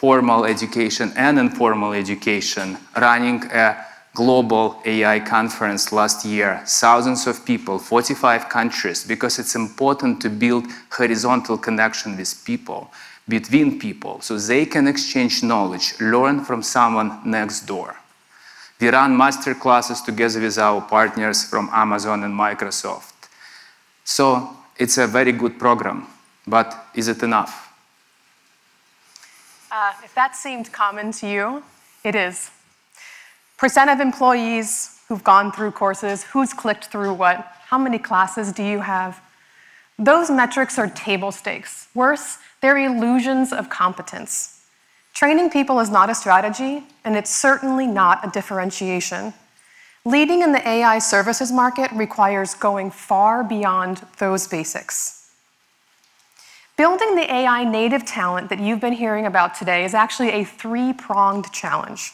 a formal education and informal education, running a global AI conference last year, thousands of people, 45 countries, because it's important to build horizontal connection with people, between people, so they can exchange knowledge, learn from someone next door. We run master classes together with our partners from Amazon and Microsoft. It's a very good program, but is it enough? If that seemed common to you, it is. Percent of employees who've gone through courses, who's clicked through what, how many classes do you have? Those metrics are table stakes. Worse, they're illusions of competence. Training people is not a strategy, and it's certainly not a differentiation. Leading in the AI services market requires going far beyond those basics. Building the AI-native talent that you've been hearing about today is actually a three-pronged challenge.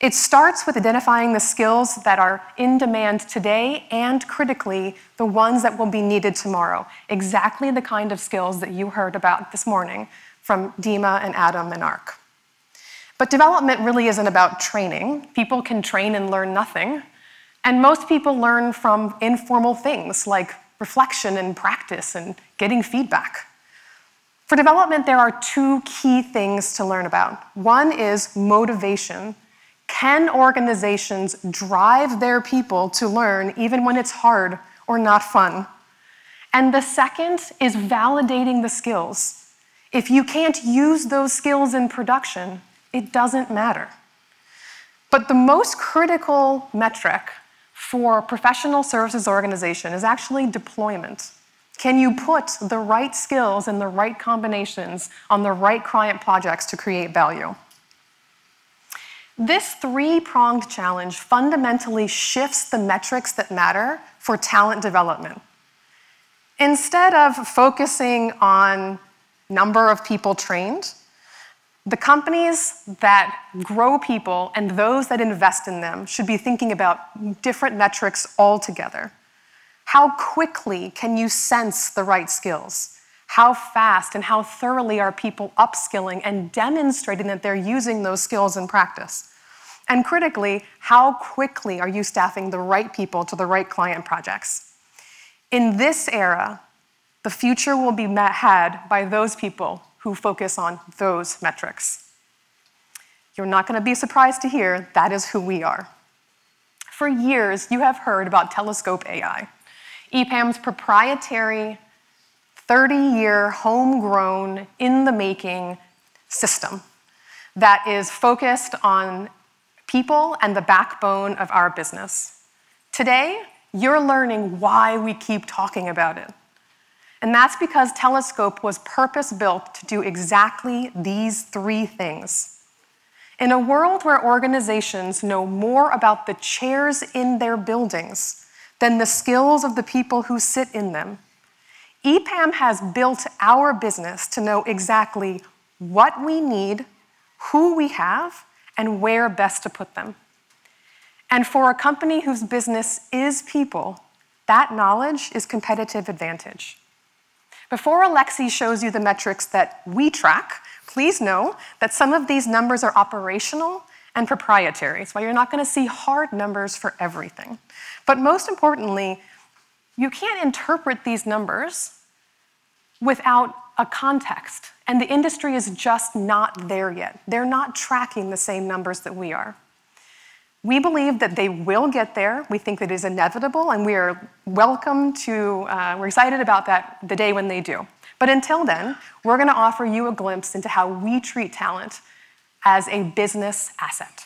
It starts with identifying the skills that are in demand today and, critically, the ones that will be needed tomorrow. Exactly the kind of skills that you heard about this morning from Dima and Adam and Arkadiy. Development really isn't about training. People can train and learn nothing, and most people learn from informal things like reflection and practice and getting feedback. For development, there are two key things to learn about. One is motivation. Can organizations drive their people to learn even when it's hard or not fun? The second is validating the skills. If you can't use those skills in production, it doesn't matter. The most critical metric for a professional services organization is actually deployment. Can you put the right skills and the right combinations on the right client projects to create value? This three-pronged challenge fundamentally shifts the metrics that matter for talent development. Instead of focusing on number of people trained, the companies that grow people and those that invest in them should be thinking about different metrics altogether. How quickly can you sense the right skills? How fast and how thoroughly are people upskilling and demonstrating that they're using those skills in practice? Critically, how quickly are you staffing the right people to the right client projects? In this era, the future will be made by those people who focus on those metrics. You're not gonna be surprised to hear that is who we are. For years, you have heard about TelescopeAI, EPAM's proprietary 30-year, homegrown, in-the-making system that is focused on people and the backbone of our business. Today, you're learning why we keep talking about it, and that's because TelescopeAI was purpose-built to do exactly these three things. In a world where organizations know more about the chairs in their buildings than the skills of the people who sit in them, EPAM has built our business to know exactly what we need, who we have, and where best to put them. For a company whose business is people, that knowledge is competitive advantage. Before Alexei shows you the metrics that we track, please know that some of these numbers are operational and proprietary. That's why you're not gonna see hard numbers for everything. Most importantly, you can't interpret these numbers without a context, and the industry is just not there yet. They're not tracking the same numbers that we are. We believe that they will get there. We think it is inevitable, and we're excited about that, the day when they do. Until then, we're gonna offer you a glimpse into how we treat talent as a business asset.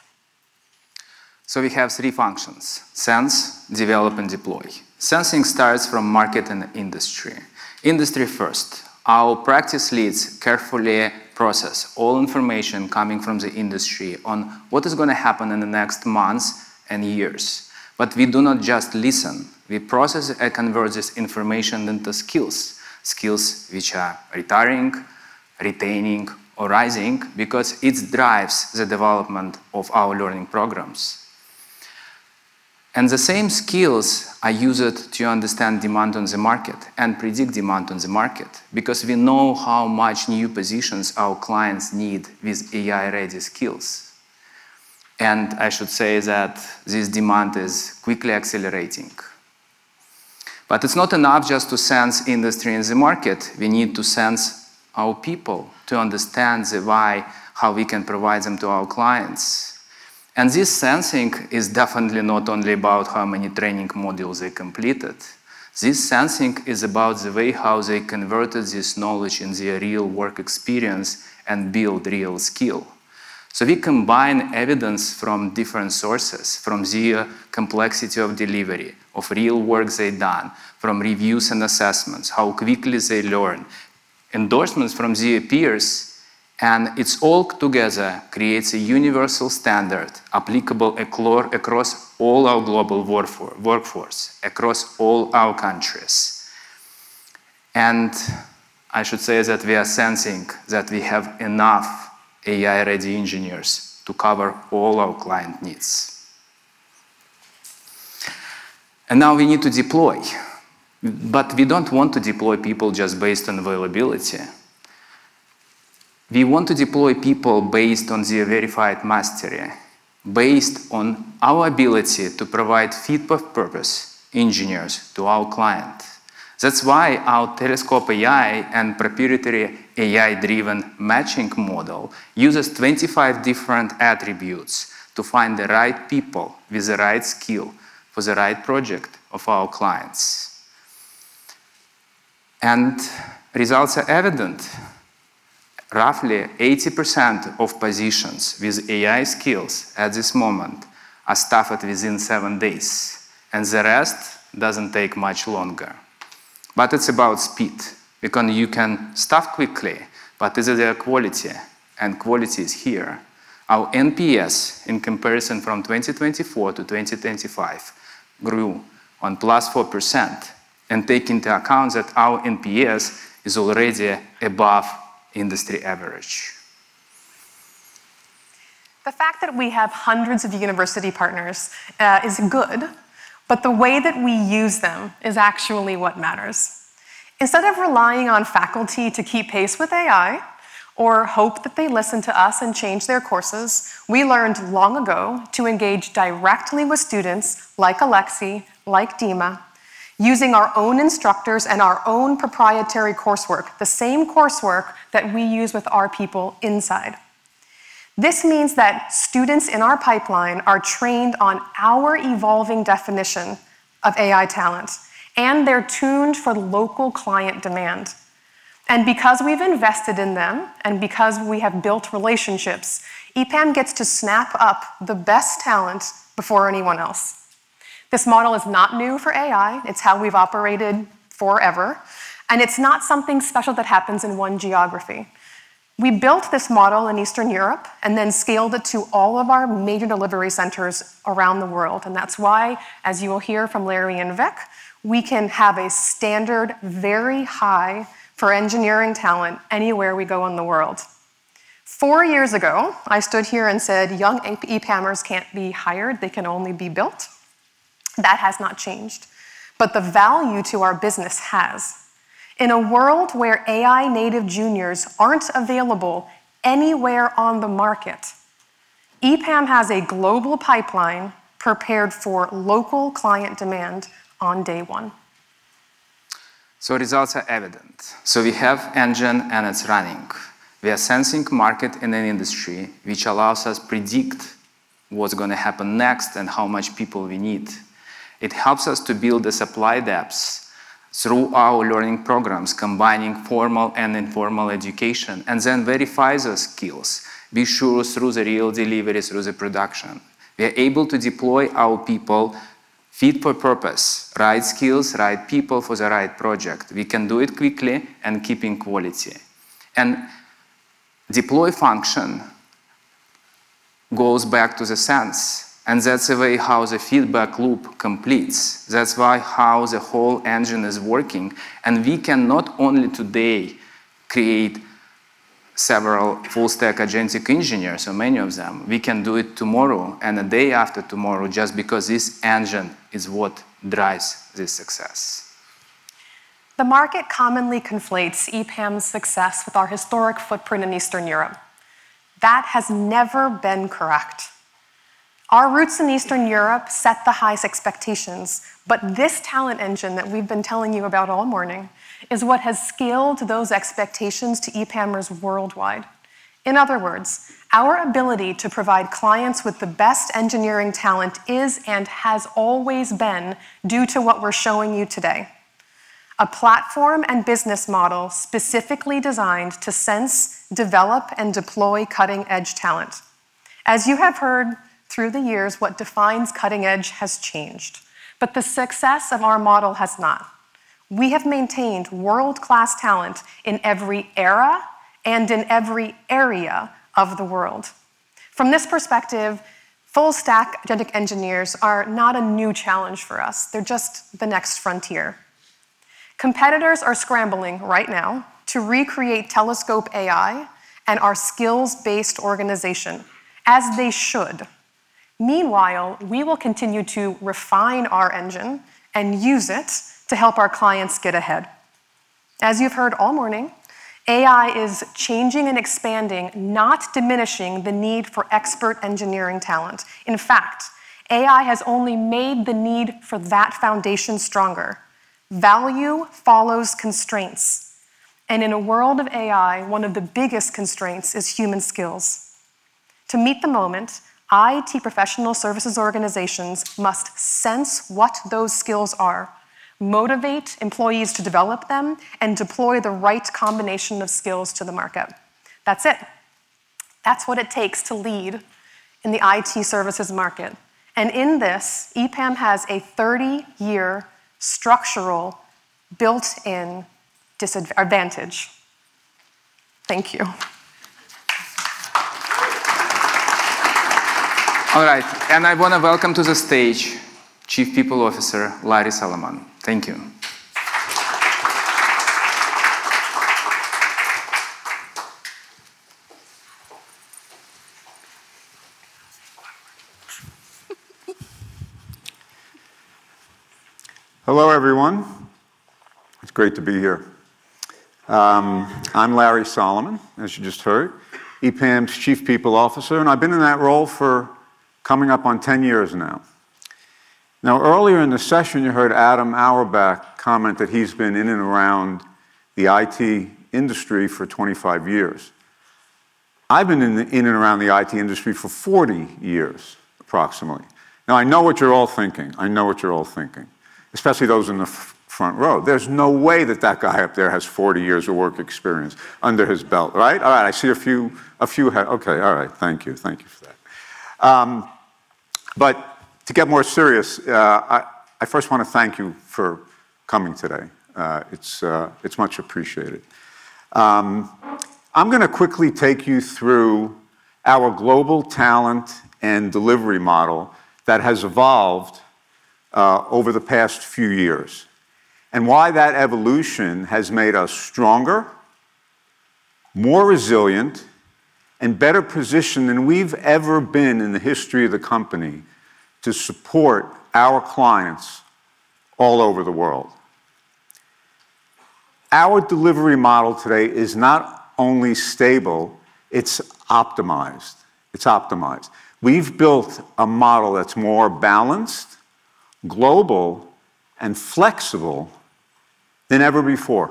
We have three functions, sense, develop and deploy. Sensing starts from market and industry. Industry first. Our practice leads carefully process all information coming from the industry on what is gonna happen in the next months and years. We do not just listen. We process and convert this information into skills. Skills which are retiring, retaining or rising because it drives the development of our learning programs. The same skills are used to understand demand on the market and predict demand on the market because we know how much new positions our clients need with AI-ready skills. I should say that this demand is quickly accelerating. It's not enough just to sense industry and the market. We need to sense our people to understand the why, how we can provide them to our clients. This sensing is definitely not only about how many training modules they completed. This sensing is about the way how they converted this knowledge into a real work experience and build real skill. We combine evidence from different sources, from the complexity of delivery of real work they've done, from reviews and assessments, how quickly they learn, endorsements from their peers, and it all together creates a universal standard applicable across all our global workforce, across all our countries. I should say that we are sensing that we have enough AI-ready engineers to cover all our client needs. Now we need to deploy. We don't want to deploy people just based on availability. We want to deploy people based on their verified mastery, based on our ability to provide fit-for-purpose engineers to our client. That's why our TelescopeAI and proprietary AI-driven matching model uses 25 different attributes to find the right people with the right skill for the right project of our clients. Results are evident. Roughly 80% of positions with AI skills at this moment are staffed within seven days, and the rest doesn't take much longer. It's about speed, because you can staff quickly, but is it a quality? Quality is here. Our NPS, in comparison from 2024 to 2025, grew by +4% and taking into account that our NPS is already above industry average. The fact that we have hundreds of university partners is good, but the way that we use them is actually what matters. Instead of relying on faculty to keep pace with AI or hope that they listen to us and change their courses, we learned long ago to engage directly with students like Alexei, like Dima, using our own instructors and our own proprietary coursework, the same coursework that we use with our people inside. This means that students in our pipeline are trained on our evolving definition of AI talent, and they're tuned for local client demand. Because we've invested in them and because we have built relationships, EPAM gets to snap up the best talent before anyone else. This model is not new for AI. It's how we've operated forever, and it's not something special that happens in one geography. We built this model in Eastern Europe and then scaled it to all of our major delivery centers around the world, and that's why, as you will hear from Larry and Vic, we can have a standard very high for engineering talent anywhere we go in the world. Four years ago, I stood here and said, "Young EPAMers can't be hired, they can only be built." That has not changed, but the value to our business has. In a world where AI native juniors aren't available anywhere on the market, EPAM has a global pipeline prepared for local client demand on day one. Results are evident. We have an engine and it's running. We are sensing the market in an industry which allows us to predict what's gonna happen next and how many people we need. It helps us to build the supply depths through our learning programs, combining formal and informal education, and then verifies the skills to be sure through the real delivery, through the production. We are able to deploy our people fit for purpose, right skills, right people for the right project. We can do it quickly and keeping quality. Deploy function goes back to the sense, and that's the way how the feedback loop completes. That's how the whole engine is working. We can not only today create several full stack agentic engineers, so many of them, we can do it tomorrow and the day after tomorrow just because this engine is what drives this success. The market commonly conflates EPAM's success with our historic footprint in Eastern Europe. That has never been correct. Our roots in Eastern Europe set the highest expectations, but this talent engine that we've been telling you about all morning is what has scaled those expectations to EPAMers worldwide. In other words, our ability to provide clients with the best engineering talent is and has always been due to what we're showing you today. A platform and business model specifically designed to sense, develop, and deploy cutting-edge talent. As you have heard through the years, what defines cutting edge has changed, but the success of our model has not. We have maintained world-class talent in every era and in every area of the world. From this perspective, full stack agentic engineers are not a new challenge for us. They're just the next frontier. Competitors are scrambling right now to recreate TelescopeAI and our skills-based organization, as they should. Meanwhile, we will continue to refine our engine and use it to help our clients get ahead. As you've heard all morning, AI is changing and expanding, not diminishing the need for expert engineering talent. In fact, AI has only made the need for that foundation stronger. Value follows constraints, and in a world of AI, one of the biggest constraints is human skills. To meet the moment, IT professional services organizations must sense what those skills are, motivate employees to develop them, and deploy the right combination of skills to the market. That's it. That's what it takes to lead in the IT services market. In this, EPAM has a 30-year structural built-in disadvantage. Thank you. All right. I wanna welcome to the stage Chief People Officer, Larry Solomon. Thank you. Hello, everyone. It's great to be here. I'm Larry Solomon, as you just heard, EPAM's Chief People Officer, and I've been in that role for coming up on 10 years now. Now, earlier in the session, you heard Adam Auerbach comment that he's been in and around the IT industry for 25 years. I've been in and around the IT industry for 40 years, approximately. Now, I know what you're all thinking, especially those in the front row. There's no way that that guy up there has 40 years of work experience under his belt, right? All right. I see a few. Okay. All right. Thank you. Thank you for that. But to get more serious, I first wanna thank you for coming today. It's much appreciated. I'm gonna quickly take you through our global talent and delivery model that has evolved over the past few years, and why that evolution has made us stronger, more resilient, and better positioned than we've ever been in the history of the company to support our clients all over the world. Our delivery model today is not only stable, it's optimized. We've built a model that's more balanced, global, and flexible than ever before,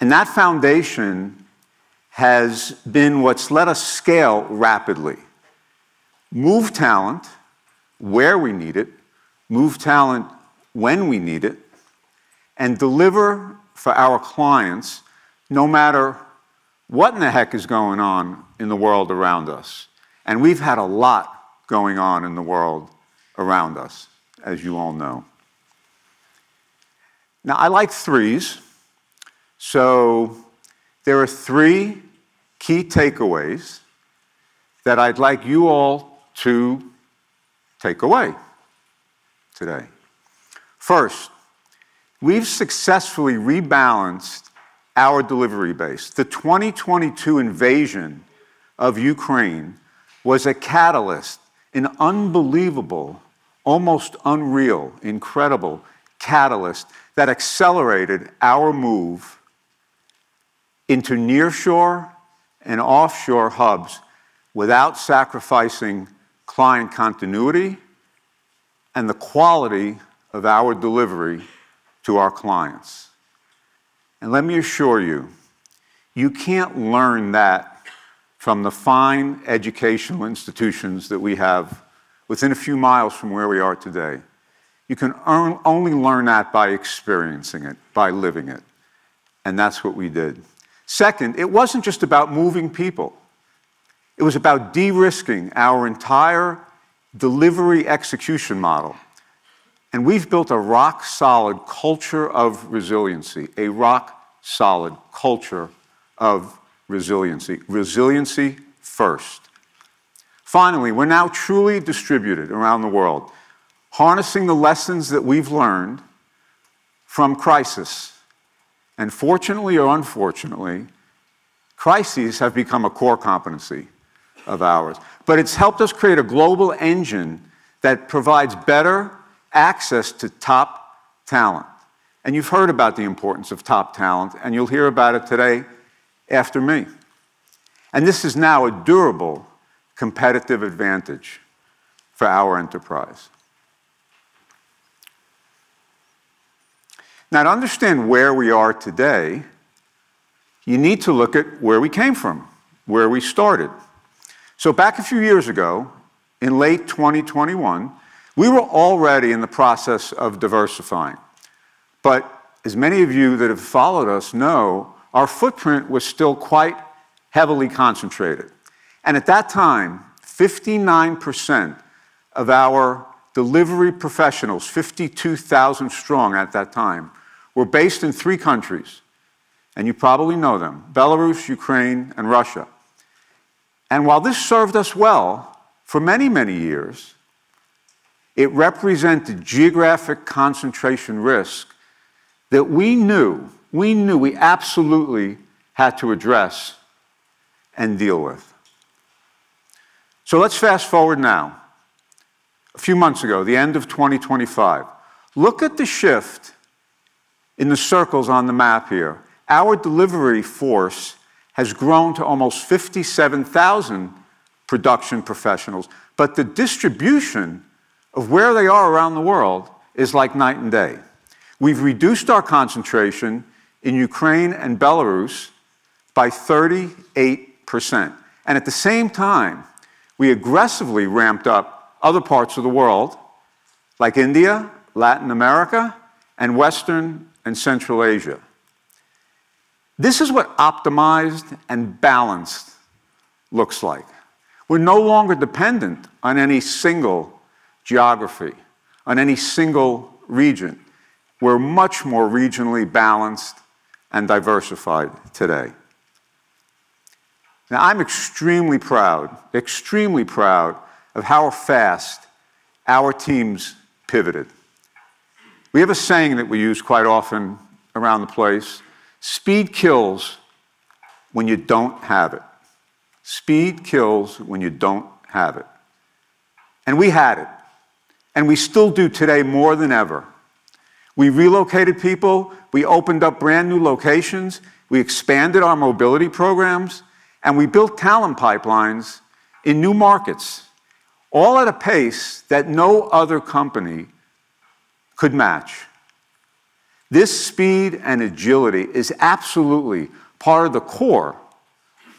and that foundation has been what's let us scale rapidly, move talent where we need it, move talent when we need it, and deliver for our clients no matter what in the heck is going on in the world around us, and we've had a lot going on in the world around us, as you all know. Now, I like threes, so there are three key takeaways that I'd like you all to take away today. First, we've successfully rebalanced our delivery base. The 2022 invasion of Ukraine was a catalyst, an unbelievable, almost unreal, incredible catalyst that accelerated our move into nearshore and offshore hubs without sacrificing client continuity and the quality of our delivery to our clients. Let me assure you can't learn that from the fine educational institutions that we have within a few miles from where we are today. You can only learn that by experiencing it, by living it, and that's what we did. Second, it wasn't just about moving people. It was about de-risking our entire delivery execution model, and we've built a rock-solid culture of resiliency. Resiliency first. Finally, we're now truly distributed around the world, harnessing the lessons that we've learned from crisis. Fortunately or unfortunately, crises have become a core competency of ours. It's helped us create a global engine that provides better access to top talent, and you've heard about the importance of top talent, and you'll hear about it today after me. This is now a durable competitive advantage for our enterprise. Now, to understand where we are today, you need to look at where we came from, where we started. Back a few years ago, in late 2021, we were already in the process of diversifying. As many of you that have followed us know, our footprint was still quite heavily concentrated. At that time, 59% of our delivery professionals, 52,000 strong at that time, were based in three countries, and you probably know them, Belarus, Ukraine and Russia. While this served us well for many, many years, it represented geographic concentration risk that we knew we absolutely had to address and deal with. Let's fast-forward now. A few months ago, the end of 2025. Look at the shift in the circles on the map here. Our delivery force has grown to almost 57,000 production professionals, but the distribution of where they are around the world is like night and day. We've reduced our concentration in Ukraine and Belarus by 38%, and at the same time, we aggressively ramped up other parts of the world like India, Latin America and Western and Central Asia. This is what optimized and balanced looks like. We're no longer dependent on any single geography, on any single region. We're much more regionally balanced and diversified today. Now, I'm extremely proud of how fast our teams pivoted. We have a saying that we use quite often around the place, "Speed kills when you don't have it." We had it, and we still do today more than ever. We relocated people, we opened up brand-new locations, we expanded our mobility programs, and we built talent pipelines in new markets, all at a pace that no other company could match. This speed and agility is absolutely part of the core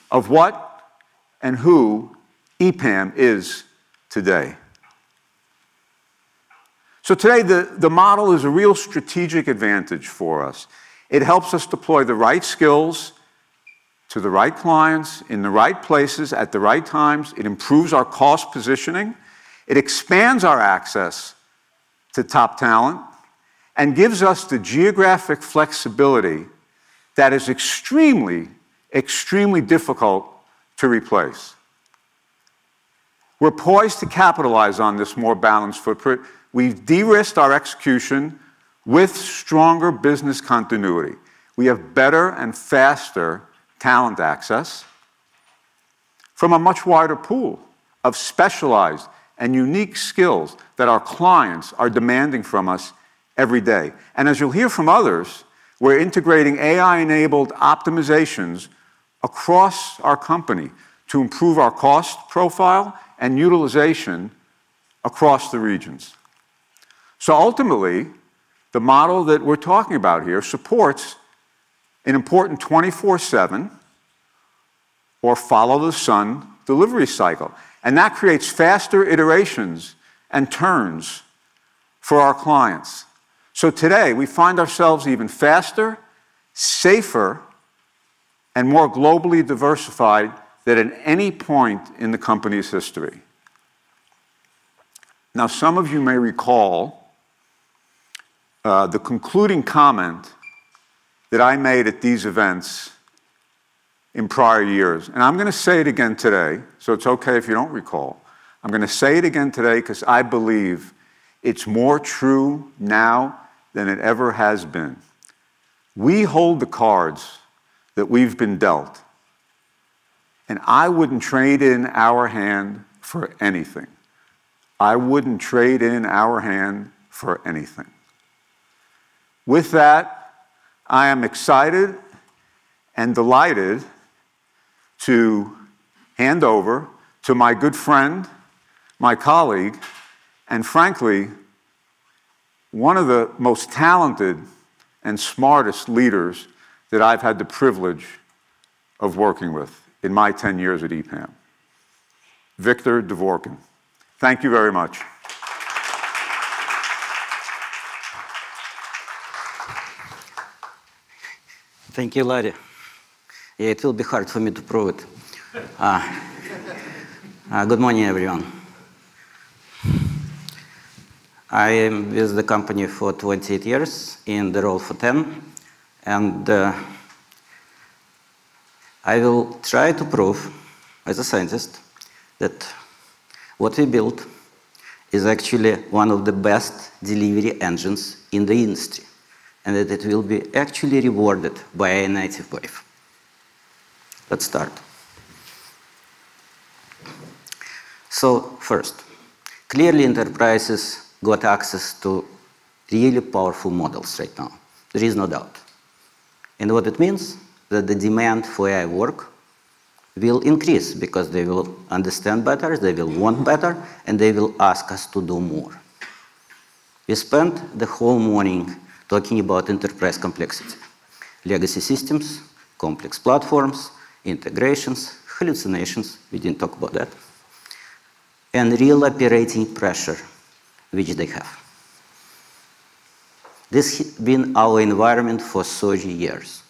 of what and who EPAM is today. Today the model is a real strategic advantage for us. It helps us deploy the right skills to the right clients in the right places at the right times. It improves our cost positioning. It expands our access to top talent and gives us the geographic flexibility that is extremely difficult to replace. We're poised to capitalize on this more balanced footprint. We've de-risked our execution with stronger business continuity. We have better and faster talent access from a much wider pool of specialized and unique skills that our clients are demanding from us every day. As you'll hear from others, we're integrating AI-enabled optimizations across our company to improve our cost profile and utilization across the regions. Ultimately, the model that we're talking about here supports an important 24/7 or follow-the-sun delivery cycle, and that creates faster iterations and turns for our clients. Today, we find ourselves even faster, safer and more globally diversified than at any point in the company's history. Now, some of you may recall, the concluding comment that I made at these events in prior years, and I'm gonna say it again today, so it's okay if you don't recall. I'm gonna say it again today 'cause I believe it's more true now than it ever has been. We hold the cards that we've been dealt, and I wouldn't trade in our hand for anything. With that, I am excited and delighted to hand over to my good friend, my colleague, and frankly, one of the most talented and smartest leaders that I've had the privilege of working with in my 10 years at EPAM, Victor Dvorkin. Thank you very much. Thank you, Larry. Yeah, it will be hard for me to prove it. Good morning, everyone. I am with the company for 28 years, in the role for 10, and I will try to prove as a scientist that what we built is actually one of the best delivery engines in the industry, and that it will be actually rewarded by a native wave. Let's start. First, clearly enterprises got access to really powerful models right now. There is no doubt. What it means, that the demand for AI work will increase because they will understand better, they will want better, and they will ask us to do more. We spent the whole morning talking about enterprise complexity, legacy systems, complex platforms, integrations, hallucinations, we didn't talk about that, and real operating pressure which they have. This has been our environment for so many years.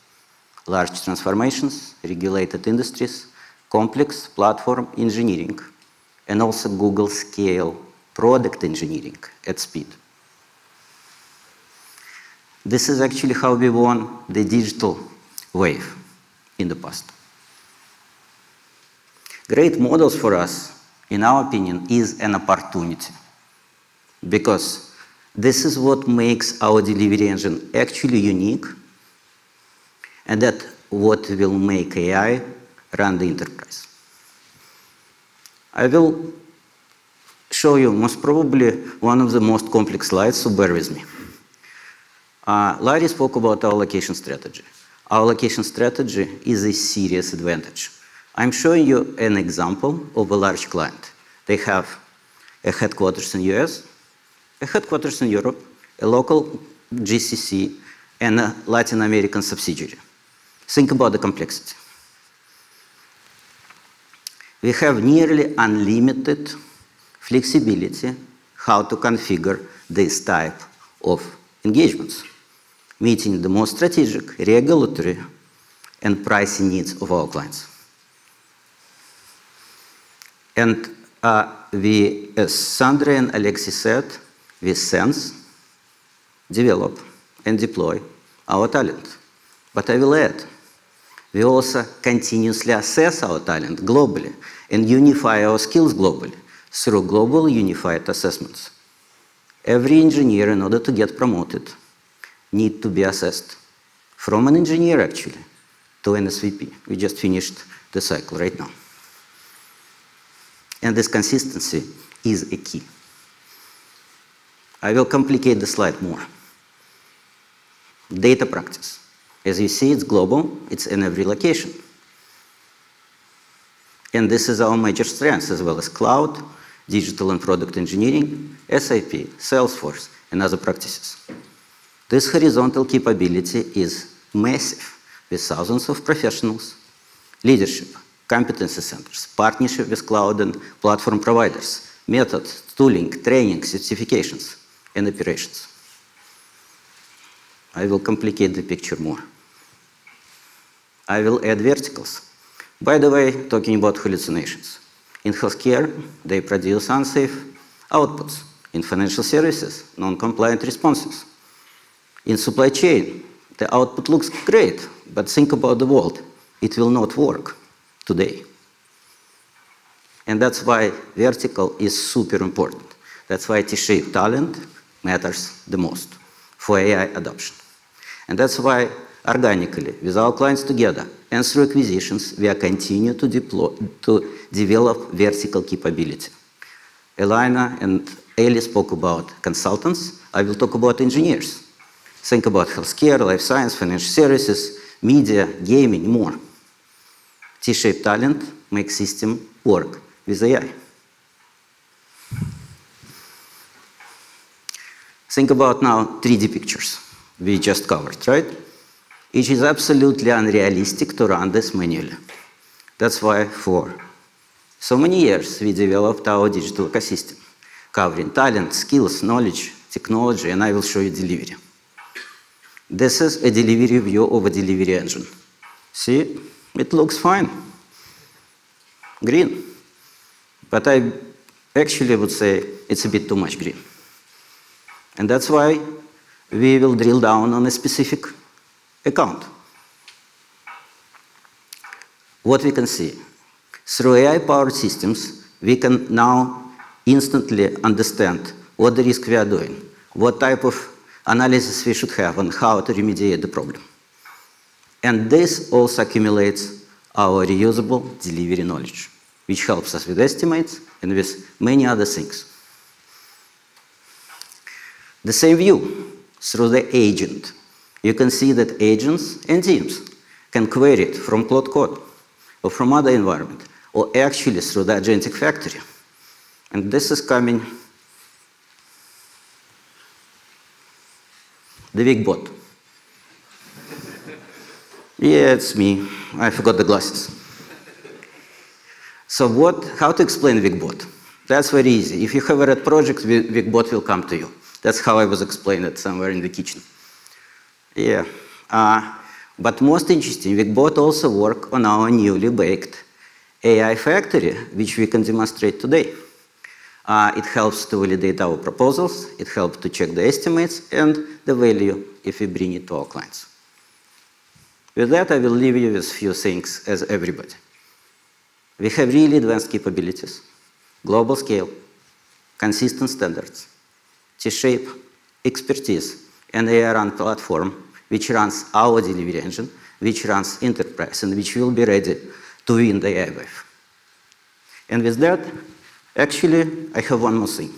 Large transformations, regulated industries, complex platform engineering, and also Google-scale product engineering at speed. This is actually how we won the digital wave in the past. Great models for us, in our opinion, is an opportunity because this is what makes our delivery engine actually unique, and that what will make AI run the enterprise. I will show you most probably one of the most complex slides, so bear with me. Larry spoke about our location strategy. Our location strategy is a serious advantage. I'm showing you an example of a large client. They have a headquarters in U.S., a headquarters in Europe, a local GCC, and a Latin American subsidiary. Think about the complexity. We have nearly unlimited flexibility how to configure this type of engagements, meeting the most strategic, regulatory, and pricing needs of our clients. We, as Sandra and Alexis said, we sense, develop, and deploy our talent. I will add, we also continuously assess our talent globally and unify our skills globally through global unified assessments. Every engineer, in order to get promoted, need to be assessed from an engineer actually to an SVP. We just finished the cycle right now. This consistency is a key. I will complicate the slide more. Data practice. As you see, it's global. It's in every location. This is our major strength, as well as cloud, digital and product engineering, SAP, Salesforce, and other practices. This horizontal capability is massive, with thousands of professionals, leadership, competency centers, partnership with cloud and platform providers, methods, tooling, training, certifications, and operations. I will complicate the picture more. I will add verticals. By the way, talking about hallucinations. In healthcare, they produce unsafe outputs. In financial services, non-compliant responses. In supply chain, the output looks great, but think about the world. It will not work today. That's why vertical is super important. That's why T-shaped talent matters the most for AI adoption. That's why organically, with our clients together and through acquisitions, we are continuing to develop vertical capability. Elaina and Eli spoke about consultants. I will talk about engineers. Think about healthcare, life sciences, financial services, media, gaming, more. T-shaped talent makes system work with AI. Think about now three deep pictures we just covered, right? It is absolutely unrealistic to run this manually. That's why for so many years we developed our digital ecosystem, covering talent, skills, knowledge, technology, and I will show you delivery. This is a delivery view of a delivery engine. See? It looks fine. Green. I actually would say it's a bit too much green. That's why we will drill down on a specific account. What we can see. Through AI-powered systems, we can now instantly understand what risk we are doing, what type of analysis we should have, and how to remediate the problem. This also accumulates our reusable delivery knowledge, which helps us with estimates and with many other things. The same view through the agent. You can see that agents and teams can query it from Claude Code or from other environment, or actually through the agentic factory. This is coming. The Vic bot. Yeah, it's me. I forgot the glasses. How to explain Vic bot? That's very easy. If you have a red project, Vc bot will come to you. That's how it was explained to me somewhere in the kitchen. Yeah. Most interesting, we both also work on our newly built AI factory, which we can demonstrate today. It helps to validate our proposals, it helps to check the estimates and the value we bring to our clients. With that, I will leave you with a few things for everybody. We have really advanced capabilities, global scale, consistent standards, T-shaped expertise, and AI-run platform which runs our delivery engine, which runs the enterprise, and which will be ready to win the AI wave. With that, actually, I have one more thing.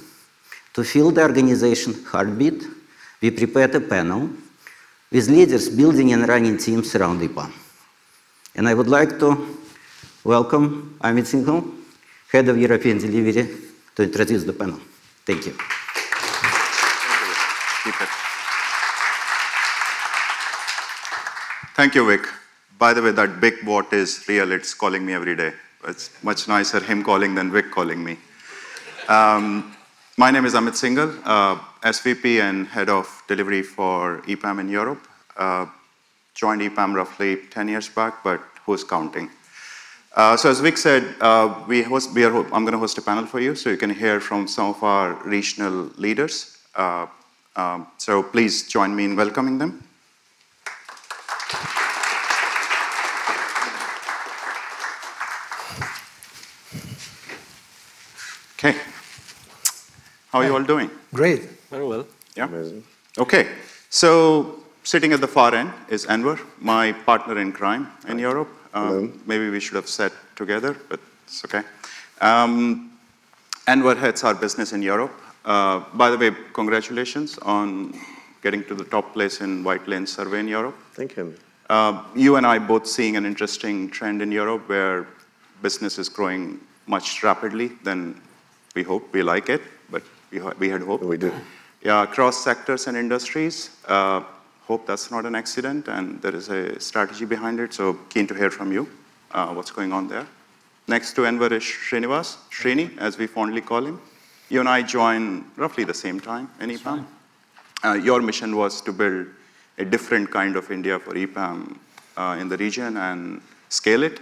To feel the organization's heartbeat, we prepared a panel with leaders building and running teams around EPAM. I would like to welcome Amit Singhal, Head of European Delivery, to introduce the panel. Thank you. Thank you, Vik. By the way, that big bot is real. It's calling me every day. It's much nicer him calling than Vik calling me. My name is Amit Singhal, SVP and Head of Delivery for EPAM in Europe. Joined EPAM roughly 10 years back, but who's counting? As Vik said, I'm gonna host a panel for you so you can hear from some of our regional leaders. Please join me in welcoming them. Okay. How are you all doing? Great. Very well. Yeah. Amazing. Okay. Sitting at the far end is Enver, my partner in crime in Europe. Hi. Hello. Maybe we should have sat together, but it's okay. Enver heads our business in Europe. By the way, congratulations on getting to the top place in Whitelane survey in Europe. Thank you. You and I both seeing an interesting trend in Europe where business is growing much more rapidly than we hope. We like it, but we had hoped. We do. Yeah. Across sectors and industries. Hope that's not an accident, and there is a strategy behind it. Keen to hear from you, what's going on there. Next to Enver is Srinivas, Srini, as we fondly call him. You and I joined roughly the same time in EPAM. That's right. Your mission was to build a different kind of India for EPAM, in the region and scale it.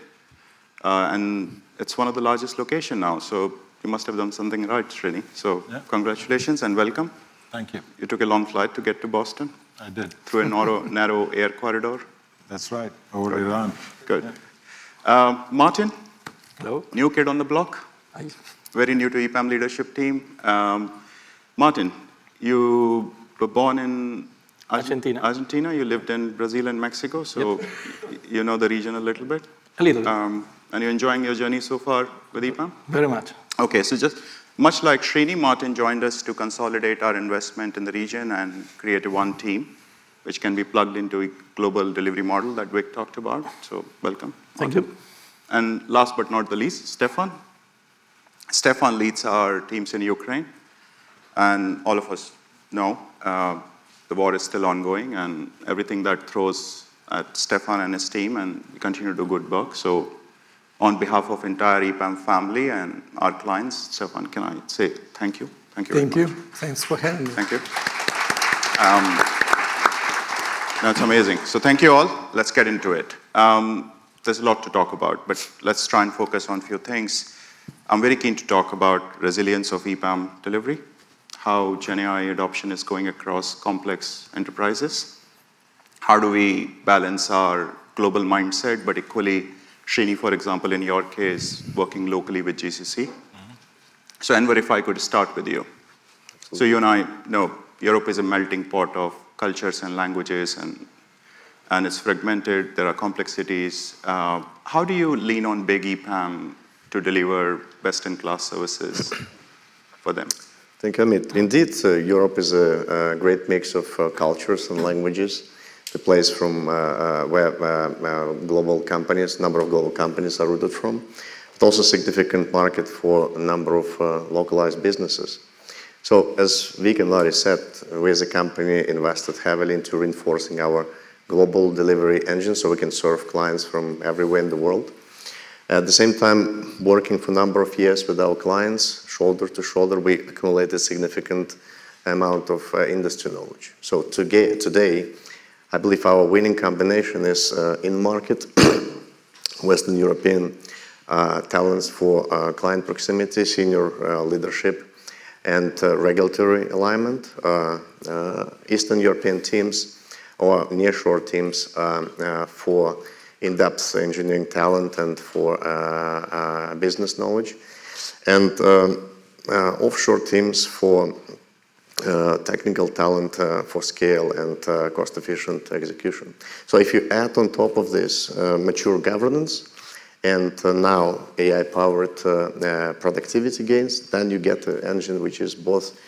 It's one of the largest location now, so you must have done something right, Srini. Yeah. Congratulations and welcome. Thank you. You took a long flight to get to Boston. I did. Through a narrow air corridor. That's right. Over Iran. Good. Martin. Hello. New kid on the block. Hi. Very new to EPAM leadership team. Martin, you were born in... Argentina. Argentina. You lived in Brazil and Mexico. Yep. You know the region a little bit. A little bit. You're enjoying your journey so far with EPAM? Very much. Okay. Just much like Srini, Martin joined us to consolidate our investment in the region and create one team which can be plugged into a global delivery model that Vik talked about. Welcome, Martin. Thank you. Last but not the least, Stepan. Stepan leads our teams in Ukraine, and all of us know, the war is still ongoing and everything that throws at Stephan and his team, and you continue to do good work. On behalf of entire EPAM family and our clients, Stepan, can I say thank you. Thank you very much. Thank you. Thanks for having me. Thank you. That's amazing. Thank you, all. Let's get into it. There's a lot to talk about, but let's try and focus on few things. I'm very keen to talk about resilience of EPAM delivery, how GenAI adoption is going across complex enterprises, how do we balance our global mindset, but equally, Srinivas, for example, in your case, working locally with GCC. Enver, if I could start with you. Sure. You and I know Europe is a melting pot of cultures and languages, and it's fragmented. There are complexities. How do you lean on big EPAM to deliver best-in-class services for them? Thank you, Amit. Indeed, Europe is a great mix of cultures and languages. A place from where a number of global companies are rooted. Also a significant market for a number of localized businesses. As Vik and Larry said, we as a company invested heavily into reinforcing our global delivery engine so we can serve clients from everywhere in the world. At the same time, working for a number of years with our clients, shoulder to shoulder, we accumulate a significant amount of industry knowledge. Today, I believe our winning combination is in-market Western European talents for client proximity, senior leadership and regulatory alignment. Eastern European teams or nearshore teams for in-depth engineering talent and for business knowledge, and offshore teams for technical talent for scale and cost-efficient execution. If you add on top of this, mature governance and now AI-powered productivity gains, then you get an engine which is both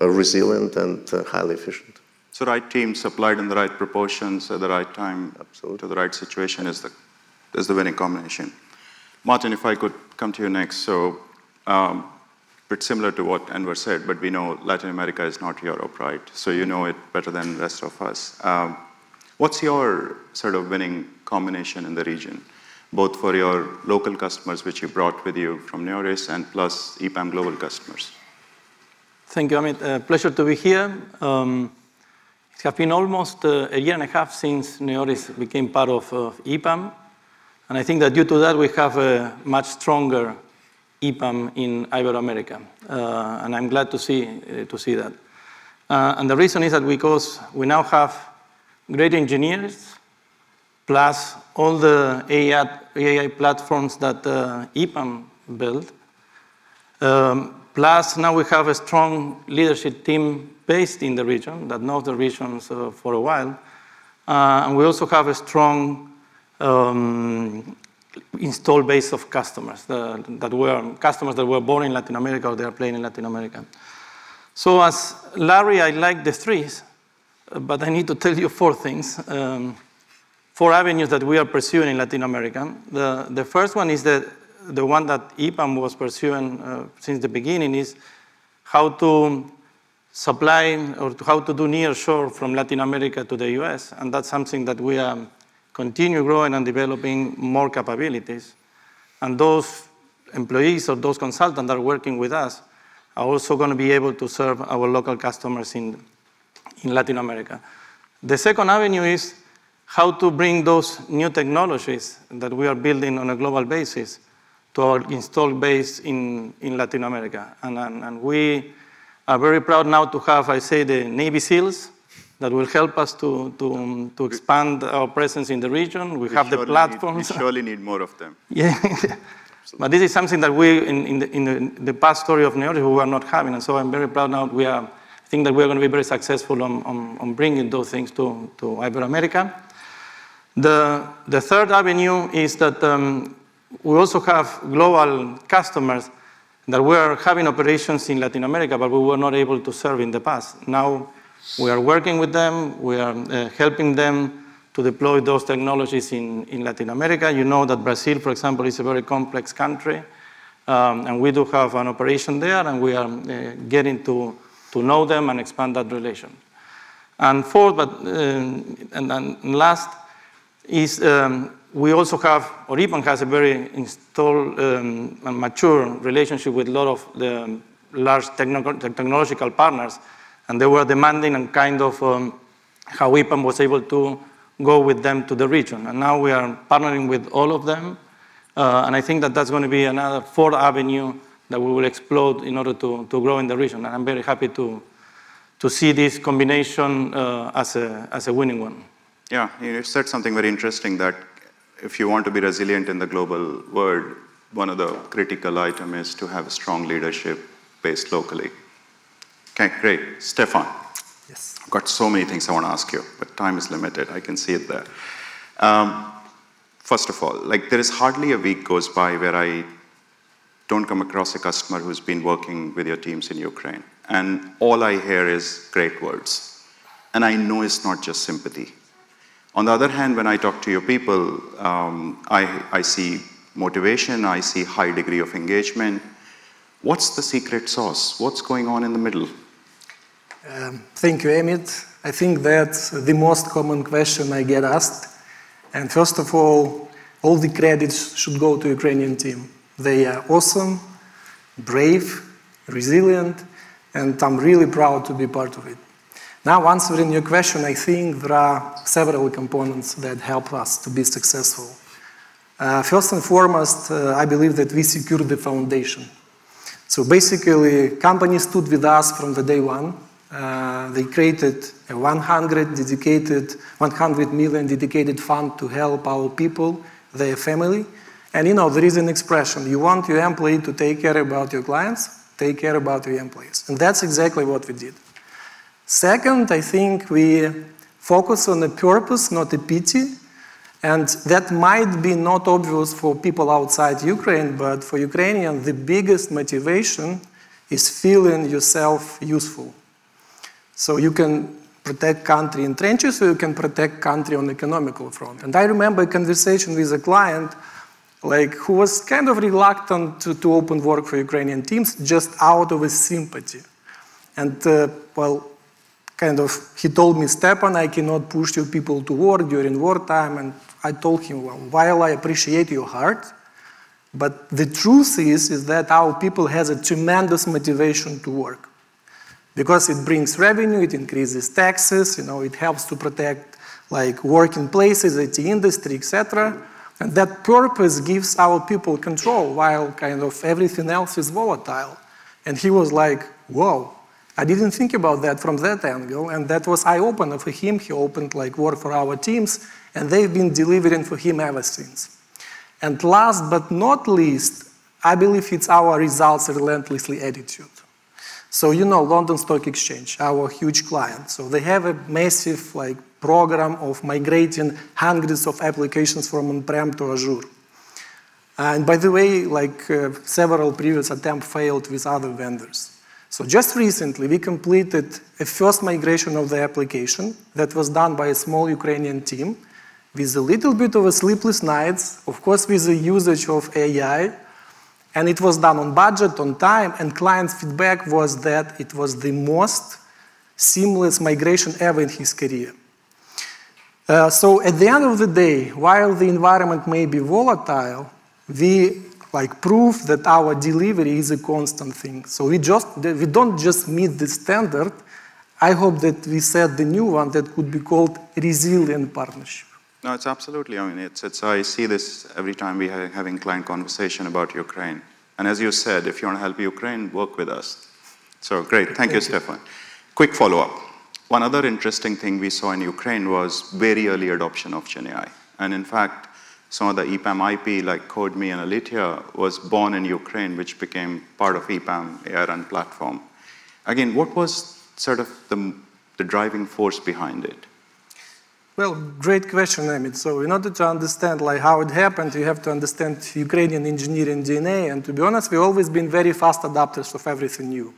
resilient and highly efficient. Right team supplied in the right proportions at the right time. Absolutely To the right situation is the winning combination. Martin, if I could come to you next. Bit similar to what Enver said, but we know Latin America is your backyard, so you know it better than the rest of us. What's your sort of winning combination in the region, both for your local customers, which you brought with you from Neoris, and plus EPAM global customers? Thank you, Amit. A pleasure to be here. It has been almost a year and a half since Neoris became part of EPAM, I think that due to that we have a much stronger EPAM in Iberoamérica. I'm glad to see that. The reason is that because we now have great engineers, plus all the AI platforms that EPAM build. Plus now we have a strong leadership team based in the region that know the region for a while. We also have a strong installed base of customers that were born in Latin America or they are playing in Latin America. As Larry, I like the threes, but I need to tell you four things, four avenues that we are pursuing in Latin America. The first one is the one that EPAM was pursuing since the beginning is how to supply or how to do near-shore from Latin America to the US, and that's something that we are continue growing and developing more capabilities. Those employees or those consultants are working with us are also gonna be able to serve our local customers in Latin America. The second avenue is how to bring those new technologies that we are building on a global basis to our install base in Latin America. We are very proud now to have, I say, the Navy SEALs that will help us to expand our presence in the region. We have the platforms. We surely need more of them. Yeah. This is something that we in the past story of Neoris we were not having. I'm very proud now we are. I think that we are gonna be very successful on bringing those things to Iberoamérica. The third avenue is that we also have global customers that we are having operations in Latin America, but we were not able to serve in the past. Now we are working with them. We are helping them to deploy those technologies in Latin America. You know that Brazil, for example, is a very complex country, and we do have an operation there, and we are getting to know them and expand that relation. Fourth, we also have a very established relationship with a lot of the large technological partners, and they were demanding and kind of how EPAM was able to go with them to the region. Now we are partnering with all of them, and I think that's gonna be another fourth avenue that we will explore in order to grow in the region. I'm very happy to see this combination as a winning one. Yeah. You said something very interesting that if you want to be resilient in the global world, one of the critical item is to have a strong leadership based locally. Okay, great. Stepan. Yes. I've got so many things I want to ask you, but time is limited. I can see it there. First of all, like, there is hardly a week goes by where I don't come across a customer who's been working with your teams in Ukraine, and all I hear is great words, and I know it's not just sympathy. On the other hand, when I talk to your people, I see motivation, I see high degree of engagement. What's the secret sauce? What's going on in the middle? Thank you, Amit. I think that's the most common question I get asked. First of all the credits should go to Ukrainian team. They are awesome, brave, resilient, and I'm really proud to be part of it. Now, answering your question, I think there are several components that help us to be successful. First and foremost, I believe that we secured the foundation. Basically, company stood with us from the day one. They created a $100 million dedicated fund to help our people, their family. You know, there is an expression, you want your employee to take care about your clients, take care about your employees, and that's exactly what we did. Second, I think we focus on the purpose, not the pity, and that might be not obvious for people outside Ukraine, but for Ukrainians, the biggest motivation is feeling yourself useful. You can protect country in trenches, or you can protect country on economic front. I remember a conversation with a client, like, who was kind of reluctant to open work for Ukrainian teams just out of a sympathy. Well, kind of, he told me, "Stephan, I cannot push your people to war during wartime." I told him, "Well, while I appreciate your heart, but the truth is that our people has a tremendous motivation to work because it brings revenue, it increases taxes, you know, it helps to protect, like, working places, IT industry, et cetera. That purpose gives our people control while kind of everything else is volatile. He was like, "Whoa, I didn't think about that from that angle." That was eye-opener for him. He opened, like, work for our teams, and they've been delivering for him ever since. Last but not least, I believe it's our results relentlessly attitude. You know, London Stock Exchange, our huge client. They have a massive, like, program of migrating hundreds of applications from on-prem to Azure. By the way, like, several previous attempts failed with other vendors. Just recently, we completed a first migration of the application that was done by a small Ukrainian team with a little bit of a sleepless nights, of course, with the usage of AI. It was done on budget, on time, and client feedback was that it was the most seamless migration ever in his career. At the end of the day, while the environment may be volatile, we've proven that our delivery is a constant thing. We don't just meet the standard. I hope that we set the new one that could be called resilient partnership. No, it's absolutely. I mean, it's. I see this every time we having client conversation about Ukraine. As you said, if you wanna help Ukraine, work with us. Great. Thank you. Thank you, Stepan. Quick follow-up. One other interesting thing we saw in Ukraine was very early adoption of GenAI. In fact, some of the EPAM IP, like CodeMie and ELITEA, was born in Ukraine, which became part of EPAM AI/RUN platform. Again, what was sort of the driving force behind it? Well, great question, Amit. In order to understand like how it happened, you have to understand Ukrainian engineering DNA. To be honest, we always been very fast adapters of everything new.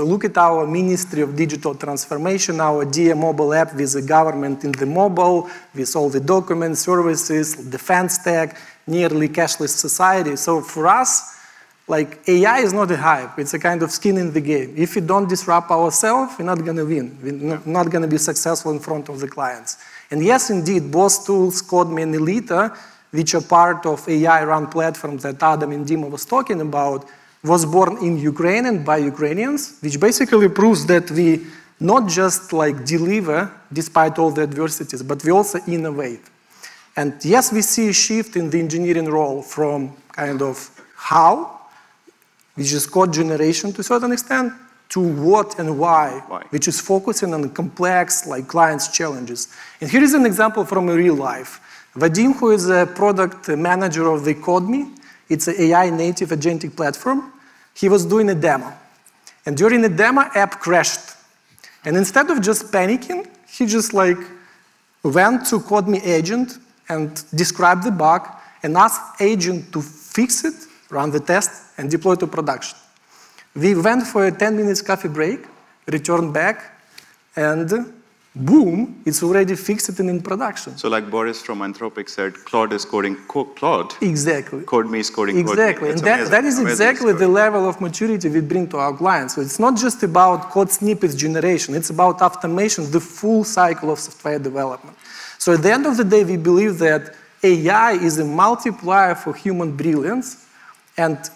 Look at our Ministry of Digital Transformation, our Diia mobile app with the government in the mobile, with all the document services, defense tech, nearly cashless society. For us, like AI is not a hype, it's a kind of skin in the game. If we don't disrupt ourself, we're not gonna win. We're not gonna be successful in front of the clients. Yes, indeed, both tools, CodeMie and ELITEA, which are part of AI/RUN platform that Adam and Dima was talking about, was born in Ukraine and by Ukrainians, which basically proves that we not just like deliver despite all the adversities, but we also innovate. Yes, we see a shift in the engineering role from kind of how, which is code generation to a certain extent, to what and why which is focusing on complex, like client's challenges. Here is an example from real life. Vadim, who is a product manager of the CodeMie, it's an AI-native agentic platform. He was doing a demo, and during the demo app crashed. Instead of just panicking, he just like went to CodeMie agent and described the bug and asked agent to fix it, run the test, and deploy to production. We went for a 10-minute coffee break, returned back, and boom, it's already fixed and in production. Like Boris from Anthropic said, Claude is coding Claude. Exactly CodeMie is coding code. Exactly. It's amazing. Amazing story. That is exactly the level of maturity we bring to our clients. It's not just about code snippets generation, it's about automations, the full cycle of software development. At the end of the day, we believe that AI is a multiplier for human brilliance.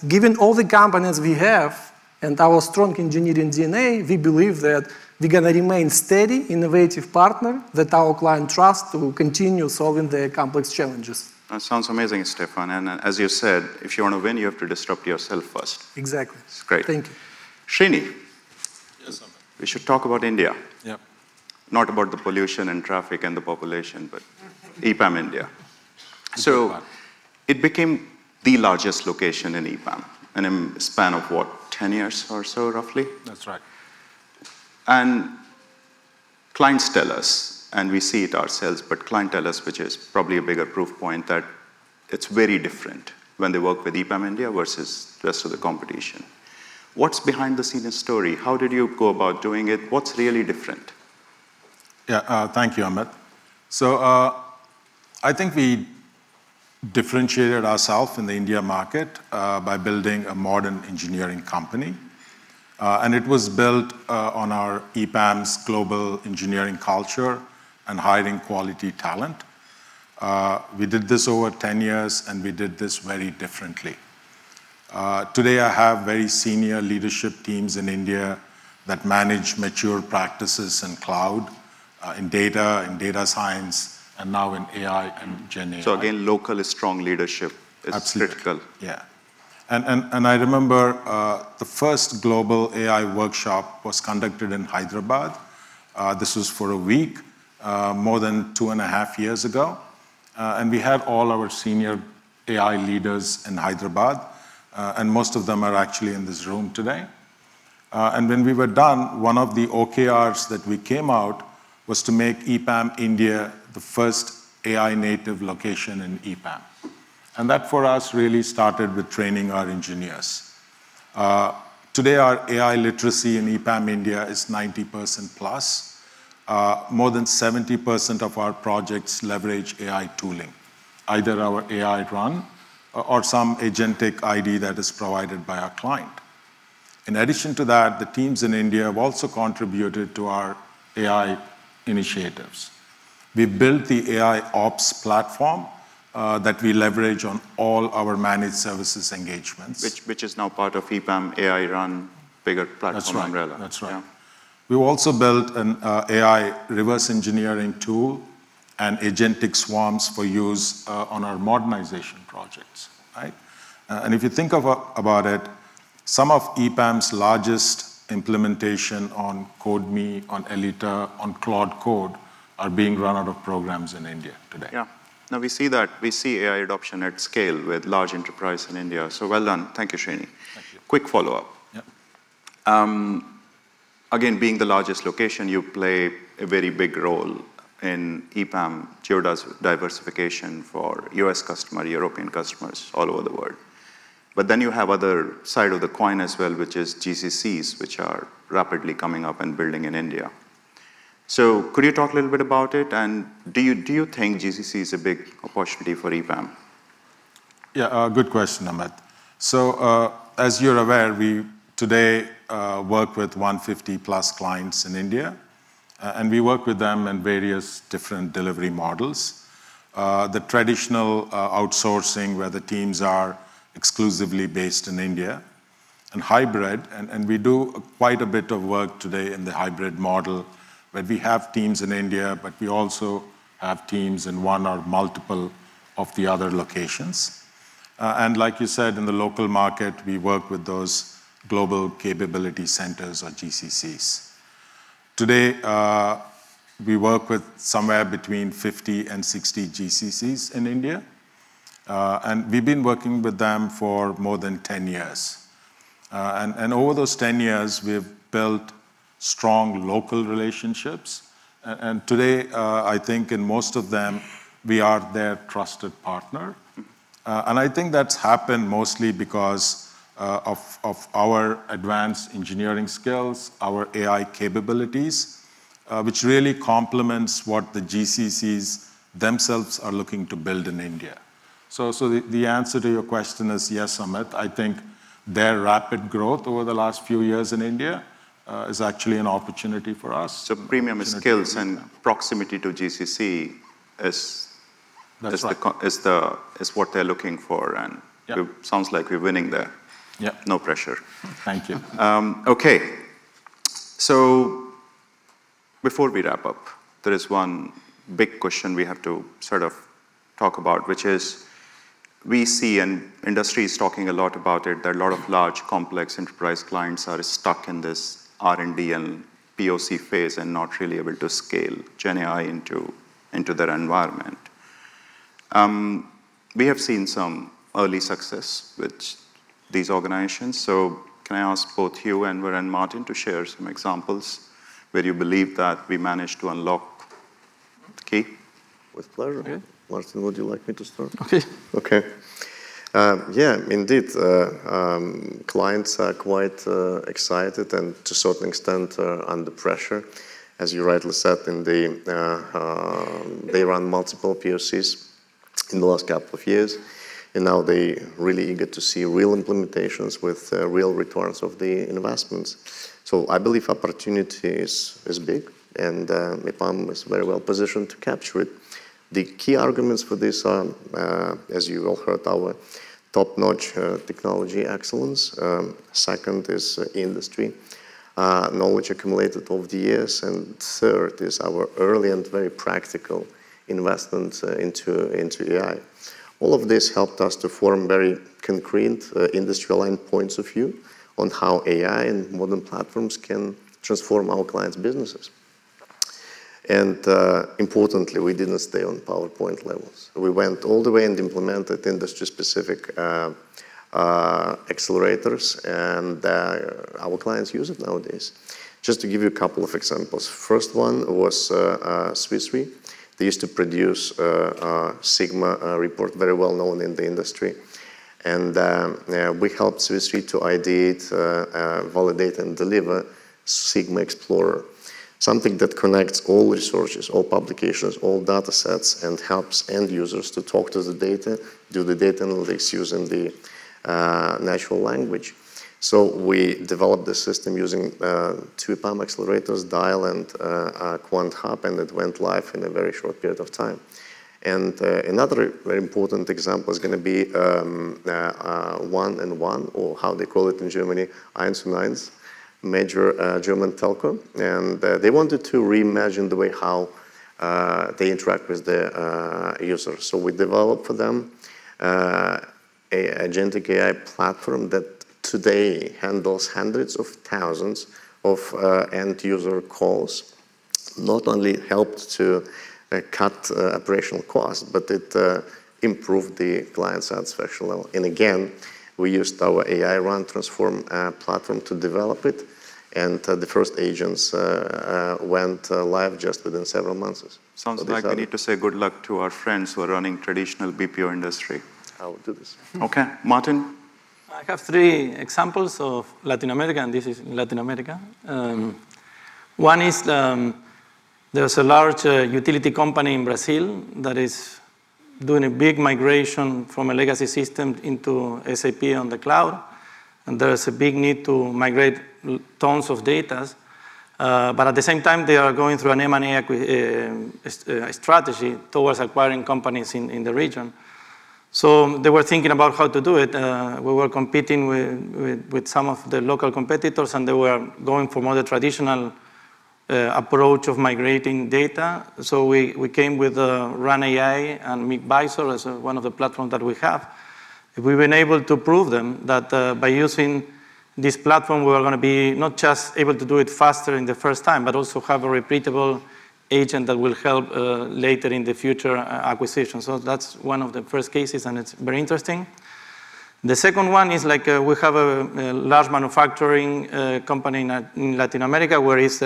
Given all the components we have and our strong engineering DNA, we believe that we're gonna remain steady, innovative partner that our client trust to continue solving their complex challenges. That sounds amazing, Stepan. As you said, if you wanna win, you have to disrupt yourself first. Exactly. It's great. Thank you. Srini. Yes, Amit. We should talk about India. Yeah. Not about the pollution and traffic and the population, but EPAM India. EPAM. It became the largest location in EPAM in a span of what? 10 years or so, roughly? That's right. Clients tell us, and we see it ourselves, but clients tell us, which is probably a bigger proof point, that it's very different when they work with EPAM India versus the rest of the competition. What's behind the scenes story? How did you go about doing it? What's really different? Thank you, Amit. I think we differentiated ourself in the India market by building a modern engineering company. It was built on our EPAM's global engineering culture and hiring quality talent. We did this over 10 years, and we did this very differently. Today I have very senior leadership teams in India that manage mature practices in cloud, in data, in data science, and now in AI and GenAI. Local is strong leadership. Absolutely is critical. I remember the first global AI workshop was conducted in Hyderabad. This was for a week, more than 2.5 years ago. We have all our senior AI leaders in Hyderabad, and most of them are actually in this room today. When we were done, one of the OKRs that we came out was to make EPAM India the first AI-native location in EPAM. That, for us, really started with training our engineers. Today our AI literacy in EPAM India is 90%+. More than 70% of our projects leverage AI tooling, either our AI-run or some agentic AI that is provided by our client. In addition to that, the teams in India have also contributed to our AI initiatives. We built the AIOps platform that we leverage on all our managed services engagements. Which is now part of EPAM AI/RUN bigger platform. That's right. umbrella. That's right. Yeah. We also built an AI reverse engineering tool and agentic swarms for use on our modernization projects, right? If you think about it, some of EPAM's largest implementation on CodeMie, on ELITEA, on Claude Code, are being run out of programs in India today. Yeah. No, we see that. We see AI adoption at scale with large enterprise in India, so well done. Thank you, Srinivas. Thank you. Quick follow-up. Yeah. Again, being the largest location, you play a very big role in EPAM's geographic diversification for U.S. customers, European customers all over the world. You have the other side of the coin as well, which is GCCs, which are rapidly coming up and building in India. Could you talk a little bit about it? Do you think GCC is a big opportunity for EPAM? Yeah, a good question, Amit. As you're aware, we today work with 150+ clients in India, and we work with them in various different delivery models. The traditional outsourcing where the teams are exclusively based in India and hybrid, and we do quite a bit of work today in the hybrid model where we have teams in India, but we also have teams in one or multiple of the other locations. And like you said, in the local market, we work with those global capability centers or GCCs. Today, we work with somewhere between 50-60 GCCs in India, and we've been working with them for more than 10 years. And over those 10 years we've built strong local relationships and today, I think in most of them we are their trusted partner. I think that's happened mostly because of our advanced engineering skills, our AI capabilities, which really complements what the GCCs themselves are looking to build in India. The answer to your question is yes, Amit. I think their rapid growth over the last few years in India is actually an opportunity for us. Premium skills and proximity to GCC is. That's right. is what they're looking for, and- Yeah sounds like we're winning there. Yeah. No pressure. Thank you. Okay. Before we wrap up, there is one big question we have to sort of talk about, which is we see, and the industry is talking a lot about it, there are a lot of large complex enterprise clients are stuck in this R&D and POC phase and not really able to scale GenAI into their environment. We have seen some early success with these organizations, so can I ask both you and Martin to share some examples where you believe that we managed to unlock the key? With pleasure. Yeah. Martin, would you like me to start? Okay. Okay. Yeah, indeed. Clients are quite excited and to certain extent under pressure, as you rightly said, and they run multiple POCs in the last couple of years, and now they really get to see real implementations with real returns of the investments. I believe opportunity is big and EPAM is very well positioned to capture it. The key arguments for this are, as you all heard, our top-notch technology excellence. Second is industry knowledge accumulated over the years, and third is our early and very practical investment into AI. All of this helped us to form very concrete industry aligned points of view on how AI and modern platforms can transform our clients' businesses. Importantly, we didn't stay on PowerPoint levels. We went all the way and implemented industry specific accelerators and our clients use it nowadays. Just to give you a couple of examples. First one was Swiss Re. They used to produce sigma report, very well known in the industry. We helped Swiss Re to ideate, validate and deliver Sigma Explorer, something that connects all resources, all publications, all data sets, and helps end users to talk to the data, do the data analytics using the natural language. We developed the system using two EPAM accelerators, DIAL and QuantHub, and it went live in a very short period of time. Another very important example is gonna be 1&1 or how they call it in Germany, 1&1, major German telco. They wanted to reimagine the way how they interact with their users. We developed for them an agentic AI platform that today handles hundreds of thousands of end user calls. Not only helped to cut operational costs, but it improved the client satisfaction level. We used our AI/RUN transform platform to develop it, and the first agents went live just within several months. Sounds like we need to say good luck to our friends who are running traditional BPO industry. I will do this. Okay. Martin? I have three examples of Latin America, and this is in Latin America. One is, there's a large utility company in Brazil that is doing a big migration from a legacy system into SAP on the cloud, and there is a big need to migrate tons of data. At the same time, they are going through an M&A strategy towards acquiring companies in the region. They were thinking about how to do it. We were competing with some of the local competitors, and they were going for more the traditional approach of migrating data. We came with AI/RUN and migVisor as one of the platforms that we have. We've been able to prove them that by using this platform, we are gonna be not just able to do it faster in the first time, but also have a repeatable agent that will help later in the future acquisition. That's one of the first cases, and it's very interesting. The second one is like we have a large manufacturing company in Latin America where it's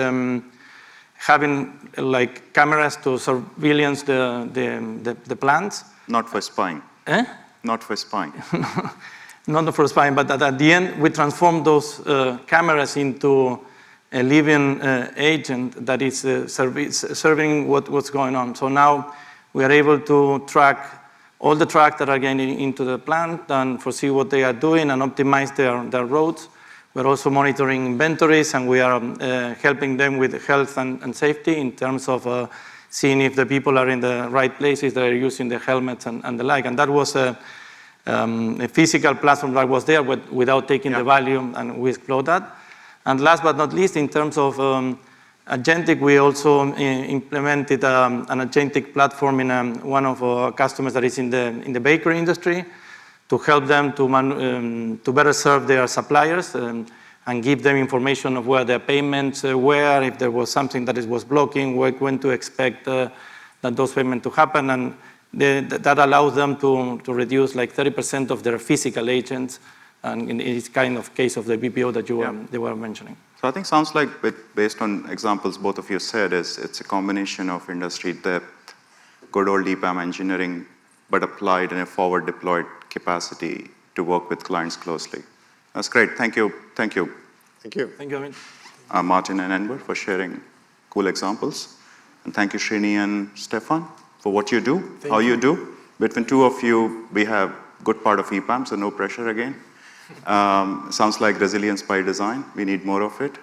having like cameras to surveillance the plants. Not for spying. Eh? Not for spying. Not for spying, but at the end, we transform those cameras into a living agent that is serving what's going on. Now we are able to track all the tractor into the plant and foresee what they are doing and optimize their routes. We're also monitoring inventories, and we are helping them with health and safety in terms of seeing if the people are in the right places, they are using their helmets and the like. That was a physical platform that was there without taking the value. We explore that. Last but not least, in terms of agentic, we also implemented an agentic platform in one of our customers that is in the bakery industry to help them to better serve their suppliers and give them information of where their payments were, if there was something that it was blocking, when to expect those payments to happen. That allows them to reduce like 30% of their physical agents and it's kind of case of the BPO that you werehey were mentioning. I think sounds like based on examples both of you said is it's a combination of industry depth, good old EPAM engineering, but applied in a forward deployed capacity to work with clients closely. That's great. Thank you. Thank you. Thank you. Thank you, Amit. Martin and Enver for sharing cool examples. Thank you Srini and Stepaan for what you do. Thank you. How you do. Between two of you, we have good part of EPAM, so no pressure again. Sounds like resilience by design. We need more of it.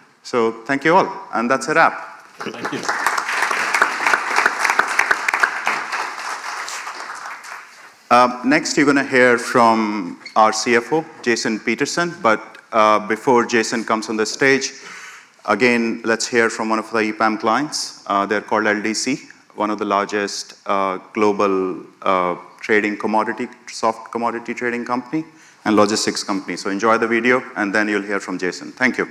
Thank you all, and that's a wrap. Thank you. Next you're gonna hear from our CFO, Jason Peterson. Before Jason comes on the stage, again, let's hear from one of the EPAM clients. They're called Louis Dreyfus Company, one of the largest global commodity trading, soft commodity trading company and logistics company. Enjoy the video, and then you'll hear from Jason. Thank you.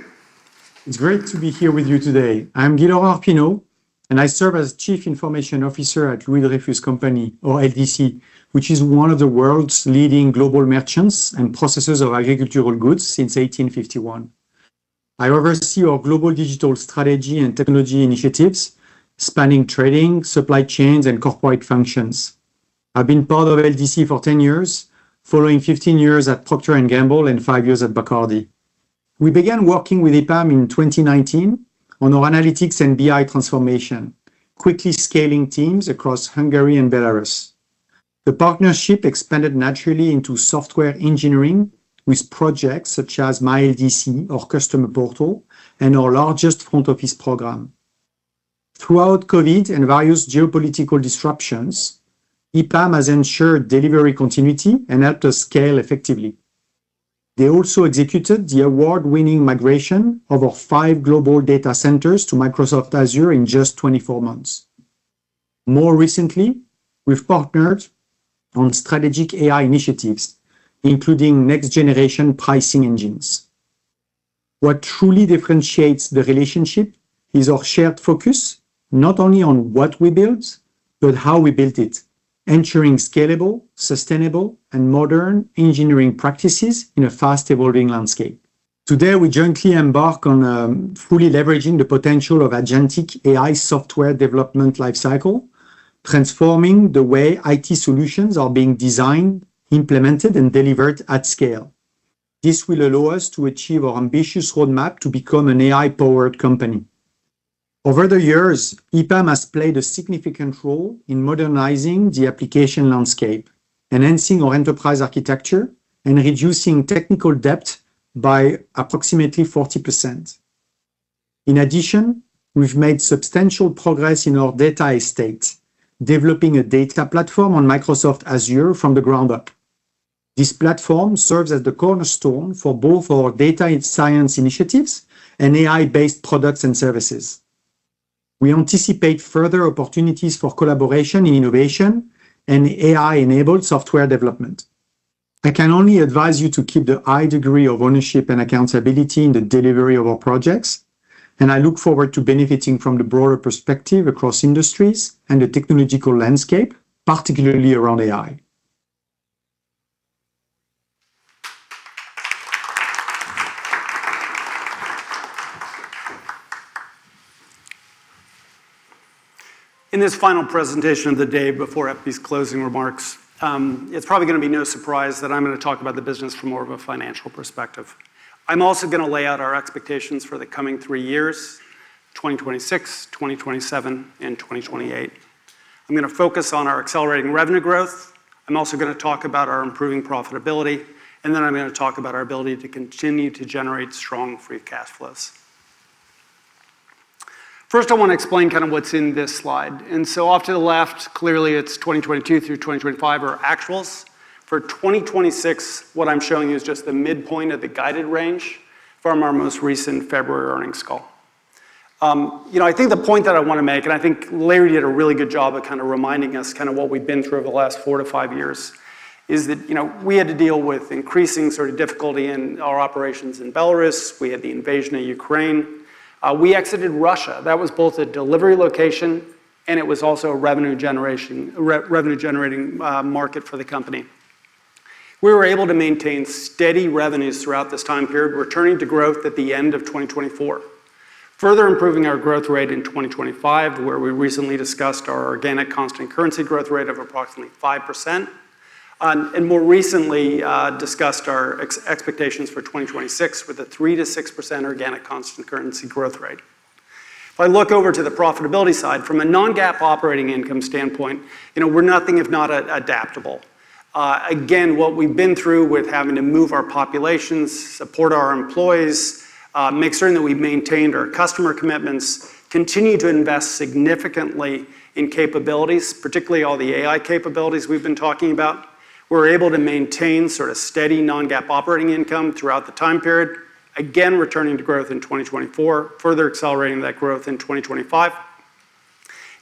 It's great to be here with you today. I'm Guy-Laurent Arpino, and I serve as Chief Information Officer at Louis Dreyfus Company or LDC, which is one of the world's leading global merchants and processors of agricultural goods since 1851. I oversee our global digital strategy and technology initiatives spanning trading, supply chains, and corporate functions. I've been part of LDC for 10 years, following 15 years at Procter & Gamble and 5 years at Bacardi. We began working with EPAM in 2019 on our analytics and BI transformation, quickly scaling teams across Hungary and Belarus. The partnership expanded naturally into software engineering with projects such as My LDC, our customer portal, and our largest front office program. Throughout COVID and various geopolitical disruptions, EPAM has ensured delivery continuity and helped us scale effectively. They also executed the award-winning migration of our five global data centers to Microsoft Azure in just 24 months. More recently, we've partnered on strategic AI initiatives, including next generation pricing engines. What truly differentiates the relationship is our shared focus, not only on what we built but how we built it, ensuring scalable, sustainable, and modern engineering practices in a fast-evolving landscape. Today, we jointly embark on fully leveraging the potential of agentic AI software development life cycle, transforming the way IT solutions are being designed, implemented, and delivered at scale. This will allow us to achieve our ambitious roadmap to become an AI-powered company. Over the years, EPAM has played a significant role in modernizing the application landscape, enhancing our enterprise architecture, and reducing technical debt by approximately 40%. In addition, we've made substantial progress in our data estate, developing a data platform on Microsoft Azure from the ground up. This platform serves as the cornerstone for both our data and science initiatives and AI-based products and services. We anticipate further opportunities for collaboration and innovation and AI-enabled software development. I can only advise you to keep the high degree of ownership and accountability in the delivery of our projects, and I look forward to benefiting from the broader perspective across industries and the technological landscape, particularly around AI. In this final presentation of the day before EPAM's closing remarks, it's probably gonna be no surprise that I'm gonna talk about the business from more of a financial perspective. I'm also gonna lay out our expectations for the coming three years, 2026, 2027, and 2028. I'm gonna focus on our accelerating revenue growth. I'm also gonna talk about our improving profitability, and then I'm gonna talk about our ability to continue to generate strong free cash flows. First, I wanna explain kind of what's in this slide. Off to the left, clearly it's 2022 through 2025 are actuals. For 2026, what I'm showing you is just the midpoint of the guided range from our most recent February earnings call. You know, I think the point that I wanna make, and I think Larry did a really good job of kind of reminding us kind of what we've been through over the last four to five years, is that, you know, we had to deal with increasing sort of difficulty in our operations in Belarus. We had the invasion of Ukraine. We exited Russia. That was both a delivery location, and it was also a revenue generation, revenue-generating market for the company. We were able to maintain steady revenues throughout this time period, returning to growth at the end of 2024. Further improving our growth rate in 2025, where we recently discussed our organic constant currency growth rate of approximately 5%. More recently, discussed our expectations for 2026 with a 3%-6% organic constant currency growth rate. If I look over to the profitability side, from a non-GAAP operating income standpoint, you know, we're nothing if not adaptable. Again, what we've been through with having to move our populations, support our employees, make certain that we've maintained our customer commitments, continue to invest significantly in capabilities, particularly all the AI capabilities we've been talking about. We're able to maintain sort of steady non-GAAP operating income throughout the time period, again returning to growth in 2024, further accelerating that growth in 2025.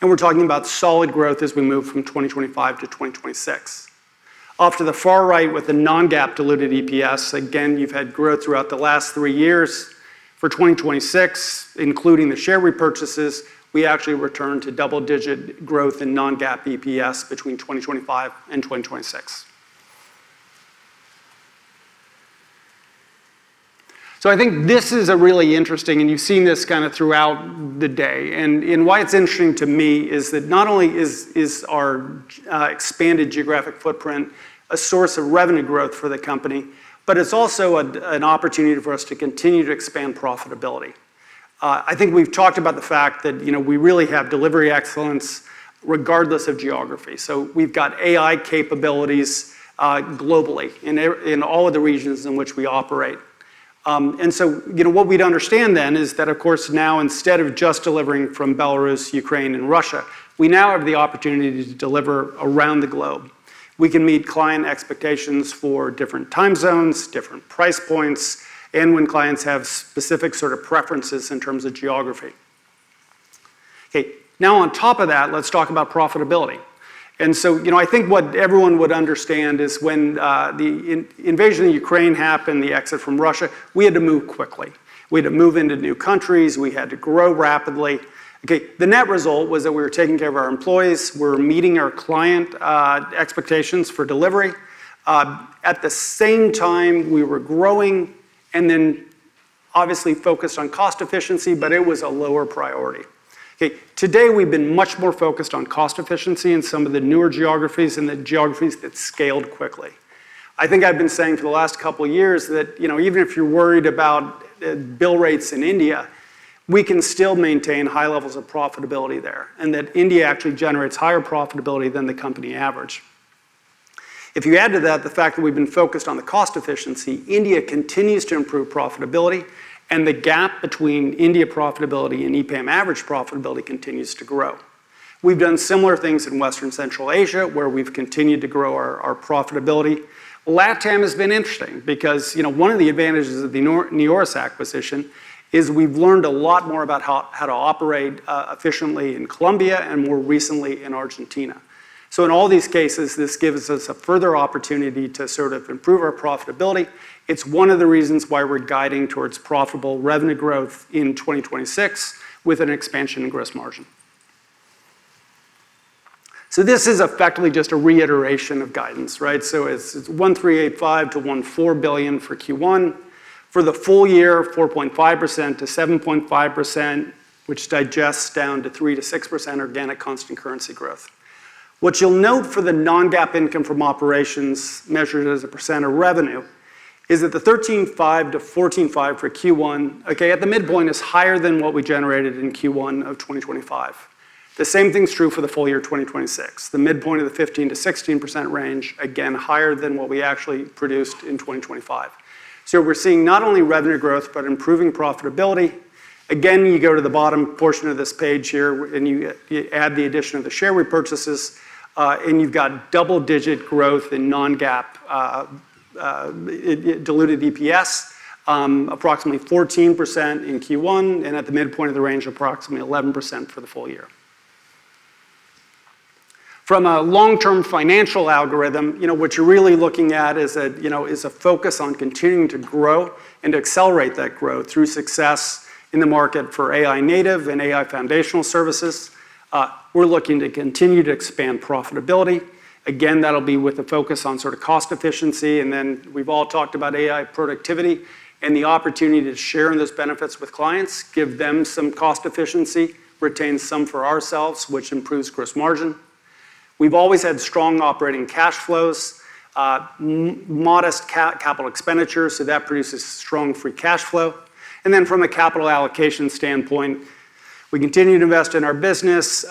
We're talking about solid growth as we move from 2025 to 2026. Off to the far right with the non-GAAP diluted EPS, again, you've had growth throughout the last three years. For 2026, including the share repurchases, we actually return to double-digit growth in non-GAAP EPS between 2025 and 2026. I think this is a really interesting, and you've seen this kinda throughout the day. Why it's interesting to me is that not only is our expanded geographic footprint a source of revenue growth for the company, but it's also an opportunity for us to continue to expand profitability. I think we've talked about the fact that, you know, we really have delivery excellence regardless of geography. We've got AI capabilities globally in all of the regions in which we operate. You know, what we'd understand then is that, of course, now instead of just delivering from Belarus, Ukraine, and Russia, we now have the opportunity to deliver around the globe. We can meet client expectations for different time zones, different price points, and when clients have specific sort of preferences in terms of geography. Now on top of that, let's talk about profitability. You know, I think what everyone would understand is when the invasion of Ukraine happened, the exit from Russia, we had to move quickly. We had to move into new countries. We had to grow rapidly. Okay. The net result was that we were taking care of our employees. We're meeting our client expectations for delivery. At the same time, we were growing and then obviously focused on cost efficiency, but it was a lower priority. Okay. Today, we've been much more focused on cost efficiency in some of the newer geographies and the geographies that scaled quickly. I think I've been saying for the last couple years that, you know, even if you're worried about bill rates in India, we can still maintain high levels of profitability there and that India actually generates higher profitability than the company average. If you add to that the fact that we've been focused on the cost efficiency, India continues to improve profitability, and the gap between India profitability and EPAM average profitability continues to grow. We've done similar things in Western Central Asia, where we've continued to grow our profitability. LatAm has been interesting because, you know, one of the advantages of the Neoris acquisition is we've learned a lot more about how to operate efficiently in Colombia and more recently in Argentina. In all these cases, this gives us a further opportunity to sort of improve our profitability. It's one of the reasons why we're guiding towards profitable revenue growth in 2026 with an expansion in gross margin. This is effectively just a reiteration of guidance, right? It's $1.385 billion-$1.4 billion for Q1. For the full year, 4.5%-7.5%, which digests down to 3%-6% organic constant currency growth. What you'll note for the non-GAAP income from operations measured as a percent of revenue is that the 13.5%-14.5% for Q1, okay, at the midpoint is higher than what we generated in Q1 of 2025. The same thing's true for the full year 2026. The midpoint of the 15%-16% range, again, higher than what we actually produced in 2025. We're seeing not only revenue growth, but improving profitability. Again, you go to the bottom portion of this page here, and you add the addition of the share repurchases, and you've got double-digit growth in non-GAAP diluted EPS, approximately 14% in Q1 and at the midpoint of the range, approximately 11% for the full year. From a long-term financial algorithm, you know, what you're really looking at is a focus on continuing to grow and to accelerate that growth through success in the market for AI native and AI foundational services. We're looking to continue to expand profitability. Again, that'll be with a focus on sort of cost efficiency. We've all talked about AI productivity and the opportunity to share those benefits with clients, give them some cost efficiency, retain some for ourselves, which improves gross margin. We've always had strong operating cash flows, modest capital expenditures, so that produces strong free cash flow. From a capital allocation standpoint, we continue to invest in our business,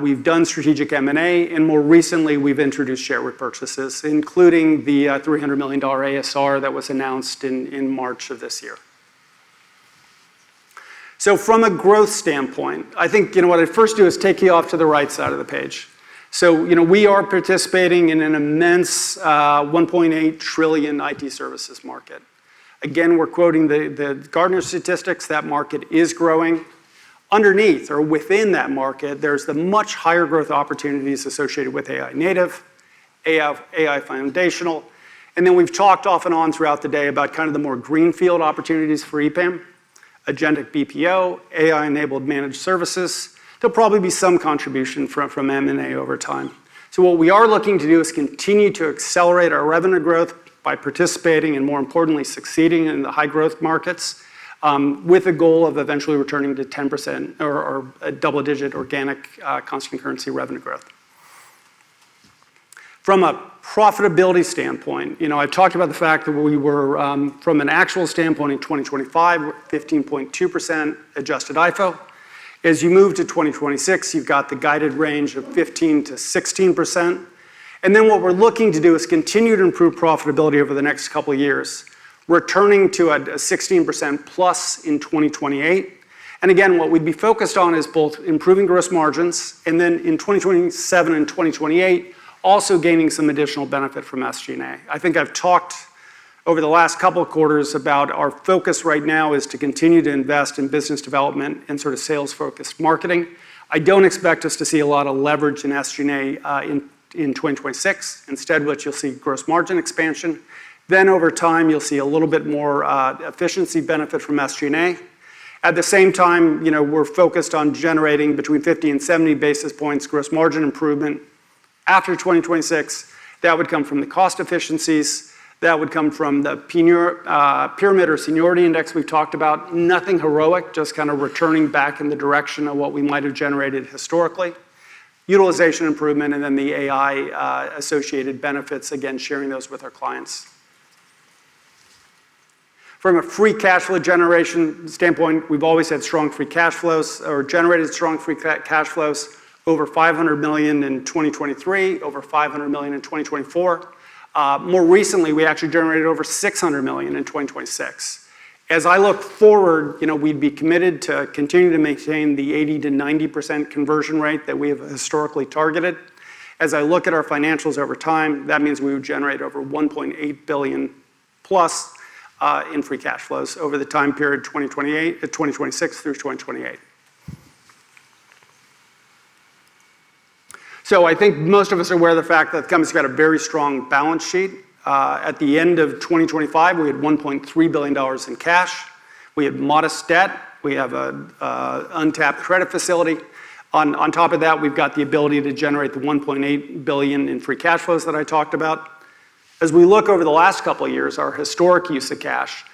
we've done strategic M&A, and more recently, we've introduced share repurchases, including the $300 million ASR that was announced in March of this year. From a growth standpoint, I think, you know, what I'd first do is take you off to the right side of the page. You know, we are participating in an immense $1.8 trillion IT services market. Again, we're quoting the Gartner statistics. That market is growing. Underneath or within that market, there's the much higher growth opportunities associated with AI native, AI foundational, and then we've talked off and on throughout the day about kind of the more greenfield opportunities for EPAM, agentic BPO, AI-enabled managed services. There'll probably be some contribution from M&A over time. What we are looking to do is continue to accelerate our revenue growth by participating and, more importantly, succeeding in the high-growth markets. With a goal of eventually returning to 10% or a double-digit organic constant currency revenue growth. From a profitability standpoint, you know, I've talked about the fact that we were from an actual standpoint in 2025, 15.2% adjusted IFO. As you move to 2026, you've got the guided range of 15%-16%. What we're looking to do is continue to improve profitability over the next couple of years. Returning to a 16%+ in 2028. Again, what we'd be focused on is both improving gross margins and then in 2027 and 2028, also gaining some additional benefit from SG&A. I think I've talked over the last couple of quarters about our focus right now is to continue to invest in business development and sort of sales-focused marketing. I don't expect us to see a lot of leverage in SG&A in 2026. Instead, what you'll see, gross margin expansion. Then over time, you'll see a little bit more efficiency benefit from SG&A. At the same time, you know, we're focused on generating between 50 and 70 basis points gross margin improvement. After 2026, that would come from the cost efficiencies, that would come from the pyramid or seniority index we've talked about. Nothing heroic, just kinda returning back in the direction of what we might have generated historically. Utilization improvement and then the AI associated benefits, again, sharing those with our clients. From a free cash flow generation standpoint, we've always had strong free cash flows or generated strong free cash flows, over $500 million in 2023, over $500 million in 2024. More recently, we actually generated over $600 million in 2026. As I look forward, you know, we'd be committed to continuing to maintain the 80%-90% conversion rate that we have historically targeted. As I look at our financials over time, that means we would generate over $1.8 billion plus in free cash flows over the time period 2026 through 2028. I think most of us are aware of the fact that the company's got a very strong balance sheet. At the end of 2025, we had $1.3 billion in cash. We have modest debt. We have a untapped credit facility. On top of that, we've got the ability to generate the $1.8 billion in free cash flows that I talked about. As we look over the last couple of years, our historic use of cash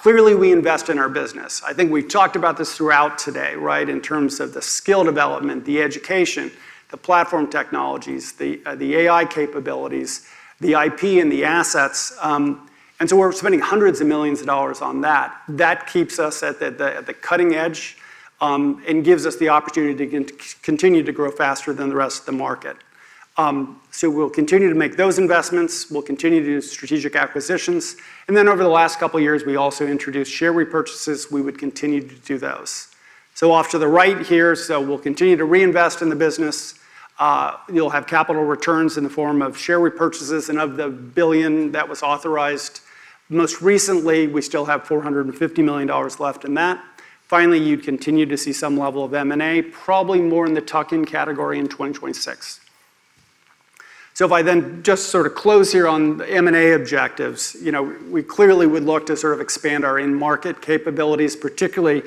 clearly we invest in our business. I think we've talked about this throughout today, right, in terms of the skill development, the education, the platform technologies, the AI capabilities, the IP and the assets. We're spending hundreds of millions of dollars on that. That keeps us at the cutting edge and gives us the opportunity to continue to grow faster than the rest of the market. We'll continue to make those investments. We'll continue to do strategic acquisitions. Then over the last couple of years, we also introduced share repurchases. We would continue to do those. Off to the right here, we'll continue to reinvest in the business. You'll have capital returns in the form of share repurchases and of the $1 billion that was authorized. Most recently, we still have $450 million left in that. Finally, you'd continue to see some level of M&A, probably more in the tuck-in category in 2026. If I then just sort of close here on the M&A objectives, you know, we clearly would look to sort of expand our in-market capabilities, particularly,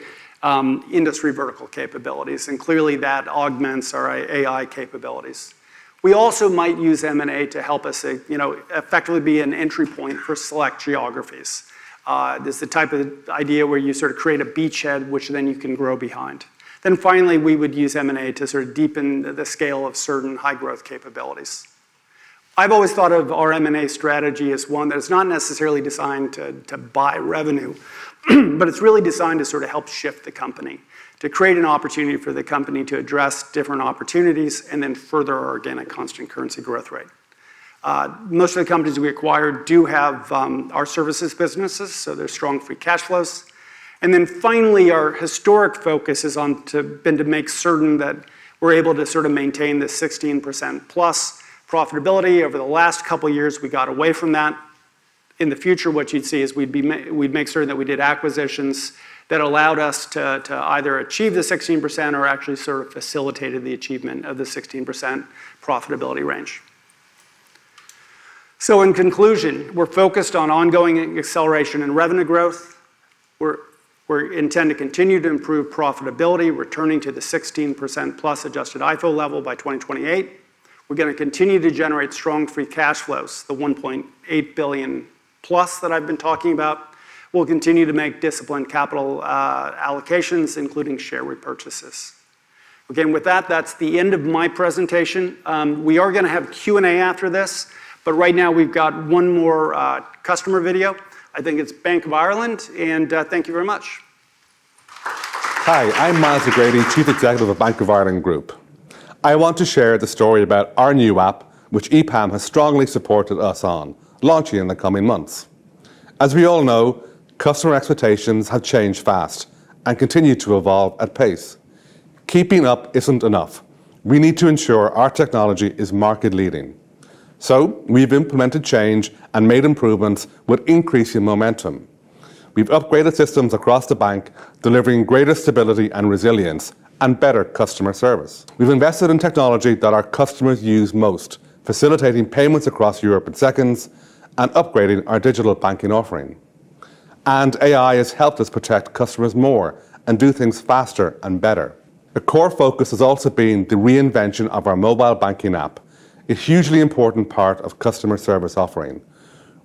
industry vertical capabilities, and clearly that augments our AI capabilities. We also might use M&A to help us, you know, effectively be an entry point for select geographies. This is the type of idea where you sort of create a beachhead, which then you can grow behind. Finally, we would use M&A to sort of deepen the scale of certain high-growth capabilities. I've always thought of our M&A strategy as one that is not necessarily designed to buy revenue, but it's really designed to sort of help shift the company, to create an opportunity for the company to address different opportunities and then further our organic constant currency growth rate. Most of the companies we acquire do have our services businesses, so there's strong free cash flows. Finally, our historic focus has been to make certain that we're able to sort of maintain the 16%+ profitability. Over the last couple of years, we got away from that. In the future, what you'd see is we'd make certain that we did acquisitions that allowed us to either achieve the 16% or actually sort of facilitated the achievement of the 16% profitability range. In conclusion, we're focused on ongoing acceleration in revenue growth. We intend to continue to improve profitability, returning to the 16%+ adjusted IFO level by 2028. We're gonna continue to generate strong free cash flows, the $1.8 billion+ that I've been talking about. We'll continue to make disciplined capital allocations, including share repurchases. Again, with that's the end of my presentation. We are gonna have Q&A after this, but right now we've got one more customer video. I think it's Bank of Ireland, and thank you very much. Hi, I'm Myles O'Grady, Chief Executive of Bank of Ireland Group. I want to share the story about our new app, which EPAM has strongly supported us on, launching in the coming months. As we all know, customer expectations have changed fast and continue to evolve at pace. Keeping up isn't enough. We need to ensure our technology is market-leading. We've implemented change and made improvements with increasing momentum. We've upgraded systems across the bank, delivering greater stability and resilience and better customer service. We've invested in technology that our customers use most, facilitating payments across Europe in seconds and upgrading our digital banking offering. AI has helped us protect customers more and do things faster and better. A core focus has also been the reinvention of our mobile banking app, a hugely important part of customer service offering.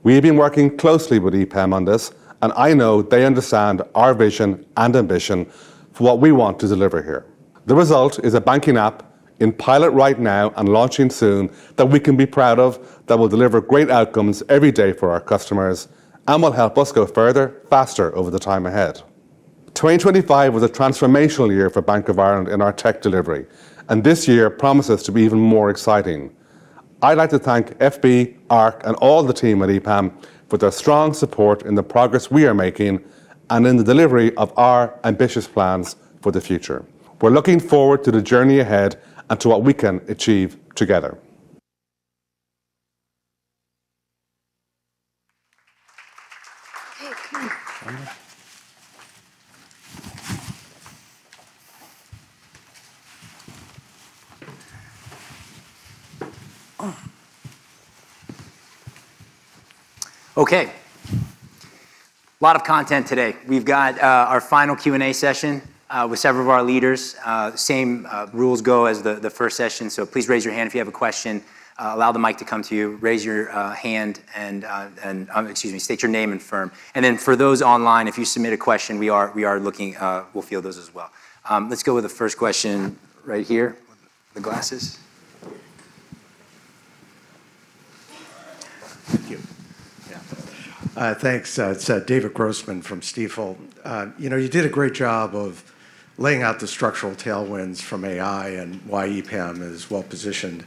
We have been working closely with EPAM on this, and I know they understand our vision and ambition for what we want to deliver here. The result is a banking app in pilot right now and launching soon that we can be proud of, that will deliver great outcomes every day for our customers, and will help us go further, faster over the time ahead. 2025 was a transformational year for Bank of Ireland in our tech delivery, and this year promises to be even more exciting. I'd like to thank FB, Arc, and all the team at EPAM for their strong support in the progress we are making and in the delivery of our ambitious plans for the future. We're looking forward to the journey ahead and to what we can achieve together. Okay. A lot of content today. We've got our final Q&A session with several of our leaders. Same rules as the first session, so please raise your hand if you have a question. Allow the mic to come to you. Raise your hand. Excuse me. State your name and firm. For those online, if you submit a question, we are looking, we'll field those as well. Let's go with the first question right here. The glasses. Thank you. Yeah. Thanks. It's David Grossman from Stifel. You know, you did a great job of laying out the structural tailwinds from AI and why EPAM is well-positioned,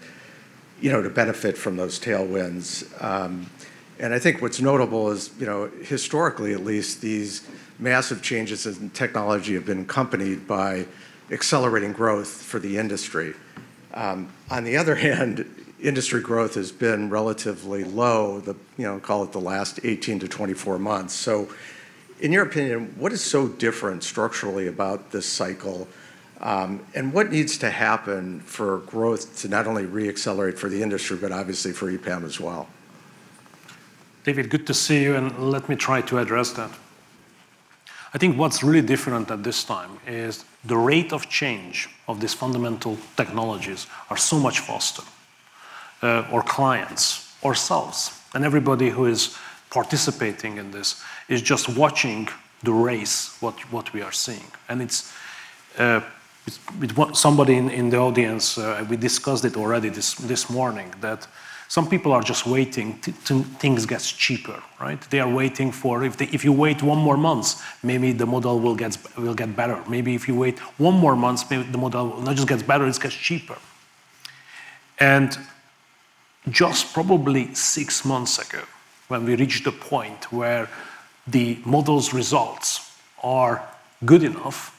you know, to benefit from those tailwinds. I think what's notable is, you know, historically at least, these massive changes in technology have been accompanied by accelerating growth for the industry. On the other hand, industry growth has been relatively low, you know, call it the last 18-24 months. In your opinion, what is so different structurally about this cycle, and what needs to happen for growth to not only re-accelerate for the industry, but obviously for EPAM as well? David, good to see you, let me try to address that. I think what's really different at this time is the rate of change of these fundamental technologies are so much faster. Our clients, ourselves, and everybody who is participating in this is just watching the race, what we are seeing. It's what somebody in the audience we discussed it already this morning, that some people are just waiting till things gets cheaper, right? They are waiting for if you wait one more month, maybe the model will get better. Maybe if you wait one more month, maybe the model not just gets better, it gets cheaper. Just probably six months ago, when we reached the point where the model's results are good enough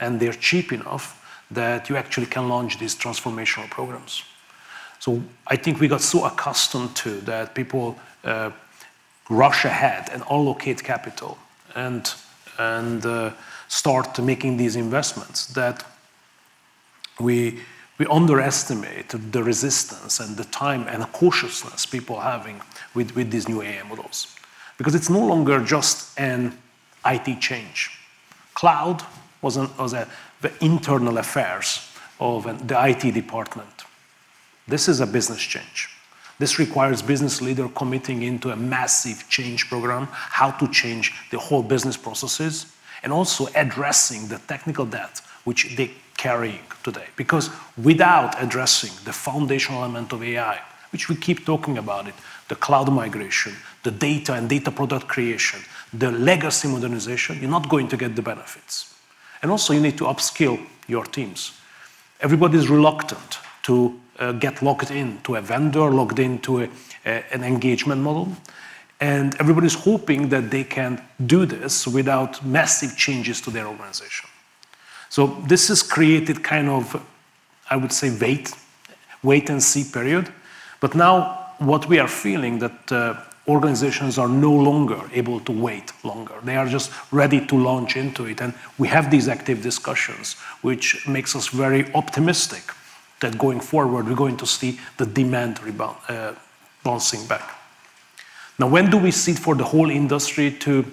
and they're cheap enough that you actually can launch these transformational programs. I think we got so accustomed to that people rush ahead and allocate capital and start making these investments that we underestimate the resistance and the time and cautiousness people are having with these new AI models, because it's no longer just an IT change. Cloud was the internal affairs of the IT department. This is a business change. This requires business leader committing to a massive change program, how to change the whole business processes, and also addressing the technical debt which they're carrying today. Because without addressing the foundational element of AI, which we keep talking about it, the cloud migration, the data and data product creation, the legacy modernization, you're not going to get the benefits. You need to upskill your teams. Everybody's reluctant to get locked in to a vendor, locked into an engagement model, and everybody's hoping that they can do this without massive changes to their organization. This has created kind of, I would say, a wait-and-see period. Now what we are feeling that organizations are no longer able to wait longer. They are just ready to launch into it, and we have these active discussions, which makes us very optimistic that going forward we're going to see the demand bouncing back. Now, when do we see it for the whole industry to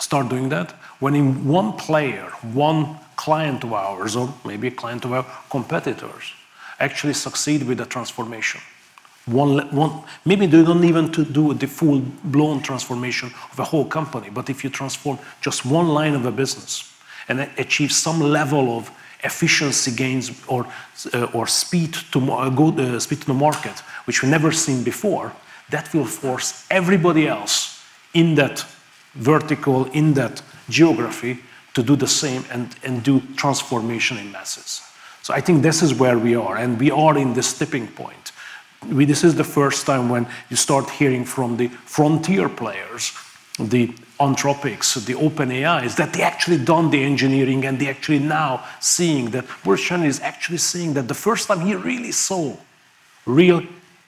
start doing that? When one player, one client of ours or maybe a client of our competitors actually succeed with the transformation. One Maybe they don't even have to do the full-blown transformation of a whole company, but if you transform just one line of a business and achieve some level of efficiency gains or speed to the market, which we never seen before, that will force everybody else in that vertical, in that geography to do the same and do transformation en masse. I think this is where we are, and we are in this tipping point. This is the first time when you start hearing from the frontier players, the Anthropic, the OpenAI, that they actually done the engineering and they actually now seeing that the first time he really saw real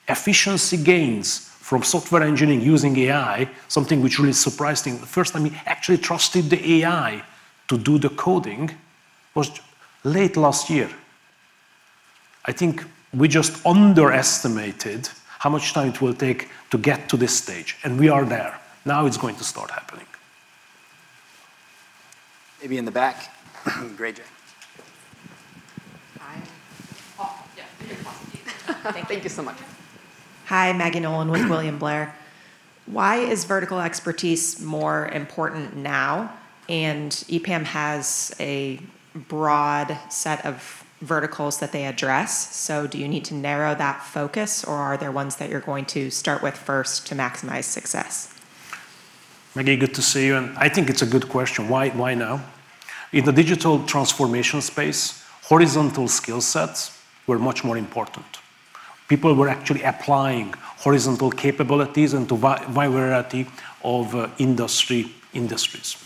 efficiency gains from software engineering using AI, something which really surprising. The first time he actually trusted the AI to do the coding was late last year. I think we just underestimated how much time it will take to get to this stage, and we are there. Now it's going to start happening. Maybe in the back. Great. Hi. Oh, yeah. Thank you so much. Hi, Maggie Nolan with William Blair. Why is vertical expertise more important now? EPAM has a broad set of verticals that they address. Do you need to narrow that focus, or are there ones that you're going to start with first to maximize success? Maggie, good to see you, and I think it's a good question. Why now? In the digital transformation space, horizontal skill sets were much more important. People were actually applying horizontal capabilities into variety of industries.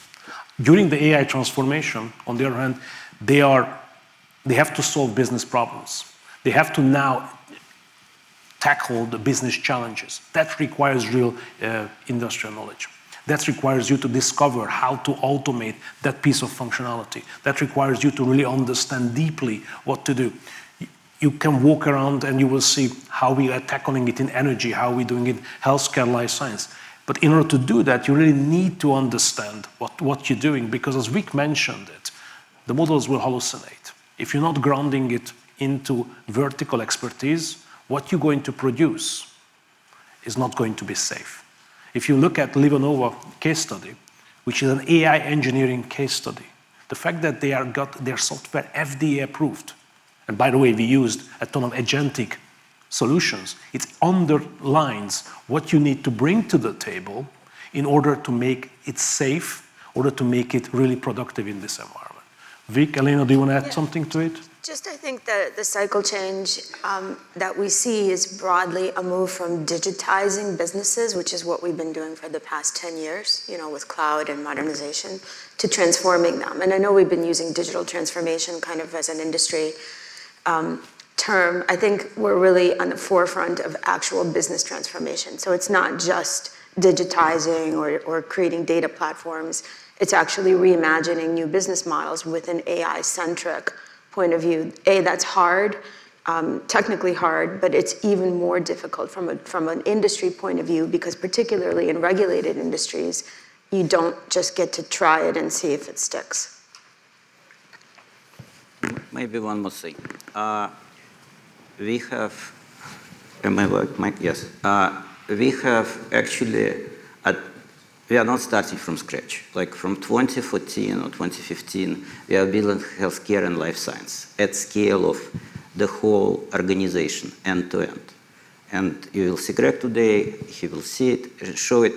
During the AI transformation, on the other hand, they have to solve business problems. They have to now tackle the business challenges. That requires real industry knowledge. That requires you to discover how to automate that piece of functionality. That requires you to really understand deeply what to do. You can walk around and you will see how we are tackling it in energy, how we're doing it in healthcare, life sciences. In order to do that, you really need to understand what you're doing because as Vic mentioned, the models will hallucinate. If you're not grounding it into vertical expertise, what you're going to produce is not going to be safe. If you look at LivaNova case study, which is an AI engineering case study, the fact that they've got their software FDA approved, and by the way, we used a ton of agentic solutions, it underlines what you need to bring to the table in order to make it safe, in order to make it really productive in this environment. Vic, Elaina, do you want to add something to it? I think the cycle change that we see is broadly a move from digitizing businesses, which is what we've been doing for the past 10 years, you know, with cloud and modernization, to transforming them. I know we've been using digital transformation kind of as an industry term. I think we're really on the forefront of actual business transformation. It's not just digitizing or creating data platforms. It's actually reimagining new business models with an AI-centric point of view. That's hard technically hard, but it's even more difficult from an industry point of view because particularly in regulated industries, you don't just get to try it and see if it sticks. Maybe one more thing. We have actually we are not starting from scratch. Like, from 2014 or 2015, we are building healthcare and life science at scale of the whole organization end to end. You will see Greg today, he will see it and show it,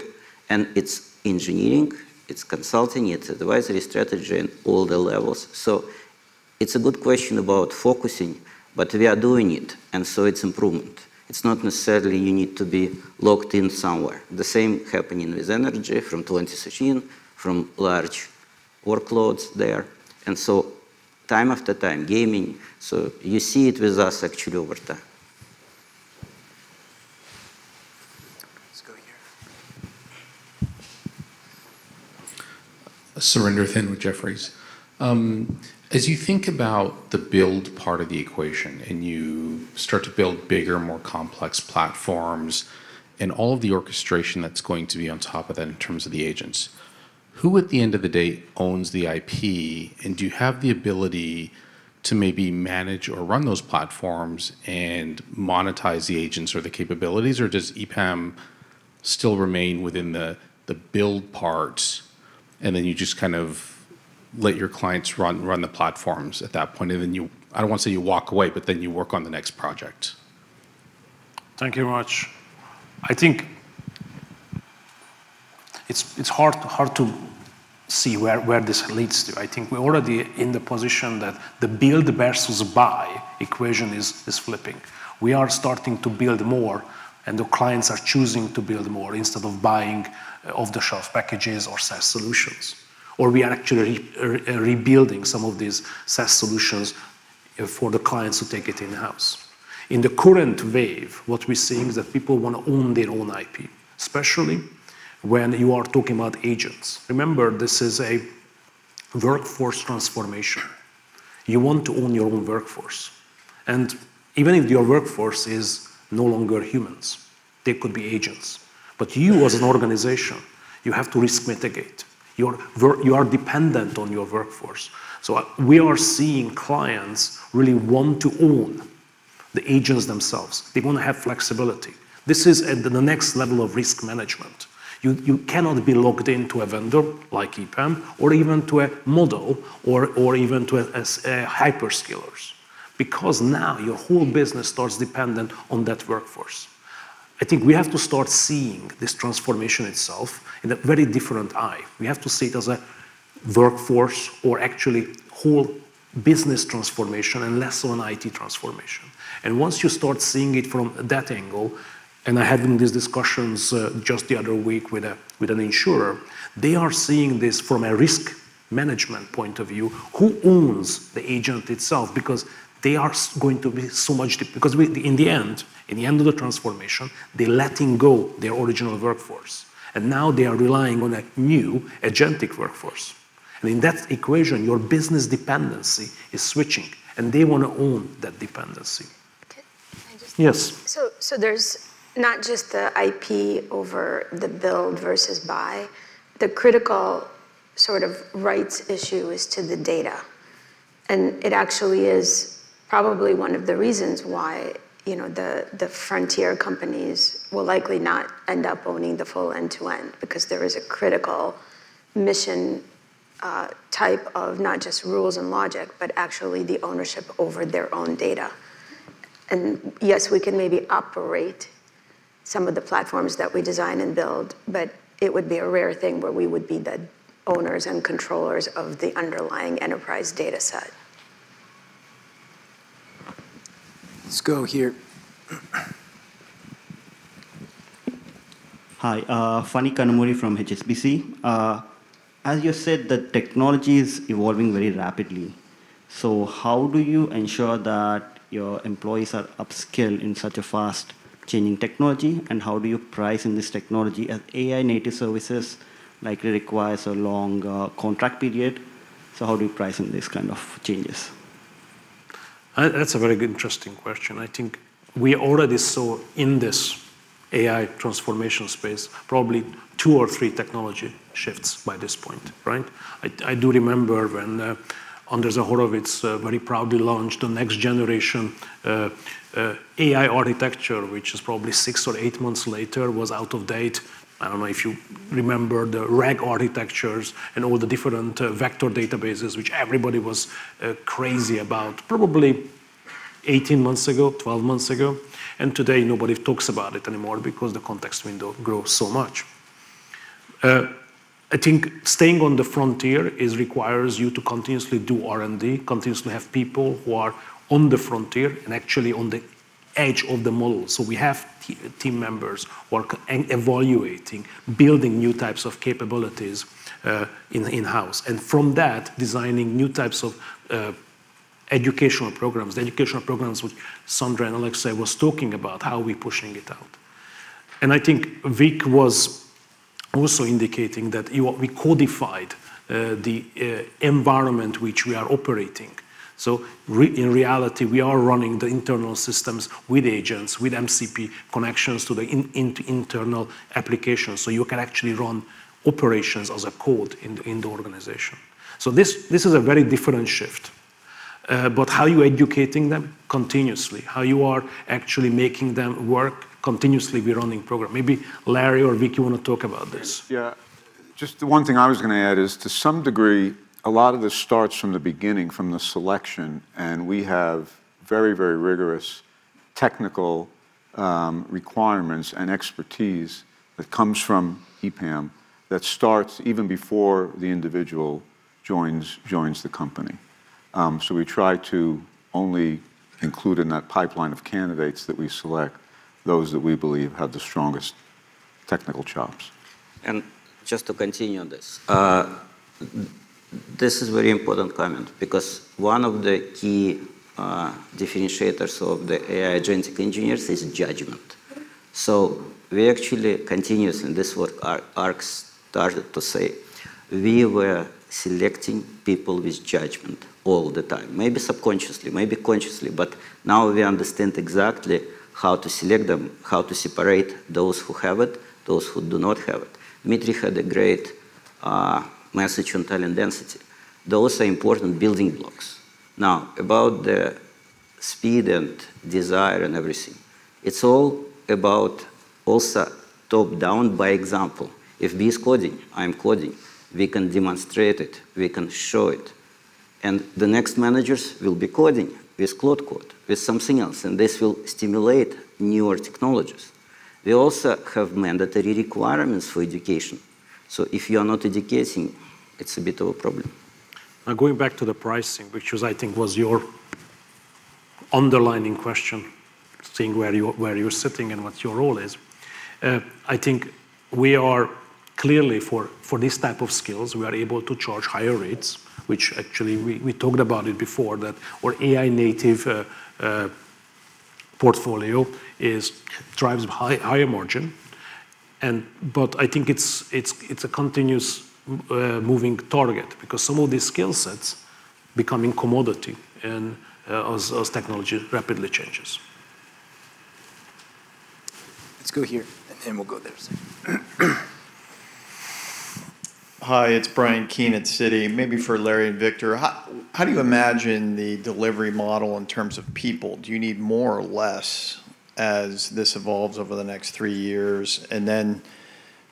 and it's engineering, it's consulting, it's advisory strategy in all the levels. It's a good question about focusing, but we are doing it, and so it's improvement. It's not necessarily you need to be locked in somewhere. The same happening with energy from 2016, from large workloads there, and so time after time, gaming. You see it with us actually over time. Let's go here. Surinder Thind with Jefferies. As you think about the build part of the equation and you start to build bigger and more complex platforms and all of the orchestration that's going to be on top of that in terms of the agents, who at the end of the day owns the IP, and do you have the ability to maybe manage or run those platforms and monetize the agents or the capabilities, or does EPAM still remain within the build part, and then you just kind of let your clients run the platforms at that point? I don't want to say you walk away, but then you work on the next project. Thank you very much. I think it's hard to see where this leads to. I think we're already in the position that the build versus buy equation is flipping. We are starting to build more, and the clients are choosing to build more instead of buying off-the-shelf packages or SaaS solutions. We are actually rebuilding some of these SaaS solutions for the clients to take it in-house. In the current wave, what we're seeing is that people want to own their own IP, especially when you are talking about agents. Remember, this is a workforce transformation. You want to own your own workforce. Even if your workforce is no longer humans, they could be agents. You as an organization, you have to risk mitigate. You are dependent on your workforce. We are seeing clients really want to own the agents themselves. They want to have flexibility. This is at the next level of risk management. You cannot be locked into a vendor like EPAM or even to a model or even to hyperscalers because now your whole business starts dependent on that workforce. I think we have to start seeing this transformation itself in a very different eye. We have to see it as a workforce or actually whole business transformation and less on IT transformation. Once you start seeing it from that angle, I had these discussions just the other week with an insurer. They are seeing this from a risk management point of view. Who owns the agent itself? In the end of the transformation, they're letting go their original workforce, and now they are relying on a new agentic workforce. I mean, that equation, your business dependency is switching, and they wanna own that dependency. Can I just? Yes. There's not just the IP over the build versus buy. The critical sort of rights issue is to the data, and it actually is probably one of the reasons why, you know, the frontier companies will likely not end up owning the full end-to-end because there is a critical mission type of not just rules and logic, but actually the ownership over their own data. Yes, we can maybe operate some of the platforms that we design and build, but it would be a rare thing where we would be the owners and controllers of the underlying enterprise data set. Let's go here. Hi. Phani Kanumuri from HSBC. As you said, the technology is evolving very rapidly, so how do you ensure that your employees are upskill in such a fast-changing technology? And how do you price in this technology? As AI native services likely requires a long contract period, so how do you price in these kind of changes? That's a very interesting question. I think we already saw in this AI transformation space probably two or three technology shifts by this point, right? I do remember when Andrei Zahorodniuk very proudly launched the next generation AI architecture, which is probably six or eight months later was out of date. I don't know if you remember the RAG architectures and all the different vector databases, which everybody was crazy about probably 18 months ago, 12 months ago. Today, nobody talks about it anymore because the context window grows so much. I think staying on the frontier is requires you to continuously do R&D, continuously have people who are on the frontier and actually on the edge of the model. We have team members working evaluating, building new types of capabilities, in-house, and from that, designing new types of educational programs. The educational programs which Sandra and Alexei was talking about, how we pushing it out. I think Vic was also indicating that we codified the environment which we are operating. In reality, we are running the internal systems with agents, with MCP connections to the internal application, so you can actually run operations as a code in the organization. This is a very different shift. But how you educating them continuously, how you are actually making them work continuously, we're running program. Maybe Larry or Vic wanna talk about this. Yeah. Just the one thing I was gonna add is, to some degree, a lot of this starts from the beginning, from the selection, and we have very, very rigorous technical requirements and expertise that comes from EPAM that starts even before the individual joins the company. We try to only include in that pipeline of candidates that we select those that we believe have the strongest technical chops. Just to continue on this. This is very important comment because one of the key differentiators of the AI agentic engineers is judgment. We actually continuously, and this is what Arkadiy Dobkin started to say, we were selecting people with judgment all the time, maybe subconsciously, maybe consciously, but now we understand exactly how to select them, how to separate those who have it, those who do not have it. Dmitry had a great message on talent density. Those are important building blocks. Now, about the speed and desire and everything, it's all about also top-down by example. If he's coding, I'm coding. We can demonstrate it. We can show it. The next managers will be coding with Claude Code, with something else, and this will stimulate newer technologies. We also have mandatory requirements for education. If you are not educating, it's a bit of a problem. Now, going back to the pricing, which I think was your underlying question, seeing where you're sitting and what your role is. I think we are clearly, for this type of skills, we are able to charge higher rates, which actually we talked about it before, that our AI native portfolio drives higher margin. I think it's a continuous moving target because some of these skill sets becoming commodity and as technology rapidly changes. Let's go here, and then we'll go there. Hi, it's Bryan Keane at Citi. Maybe for Larry and Victor, how do you imagine the delivery model in terms of people? Do you need more or less as this evolves over the next three years?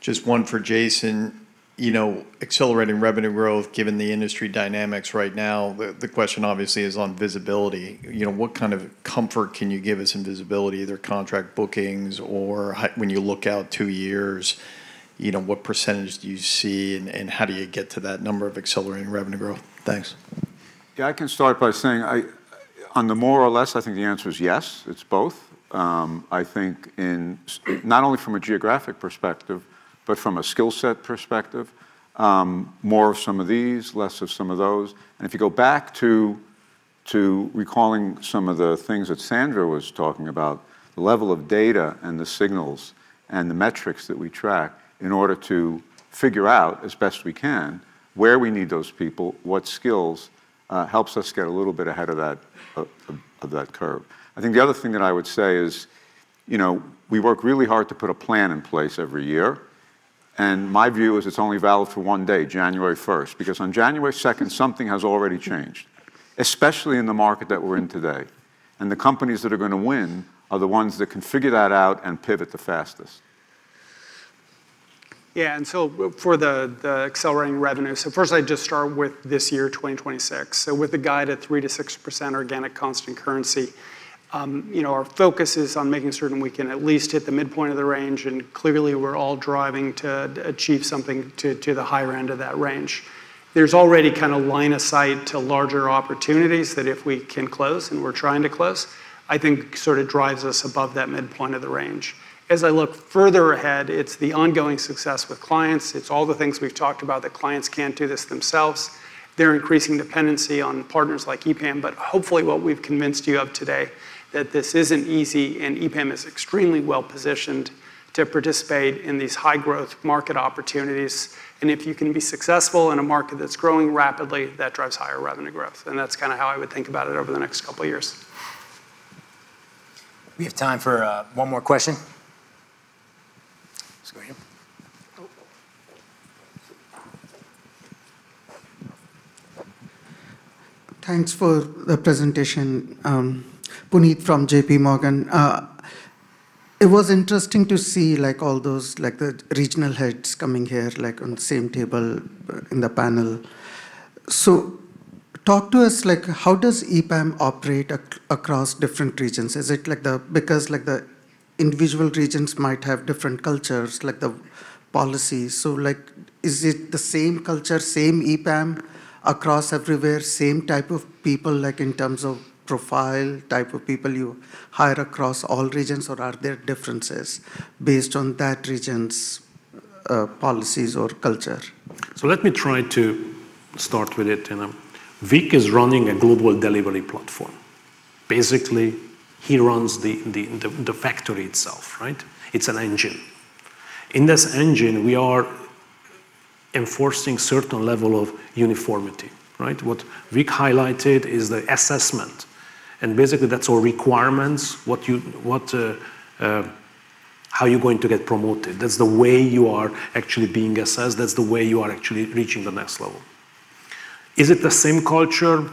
Just one for Jason, you know, accelerating revenue growth, given the industry dynamics right now, the question obviously is on visibility. You know, what kind of comfort can you give us in visibility, either contract bookings or when you look out two years, you know, what percentage do you see and how do you get to that number of accelerating revenue growth? Thanks. Yeah, I can start by saying on the more or less, I think the answer is yes, it's both. I think in not only from a geographic perspective, but from a skill set perspective, more of some of these, less of some of those. If you go back to recalling some of the things that Sandra was talking about, the level of data and the signals and the metrics that we track in order to figure out as best we can where we need those people, what skills helps us get a little bit ahead of that curve. I think the other thing that I would say is, you know, we work really hard to put a plan in place every year, and my view is it's only valid for one day, January first. Because on January second, something has already changed, especially in the market that we're in today and the companies that are gonna win are the ones that can figure that out and pivot the fastest. For the accelerating revenue, first I'd just start with this year, 2026. With the guide at 3%-6% organic constant currency, you know, our focus is on making certain we can at least hit the midpoint of the range, and clearly we're all driving to achieve something to the higher end of that range. There's already kinda line of sight to larger opportunities that if we can close, and we're trying to close, I think sorta drives us above that midpoint of the range. As I look further ahead, it's the ongoing success with clients. It's all the things we've talked about that clients can't do this themselves. They're increasing dependency on partners like EPAM, but hopefully what we've convinced you of today that this isn't easy and EPAM is extremely well-positioned to participate in these high-growth market opportunities. If you can be successful in a market that's growing rapidly, that drives higher revenue growth, and that's kinda how I would think about it over the next couple years. We have time for one more question. Let's go here. Oh. Thanks for the presentation. Puneet from JP Morgan. It was interesting to see, like, all those, like, the regional heads coming here, like, on the same table in the panel. Talk to us, like, how does EPAM operate across different regions? Is it like? Because, like, the individual regions might have different cultures, like, the policies. Like, is it the same culture, same EPAM across everywhere, same type of people, like, in terms of profile type of people you hire across all regions, or are there differences based on that region's policies or culture? Let me try to start with it. You know, Victor is running a global delivery platform. Basically, he runs the factory itself, right? It's an engine. In this engine, we are enforcing certain level of uniformity, right? What Victor highlighted is the assessment, and basically that's all requirements, how you're going to get promoted. That's the way you are actually being assessed. That's the way you are actually reaching the next level. Is it the same culture?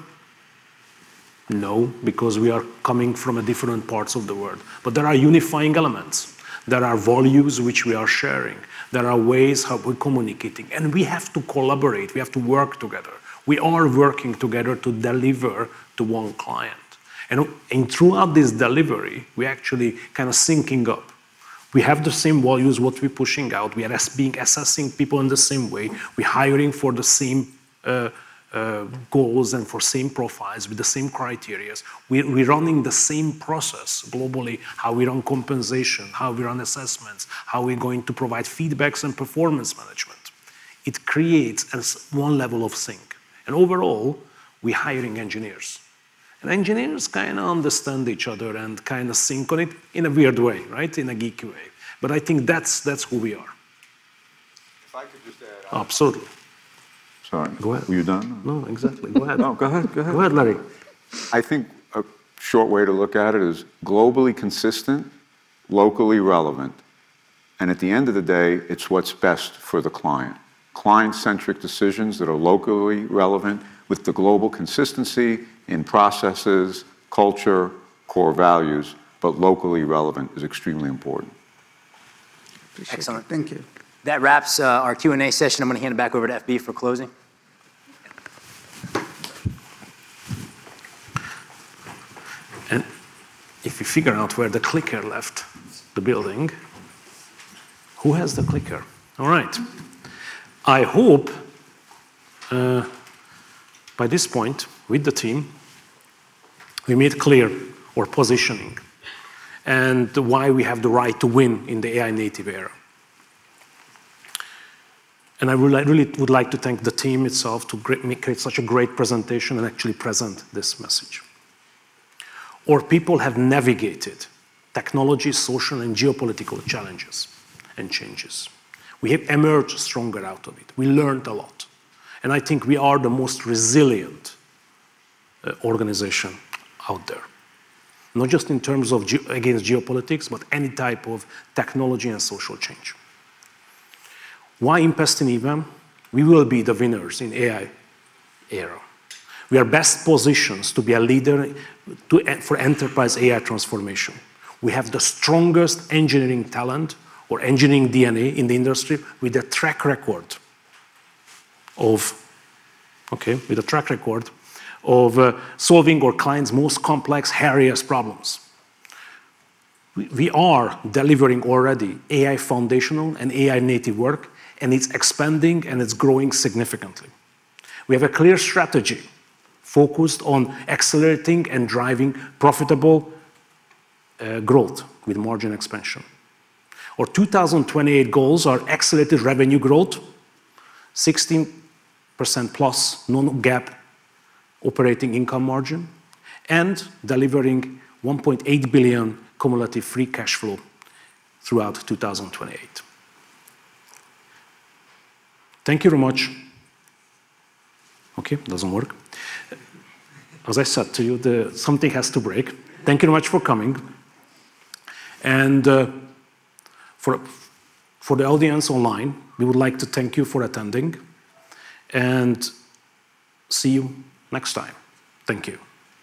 No, because we are coming from different parts of the world. There are unifying elements. There are values which we are sharing. There are ways how we're communicating, and we have to collaborate. We have to work together. We are working together to deliver to one client. Throughout this delivery, we actually kinda syncing up. We have the same values what we're pushing out. We are assessing people in the same way. We're hiring for the same goals and for same profiles with the same criteria. We're running the same process globally, how we run compensation, how we run assessments, how we're going to provide feedback and performance management. It creates one level of sync. Overall, we're hiring engineers, and engineers kinda understand each other and kinda sync on it in a weird way, right? In a geeky way. I think that's who we are. If I could just add on. Absolutely. Sorry. Go ahead. Were you done? No, exactly. Go ahead. No, go ahead. Go ahead. Go ahead, Larry. I think a short way to look at it is globally consistent, locally relevant, and at the end of the day, it's what's best for the client. Client-centric decisions that are locally relevant with the global consistency in processes, culture, core values, but locally relevant is extremely important. Appreciate it. Excellent. Thank you. That wraps our Q&A session. I'm gonna hand it back over to FB for closing. If we figure out where the clicker left the building. Who has the clicker? All right. I hope, by this point with the team, we made clear our positioning and why we have the right to win in the AI-native era. I really would like to thank the team itself to make such a great presentation and actually present this message. Our people have navigated technology, social, and geopolitical challenges and changes. We have emerged stronger out of it. We learned a lot, and I think we are the most resilient organization out there, not just in terms of against geopolitics, but any type of technology and social change. Why invest in EPAM? We will be the winners in AI era. We are best positioned to be a leader for enterprise AI transformation. We have the strongest engineering talent or engineering DNA in the industry with a track record of solving our clients' most complex, hairiest problems. We are delivering already AI foundational and AI native work, and it's expanding, and it's growing significantly. We have a clear strategy focused on accelerating and driving profitable growth with margin expansion. Our 2028 goals are accelerated revenue growth, 16%+ non-GAAP operating income margin, and delivering $1.8 billion cumulative free cash flow throughout 2028. Thank you very much. Okay, it doesn't work. As I said to you, the something has to break. Thank you very much for coming. For the audience online, we would like to thank you for attending, and see you next time. Thank you.